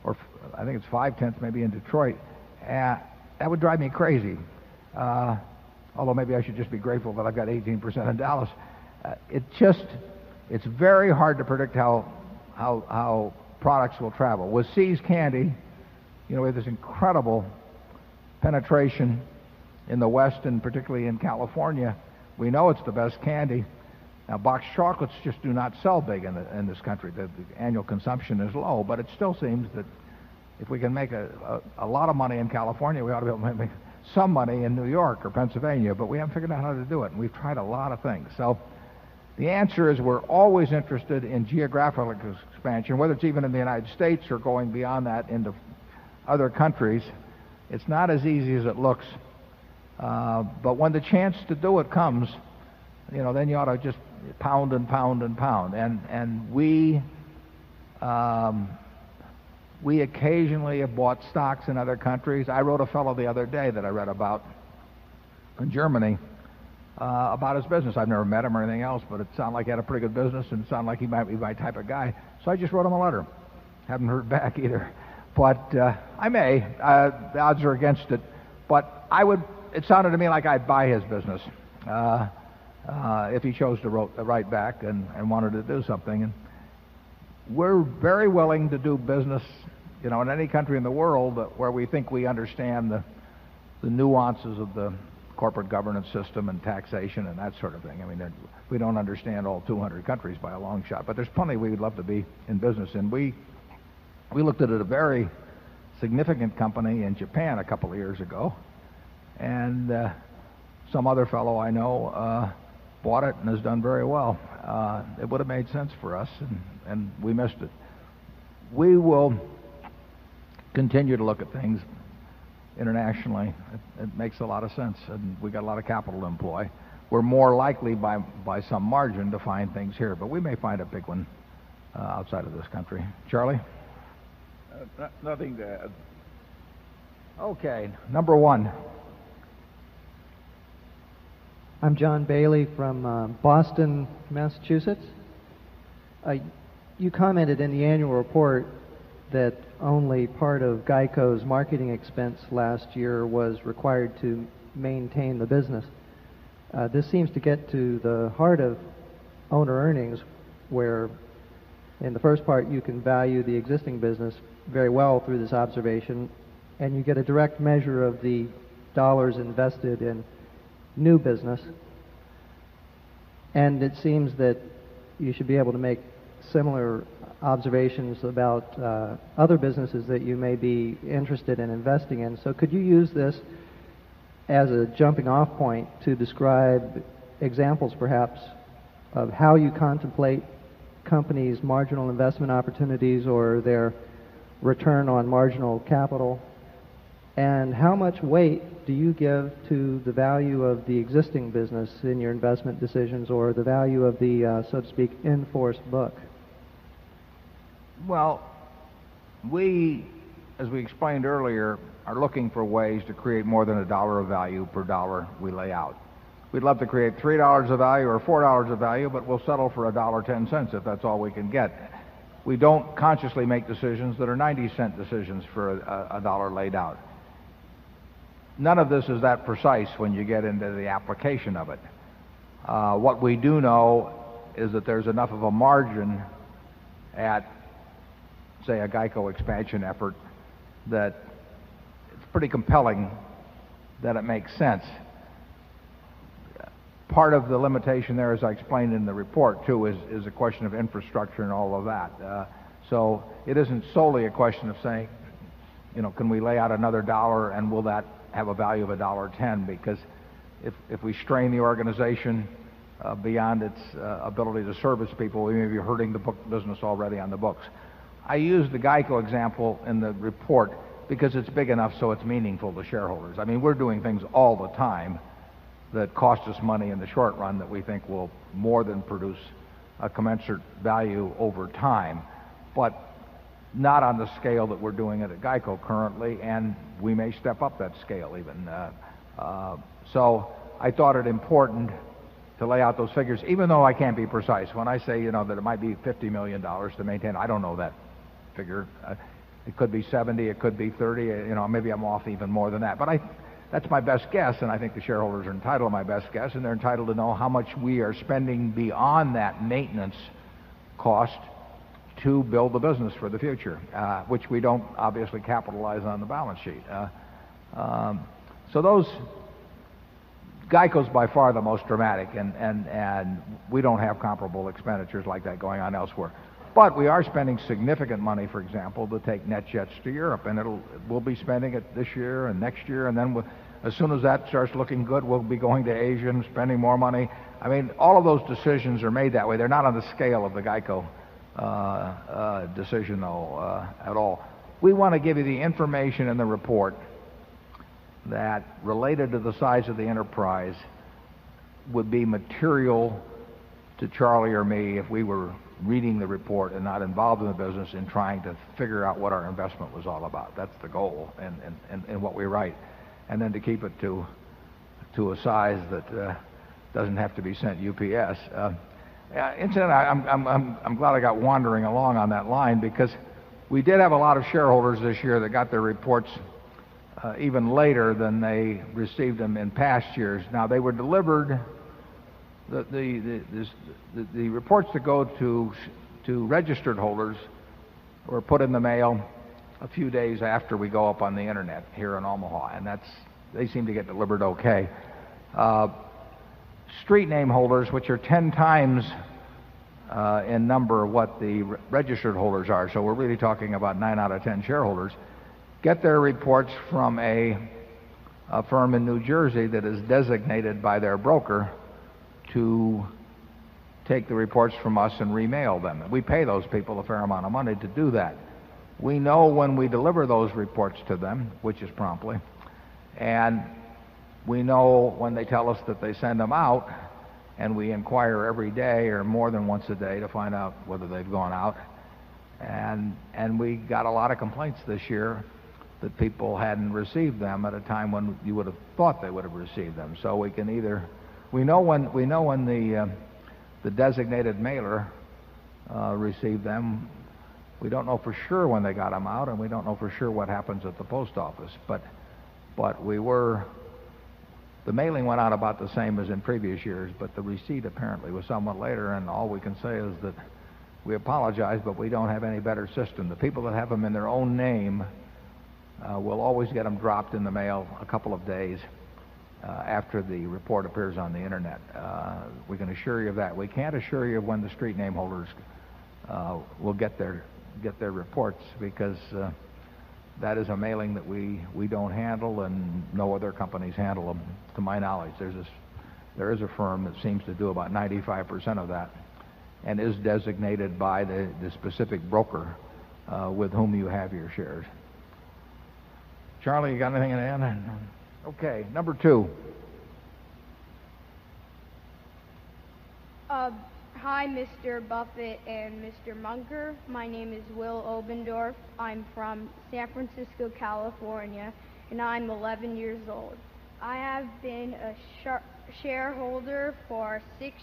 or I think it's 5 tenths maybe in Detroit. That would drive me crazy, although maybe I should just be grateful that I've got 18% in Dallas. It just it's very hard to predict how products will travel. With See's candy, you know, we have this incredible penetration in the West and particularly in California. We know it's the best candy. Now, boxed chocolates just do not sell big in this country. The annual consumption is low. But it still seems that if we can make a lot of money in California, we ought to be able to make some money in New York or Pennsylvania. But we haven't figured out how to do it, and we've tried a lot of things. So the answer is we're always interested in geographical expansion, whether it's even in the United States or going beyond that into other countries. It's not as easy as it looks. But when the chance to do it comes, you know, then you ought to just pound and pound and pound. And we occasionally have bought stocks in other countries. I wrote a fellow the other day that I read about in Germany, about his business. I've never met him or anything else, but it sounded like he had a pretty good business and it sounded like he might be my type of guy. So I just wrote him a letter. Haven't heard back either. But, I may. The odds are against it. But I would it sounded to me like I'd buy his business if he chose to write back and wanted to do something. And we're very willing to do business, you know, in any country in the world, where we think we understand the nuances of the corporate governance system and taxation and that sort of thing. I mean, we don't understand all 200 countries by a long shot, but there's plenty we would love to be in business. And we looked at it at a very significant company in Japan a couple of years ago, and some other fellow I know bought it and has done very well. It would have made sense for us, and we missed it. We will continue to look at things internationally. It makes a lot of sense, and we got a lot of capital to employ. We're more likely, by by some margin, to find things here. But we may find a big one, outside of this country. Charlie? Nothing to add. Okay. Number 1. I'm John Bailey from Boston, Massachusetts. You commented in the annual report that only part of GEICO's marketing expense last year was required to maintain the business. This seems to get to the heart of owner earnings, where in the first part, you can value the existing business very well through this observation and you get a direct measure of the dollars invested in new business. And it seems that you should be able to make similar observations about other businesses that you may be interested in investing in. So could you use this as a jumping off point to describe examples perhaps of how you contemplate companies' marginal investment opportunities or their return on marginal capital? And how much weight do you give to the value of the existing business in your investment decisions or the value of the, so to speak, in force book? Well, we, as we explained earlier, are looking for ways to create more than a dollar of value per dollar we lay out. We'd love to create $3 of value or $4 of value, but we'll settle for $1.10 if that's all we can get. We don't consciously make decisions that are 90¢ decisions for a dollar laid out. None of this is that precise when you get into the application of it. What we do know is that there's enough of a margin at, say, a GEICO expansion effort that it's pretty compelling that it makes sense. Part of the limitation there, as I explained in the report too, is a question of infrastructure and all of that. So it isn't solely a question of saying, you know, can we lay out another dollar and will that have a value of a dollar or $10 because if we strain the organization beyond its ability to service people, even if you're hurting the book business already on the books. I use the GEICO example in the report because it's big enough so it's meaningful to shareholders. I mean, we're doing things all the time that cost us money in the short run that we think will more than produce a commensurate value over time, but not on the scale that we're doing it at GEICO currently. And we may step up that scale even. So I thought it important to lay out those figures, even though I can't be precise. When I say, you know, that it might be $50,000,000 to maintain, I don't know that figure. It could be 70, it could be 30, you know, maybe I'm off even more than that. But I that's my best guess, and I think the shareholders are entitled to my best guess, and they're entitled to know how much we are spending beyond that maintenance, business for the future, which we don't obviously capitalize on the balance sheet. So those GEICO's by far the most dramatic, and we don't have comparable expenditures like that going on elsewhere. But we are spending significant money, for example, to take netjets to Europe, and it'll we'll be spending it this year and next year. And then as soon as that starts looking good, we'll be going to Asia and spending more money. I mean, all of those decisions are made that way. They're not on the scale of the GEICO decision, though, at all. We want to give you the information in the report that, related to the size of the enterprise, would be material to Charlie or me if we were reading the report and not involved in the business in trying to figure out what our investment was all about. That's the goal and what we write. And then to keep it to a size that doesn't have to be sent UPS. Yeah, incident, I'm glad I got wandering along on that line because we did have a lot of shareholders this year that got their reports even later than they received them in past years. Now, they were delivered the reports that go to registered holders were put in the mail a few days after we go up on the Internet here in Omaha. And that's they seem to get delivered okay. Street name holders, which are 10 times in number what the registered holders are, so we're really talking about 9 out of 10 shareholders, get their reports from a firm in New Jersey that is designated by their broker to take the reports from us and remail them. And we pay those people a fair amount of money to do that. We know when we deliver those reports to them, which is promptly, and we know when they tell us that they send them out and we inquire every day or more than once a day to find out whether they've gone out. And we got a lot of complaints this year that people hadn't received them at a time when you would have thought they would have received them. So we can either we know when we know when the designated mailer received them. We don't know for sure when they got them out, and we don't know for sure what happens at the we apologize, but we don't have any better system. The people that have them in their own name, will always get them dropped in the mail a couple of days after the report appears on the Internet. We can assure you of that. We can assure you of when the street name holders will get their reports, because that is a mailing that we don't handle and no other companies handle them, to my knowledge. There's this there is a firm that seems to do about 95% of that and is designated by the specific broker, with whom you have your shares. Charlie, you got anything to add? Okay. Number 2. Hi, mister Buffet and mister Munger. My name is Will Obendorf. I'm from San Francisco, California, and I'm 11 years old. I have been a shar shareholder for 6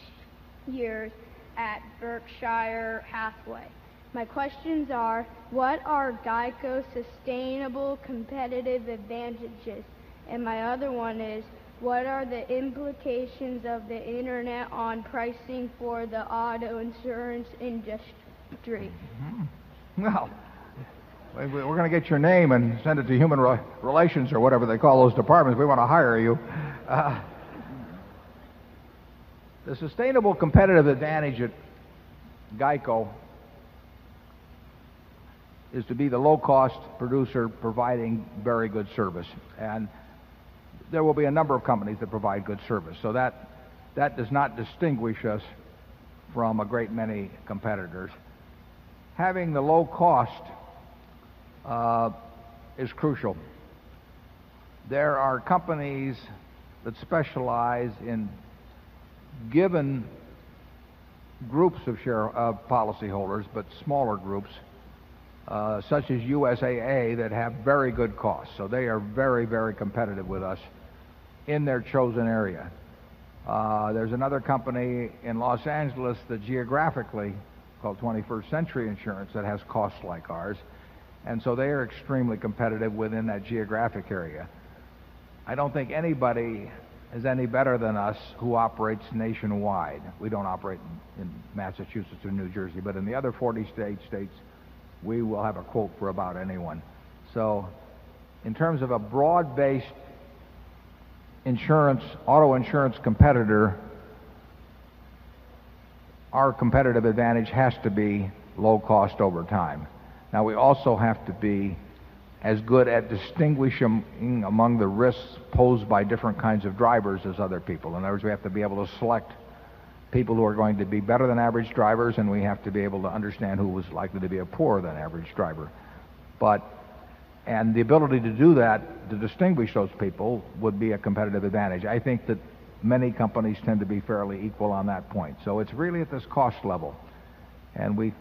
years at Berkshire Hathaway. My questions are, what are GEICO's sustainable competitive advantages? And my other one is, what are the implications of the Internet on pricing for the auto insurance industry? Well, we're going to get your name and send it to human relations or whatever they call those departments. We want to hire you. The sustainable competitive advantage at GEICO is to be the low cost producer providing very good service. And there will be a number of companies that provide good service. So that does not distinguish us from a great many competitors. Having the low cost is crucial. There are companies that specialize in given groups of share of policyholders, but smaller groups, such as USAA, that have very good costs. So they are very, very competitive with us in their chosen area. There's another company in Los Angeles that, geographically, called 21st Century Insurance, that has costs like ours. And so they are extremely competitive within that geographic area. I don't think anybody is any better than us who operates nationwide. We don't operate in Massachusetts or New Jersey, but in the other 40 states, we will have a quote for about anyone. So in terms of a broad based insurance auto insurance competitor, our competitive advantage has to be low cost over time. Now, we also have to be as good at distinguishing among the risks posed by different kinds of drivers as other people. In other words, we have to be able to select people who are going to be better than average drivers, and we have to be able to understand who is likely to be a poorer than average driver. But and the ability to do that, to distinguish those people, would be a competitive advantage. I think that many companies tend to be fairly equal on that point. So it's really at this cost level. And we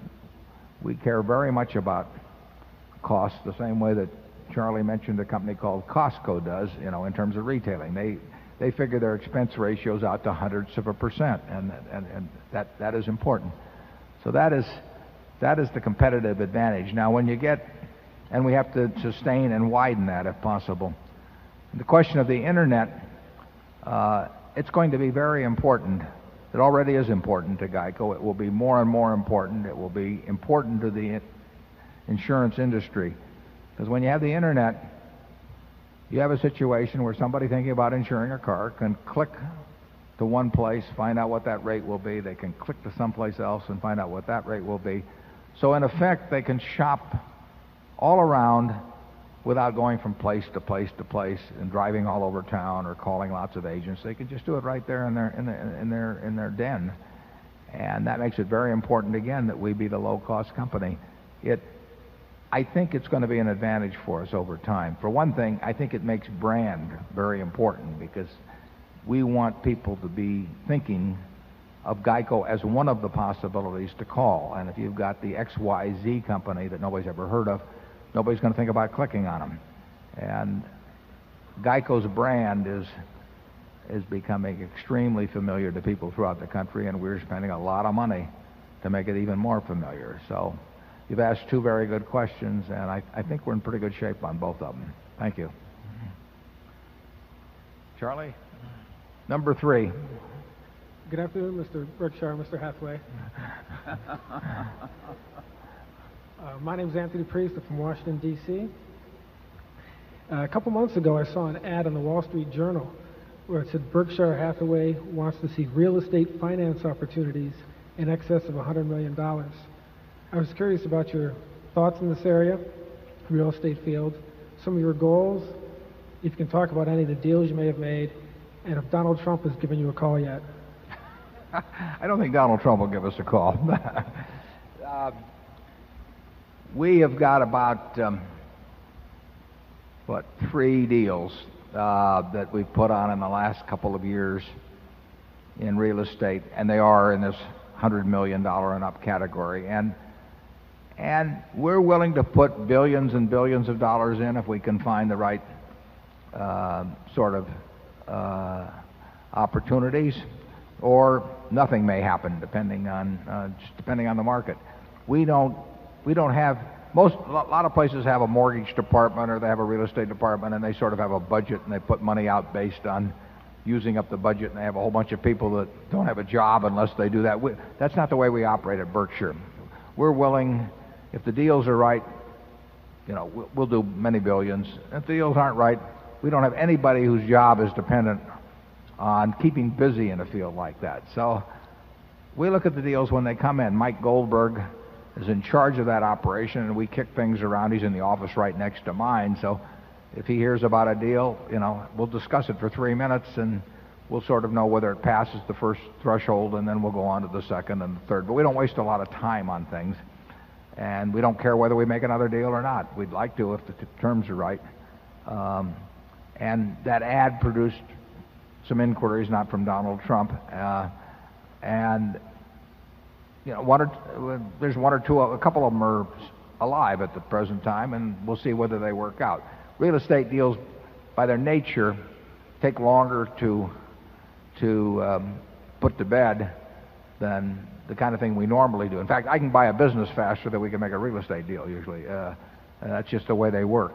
care very much about costs, the same way that Charlie mentioned a company called Costco does, you know, in terms of retailing. They figure their expense ratios out to 100ths of a percent, and that is important. So that is the competitive advantage. Now, when you get and we have to sustain and widen that, if possible. The question of the Internet, it's going to be very important. It already is important to GEICO. It will be more and more important. It will be important to the insurance industry. Because when you have the Internet, you have a situation where somebody thinking about insuring a car can click to one place, find out what that rate will be. They can click to someplace else and find out what that rate will be. So in effect, they can shop all around without going from place to place to place and driving all over town or calling lots of agents. They can just do it right there in their in their in their den. And that makes it very important, again, that we be the low cost company. It I think it's going to be an advantage for us over time. For one thing, I think it makes brand very important, because we want people to be thinking of GEICO as one of the possibilities to call. And if you've got the XYZ company that nobody's ever heard of, nobody's going to think about clicking on them. And GEICO's brand is becoming extremely familiar to people throughout the country, and we're spending a lot of money to make it even more familiar. So you've asked 2 very good questions, and I think we're in pretty good shape on both of them. Thank you. Charlie? Number 3. Good afternoon, mister Berkshire, mister Hathaway. My name is Anthony Priest. I'm from Washington DC. A couple of months ago, I saw an ad in the Wall Street Journal where it said Berkshire Hathaway wants to see real estate finance opportunities excess of $100,000,000 I was curious about your thoughts in this area, real estate field, some of your goals, if you can talk about any of the deals you may have made, and if Donald Trump has given you a call yet. I don't think Donald Trump will give us a call. We have got about, what, 3 deals that we've put on in the last couple of years in real estate, and they are in this $100,000,000 and up category. And we're willing to put 1,000,000,000 and 1,000,000,000 of dollars in if we can find the right sort of opportunities, or nothing may happen, depending on just depending on the market. We don't have most a lot of places have a mortgage department or they have a real estate department, and they sort of have a budget and they put money out based on using up the budget. And they have a whole bunch of people that don't have a job unless they do that. That's not the way we operate at Berkshire. We're willing if the deals are right, you know, we'll do many billions. If the deals aren't right, we don't have anybody whose job is dependent on keeping busy in a field like that. So we look at the deals when they come in. Mike Goldberg is in charge of that operation, and we kick things around. He's in the office right next to mine. So if he hears about a deal, you know, we'll discuss it for 3 minutes and we'll sort of know whether it passes the first threshold, and then we'll go on to the second and the third. But we don't waste a of time on things. And we don't care whether we make another deal or not. We'd like to if the terms are right. And that ad produced some inquiries not from Donald Trump. And you know, 1 or there's 1 or 2 a couple of them are alive at the present time, and we'll see whether they work out. Real estate deals, by their nature, take longer to put to bed than the kind of thing we normally do. In fact, I can buy a business faster than we can make a real estate deal, usually. And that's just the way they work.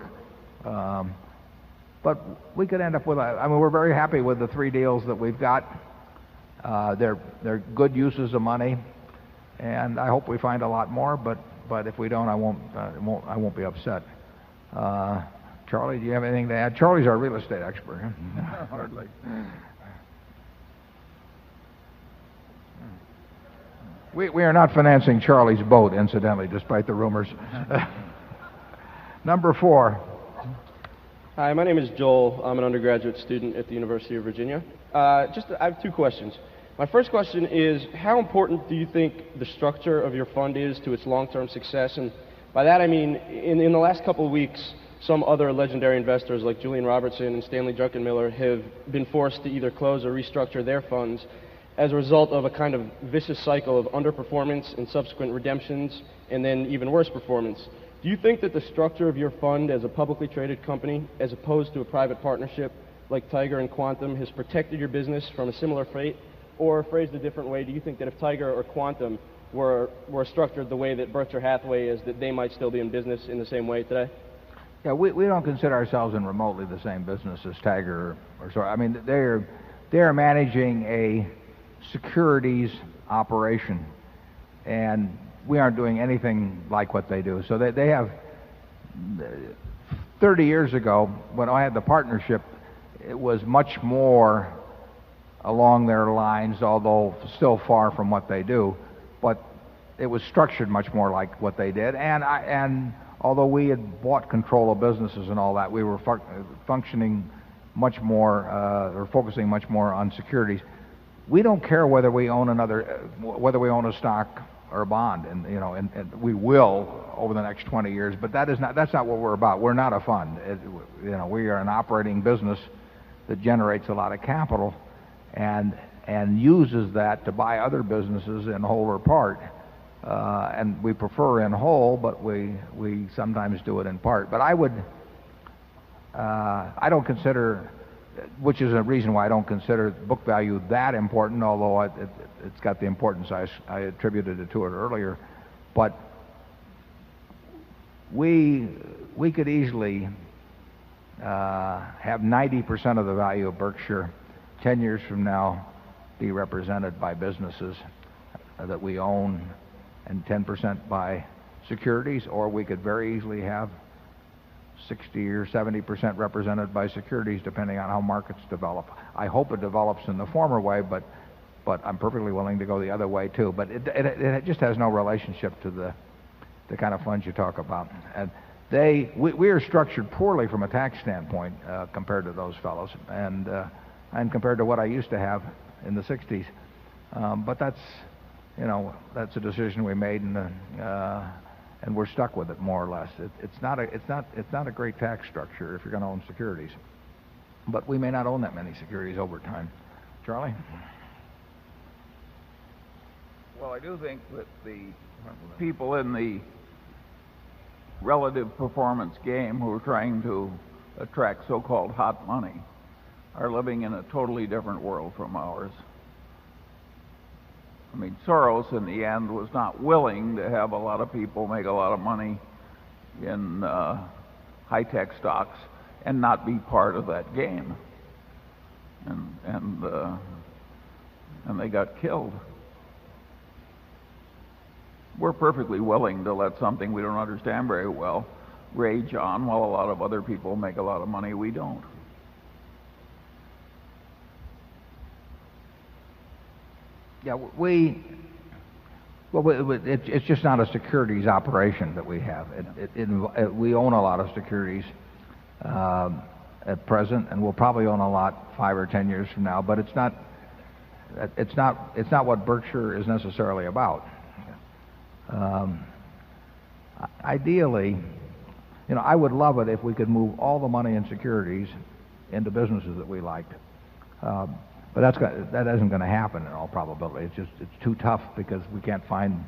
But we could end up with a I mean, we're very happy with the 3 deals that we've got. They're good uses of money, and I hope we find a lot more. But if we don't, I won't I won't be upset. Charlie, do you have anything to add? Charlie's our real estate expert, hardly. We are not financing Charlie's boat, incidentally, despite the rumors. Number 4. Hi. My name is Joel. I'm an undergraduate student at the University of Virginia. Just I have two questions. My first question is, how important do you think the structure of your fund is to its long term success? And by that I mean, in the last couple of weeks, some other legendary investors like Julian Robertson and Stanley Druckenmiller have been forced to either close or restructure their funds as a result of a kind of vicious cycle of underperformance and subsequent redemptions and then even worse performance. Do you think that the structure of your fund as a publicly traded company as opposed to a private partnership like Tiger and Quantum has protected your business from a similar fate? Or phrase the different way, do you think that if Tiger or Quantum were structured the way that Berkshire Hathaway is, they might still be in business in the same way today? Yeah. We we don't consider ourselves in remotely the same business as Tiger or so. I mean, they're they're managing a securities operation, and we aren't doing anything like what they do. So they have 30 years ago, when I had the partnership, it was much more along their lines, although still far from they do. But it was structured much more like what they did. And I and although we had bought control of businesses and all that, we were functioning much more, or focusing much more on securities. We don't care whether we own another whether we own a stock or a bond. And, you know, and we will the next 20 years. But that is not that's not what we're about. We're not a fund. We are an operating business that generates a lot of capital and uses that to buy other businesses in whole or part. And we prefer in whole, but we sometimes do it in part. But I would I don't consider which is a reason why I don't consider book value that important, although it's got the importance. I attributed it to it earlier. But we could easily have 90% of the value of Berkshire 10 years from now be represented by businesses that we own and 10% by securities, or we could very easily have 60% or 70% represented by securities, depending on how markets develop. I hope it develops in the former way, but I'm perfectly willing to go the other way too. But it and it just has no relationship to the kind of funds you talk about. And they we are structured poorly from a tax standpoint, compared to those fellows, and compared to what I used to have in the '60s. But that's, you know, that's a decision we made, and we're stuck with it more or less. It's not a great tax structure if you're going to own securities, but we may not own that many securities over time. Charlie? Well, I do think that the people in the relative performance game who are trying to attract so called hot money are living in a totally different world from ours. I mean, Soros, in the end, was not willing to have a lot of people make a lot of money in, high-tech stocks and not be part of that game. And they got killed. We're perfectly willing to let something we don't understand very well rage on while a lot of other people make a lot of money. We don't. Yeah. We it's just not a securities operation that we have. We own a lot of securities at present, and we'll probably own a lot 5 or 10 years from now. But it's not what Berkshire is necessarily about. Ideally, you know, I would love it if we could move all the money and securities into businesses that we liked, But that's that isn't going to happen in all probability. It's just it's too tough because we can't find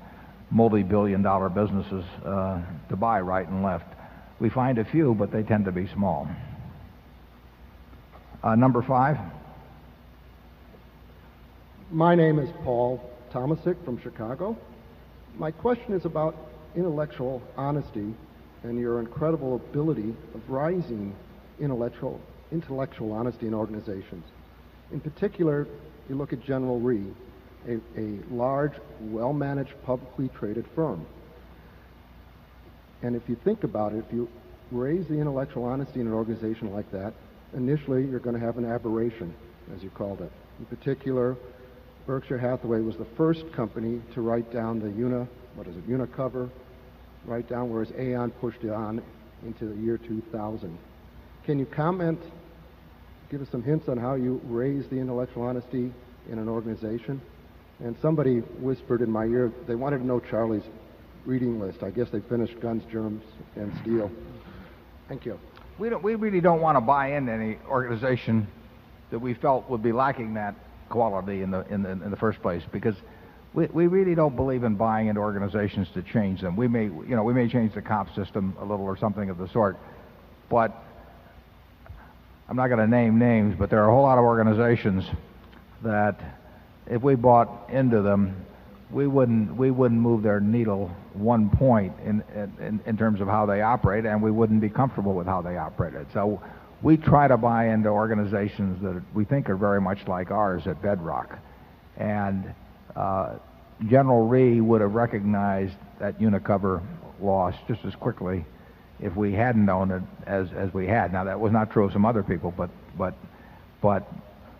multibillion dollar businesses to buy right and left. We find a few, but they tend to be small. Number 5. My name is Paul Tomasek from Chicago. My question is about intellectual honesty and your incredible ability of rising intellectual intellectual honesty in organizations. In particular, you look at General Re, a a large, well managed, publicly traded firm. And if you think about it, if you raise the intellectual honesty in an organization like that, initially, you're gonna have an aberration, as you called it. In particular, Berkshire Hathaway was the 1st company to write down the UNI what does it UNI cover write down whereas Aon pushed it on into the year 2000. Can you comment, give us some hints on how you raise the intellectual honesty in an organization? And somebody whispered in my ear, they wanted to know Charlie's reading list. I guess they finished guns, germs, and steel. Thank you. We don't we really don't want to buy in any organization that we felt would be lacking that quality in the in the in the first place because we really don't believe in buying into organizations to change them. We may you know, we may change the comp system a little or something of the sort, but I'm not going to name names, but there are a whole lot of organizations that, if we bought into them, we wouldn't move their needle one point in terms of how they operate, and we wouldn't be comfortable with how they operate it. So we try to buy into organizations that we think are very much like ours at Bedrock. And General Rhee would have recognized that UNICOVER loss just as quickly if we hadn't owned it as we had. Now, that was not true of some other people, but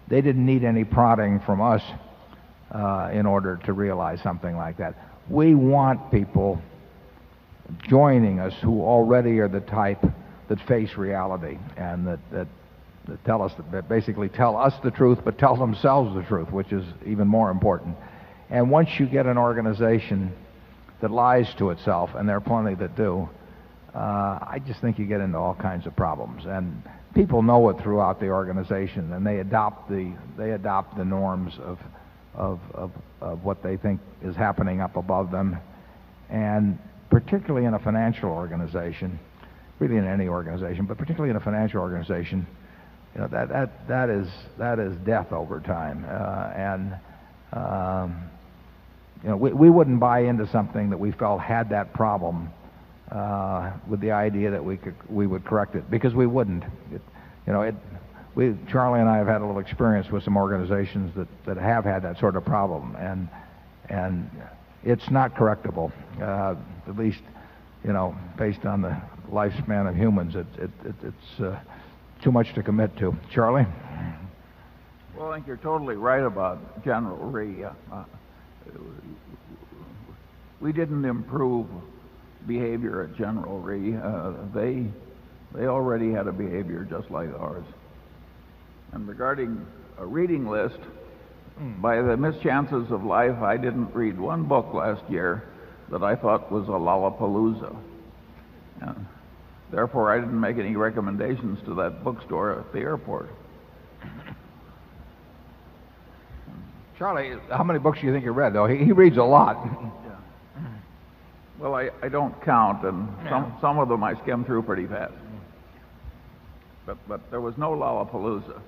they didn't need any prodding from us in order to realize something like that. We want people joining us who already are the type that face reality and that tell us basically tell us the truth, but tell themselves the truth, which is even more important. And once you get an organization that lies to itself and there are plenty that do I just think you get into all kinds of problems. And people know it throughout the organization, and they adopt the norms of what they think is happening up above them. And particularly in a financial organization really in any organization, but particularly in a financial organization, you know, that is death over time. And, you know, we wouldn't buy into something that we've felt had that problem with the idea that we could we would correct it, because we wouldn't. You know, it we Charlie and I have had a little experience with some organizations that have had that sort of problem. And it's not correctable, at least, you know, based on the lifespan of humans. It's too much to commit to. Charlie? Well, I think you're totally right about General Re. We didn't improve behavior at General Re. They already had a behavior just like ours. And regarding a reading list, by the missed chances of life, I didn't read one book last year that I thought was a Lollapalooza. Therefore, I didn't make any recommendations to that bookstore at the airport. Charlie, how many books do you think you read? He reads a lot. Well, I don't count, and some of them I skimmed through pretty but there was no Lollapalooza.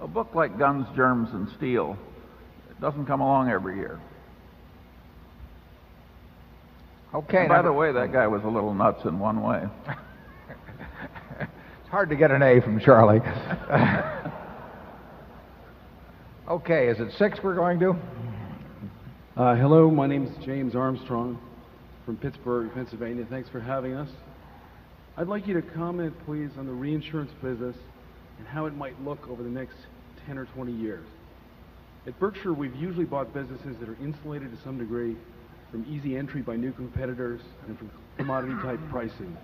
A book like Guns, Germs, and Steel doesn't come along every year. Okay. And by the way, that guy was a little nuts in one way. It's hard to get an a from Charlie. Okay. Is it 6 we're going to? Hello. My name is James Armstrong from Pittsburgh, Pennsylvania. Thanks for having us. I'd like you to comment please on the reinsurance business and how it might look over the next 10 or 20 years. At Berkshire, we've usually bought businesses that are insulated to some degree from easy entry by new competitors and from commodity type pricing.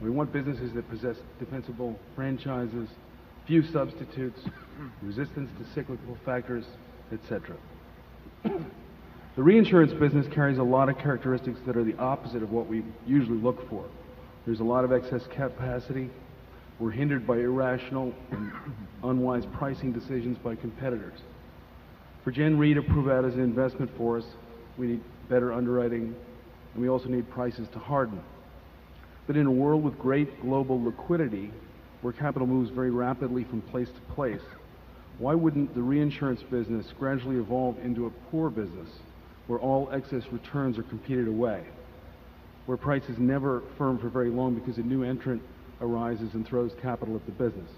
We want businesses that possess defensible franchises, few substitutes, resistance to cyclical factors, etcetera. The reinsurance business carries a lot of characteristics that are the opposite of what we usually look for. There's a lot of excess capacity. We're hindered by irrational and unwise pricing decisions by competitors. For Gen Re to prove out as an investment for us, we need better underwriting, and we also need prices to harden. But in a world with great global liquidity, where capital moves very rapidly from place to place, why wouldn't the reinsurance business gradually evolve into a poor business where all excess returns are competed away, where price has never firmed for very long because a new entrant arises and throws capital at the business.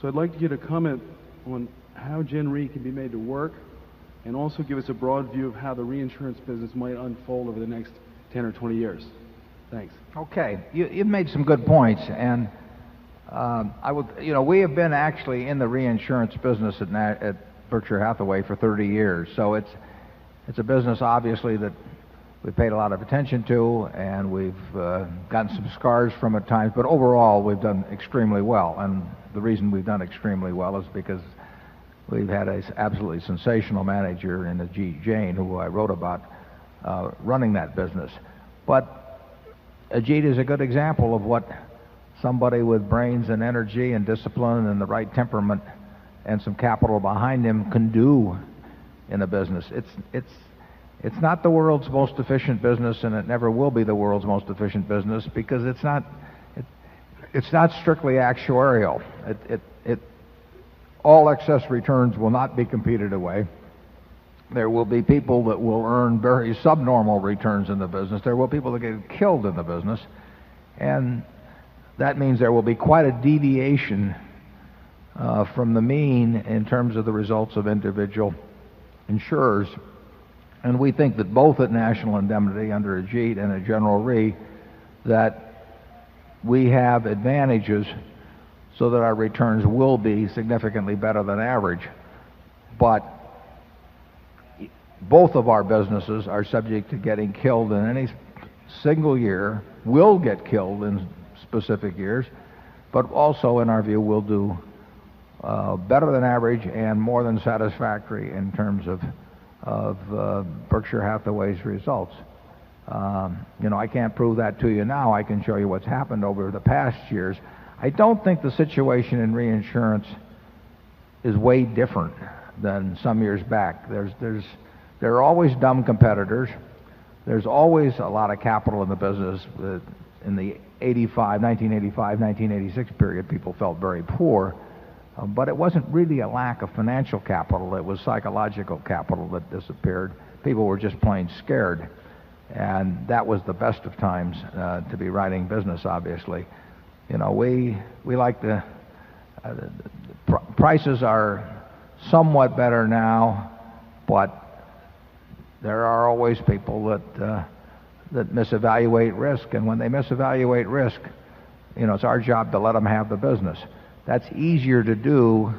So I'd like to get a comment on how Gen RE can be made to work and also give us a broad view of how the reinsurance business might unfold over the next 10 or 20 years. Thanks. Okay. You you made some good points. And, I would you know, we have been actually in the reinsurance business at at Berkshire Hathaway for 30 years. So it's it's a business, obviously, that we've paid a lot of attention to, and we've gotten some scars from it at times. But overall, we've done extremely well. And the reason we've done extremely well is because we've had an absolutely sensational manager in Ajit Jain, who I wrote about, running that business. But Ajit is a good example of what somebody with brains and energy and discipline and the right temperament and some capital behind them can do in a business. It's not the world's most efficient business, and it never will be the world's most efficient business because it's not strictly actuarial. It all excess returns will not be competed away. There will be people that will earn very subnormal returns in the business. There will be people that get killed in the business. And that means there will be quite a deviation from the mean in terms of the results of individual insurers. And we think that both at National Indemnity under Ajit and at General Re, that we have advantages so that our returns will be significantly better than average. But both of our businesses are subject to getting killed in any single year, will get killed in specific years, but also, in our view, will do better than average and more than satisfactory in terms of Berkshire Hathaway's results. You know, I can't prove that to you now. I can show you what's happened over the past years. I don't think the situation in reinsurance is way different than some years back. There's there's there are always dumb competitors. There's always a lot of capital in the business. In the 'eighty five 1985, 'eighty six period, people felt very poor. But it wasn't really a lack of financial capital. It was psychological capital that disappeared. People were just plain scared. And that was the best of times, to be writing business, obviously. You know, we like the prices are somewhat better now, but there are always people that, that misevaluate risk. And when they misevaluate risk, you know, it's our job to let them have the business. That's easier to do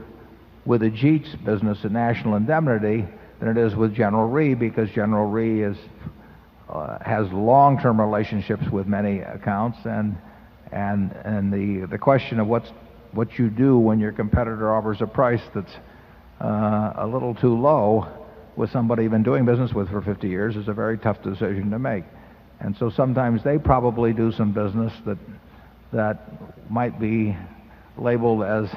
with Ajit's business and National Indemnity than it is with General Rhee, because General Rhee has long term relationships with many accounts. And the question of what you do when your competitor offers a price that's a little too low with somebody you've been doing business with for 50 years is a very tough decision to make. And so sometimes they probably do some business that that might be labeled as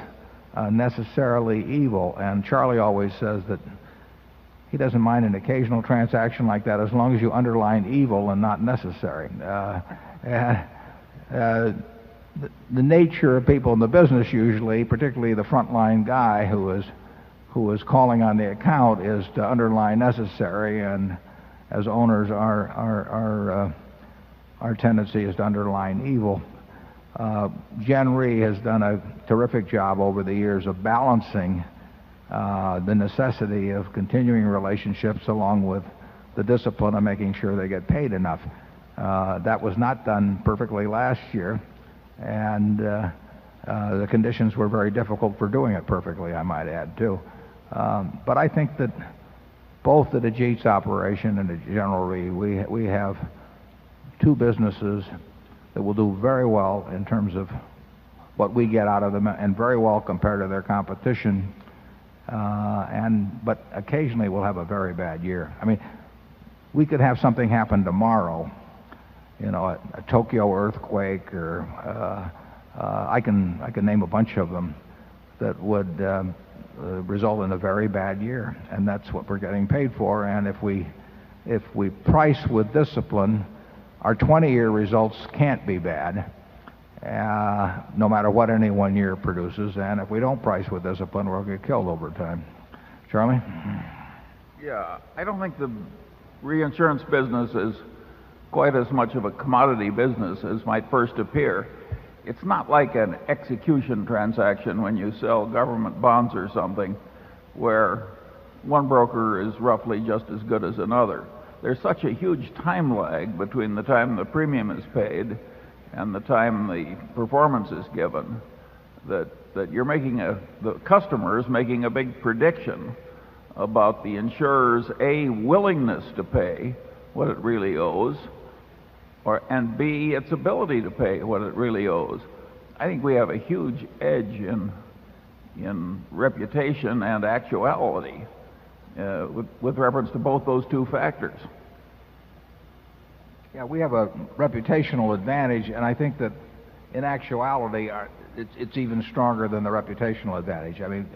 necessarily evil. And Charlie always says that he doesn't mind an occasional transaction like that as long as you underline evil and not necessary. The nature of people in the business usually, particularly the frontline guy who is calling on the account, is to underline necessary. And as owners, our tendency is to underline evil. Jan Rhee has done a terrific job over the years of balancing, the necessity of continuing relationships, along with the discipline of making sure they get paid enough. That was not done perfectly last year. And the conditions were very difficult for doing it perfectly, I might add, too. But I think that both the GEETs operation and the General Re, we have 2 businesses that will do very well in terms of what we get out of them and very well compared to their competition. And but occasionally, we'll have a very bad year. I mean, we could have something happen tomorrow, you know, a Tokyo earthquake or I can name a bunch of them that would result in a very bad year. And that's what we're getting paid for. And if we price with discipline, our 20 year results can't be bad, no matter what any 1 year produces. And if we don't price with discipline, we'll get killed over time. Charlie? Yeah. I don't think the reinsurance business is quite as much of a commodity business as might first appear. It's not like an execution transaction when you sell government bonds or something where one broker is roughly just as good as another. There's such a huge time lag between the time the premium is paid and the time the performance is given that you're making a the customer is making a big prediction about the insurer's, a, willingness to pay what it really owes or and, b, its ability to pay what it really owes. I think we have a huge edge in reputation and actuality with reference to both those two factors. Yeah. We have a reputational advantage, and I think that, in actuality, it's even stronger than the reputational advantage. I mean,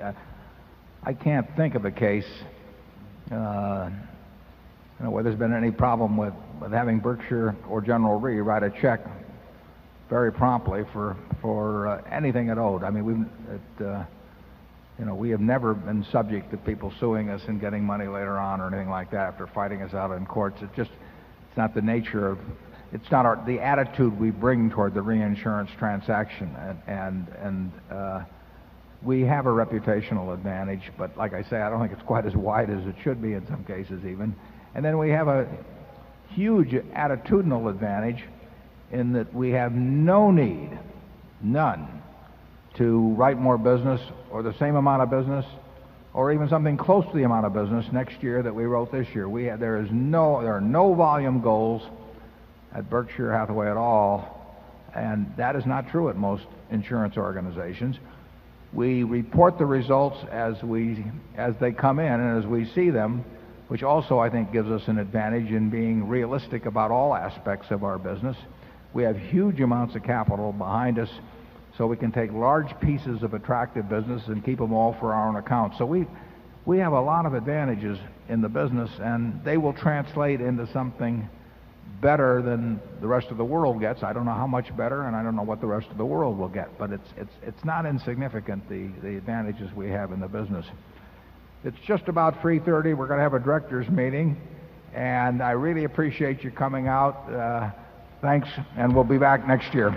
I can't think of a case, where there's been any problem with having Berkshire or General Re write a check very promptly for anything at all. I mean, we've you know, we have never been subject to people suing us and getting money later on or anything like that us out in courts. It's just it's not the nature of it's not our the attitude we bring toward the reinsurance transaction. And we have a reputational advantage, but like I said, I don't think it's quite as wide as it should be in some cases even. And then we have a huge attitudinal advantage, in that we have no need, none, to write more business or the same amount of business or even something close to the amount of business next year that we wrote this year. We had there is no there are no volume goals at Berkshire Hathaway at all, And that is not true at most insurance organizations. We report the results as we as they come in and as we see them, which also, I think, gives us an advantage in being realistic about all aspects of our business. We have huge amounts of capital behind us, so we can take large pieces of attractive business and keep them all for our own account. So we have a lot of advantages in the business, and they will translate into something better than the rest of the world gets. I don't know how much better, and I don't know what the rest of the world will get, but it's not insignificant, the advantages we have in the business. It's just about 3:30. We're going to have a directors' meeting. And I really appreciate you coming out. Thanks, and we'll be back next year.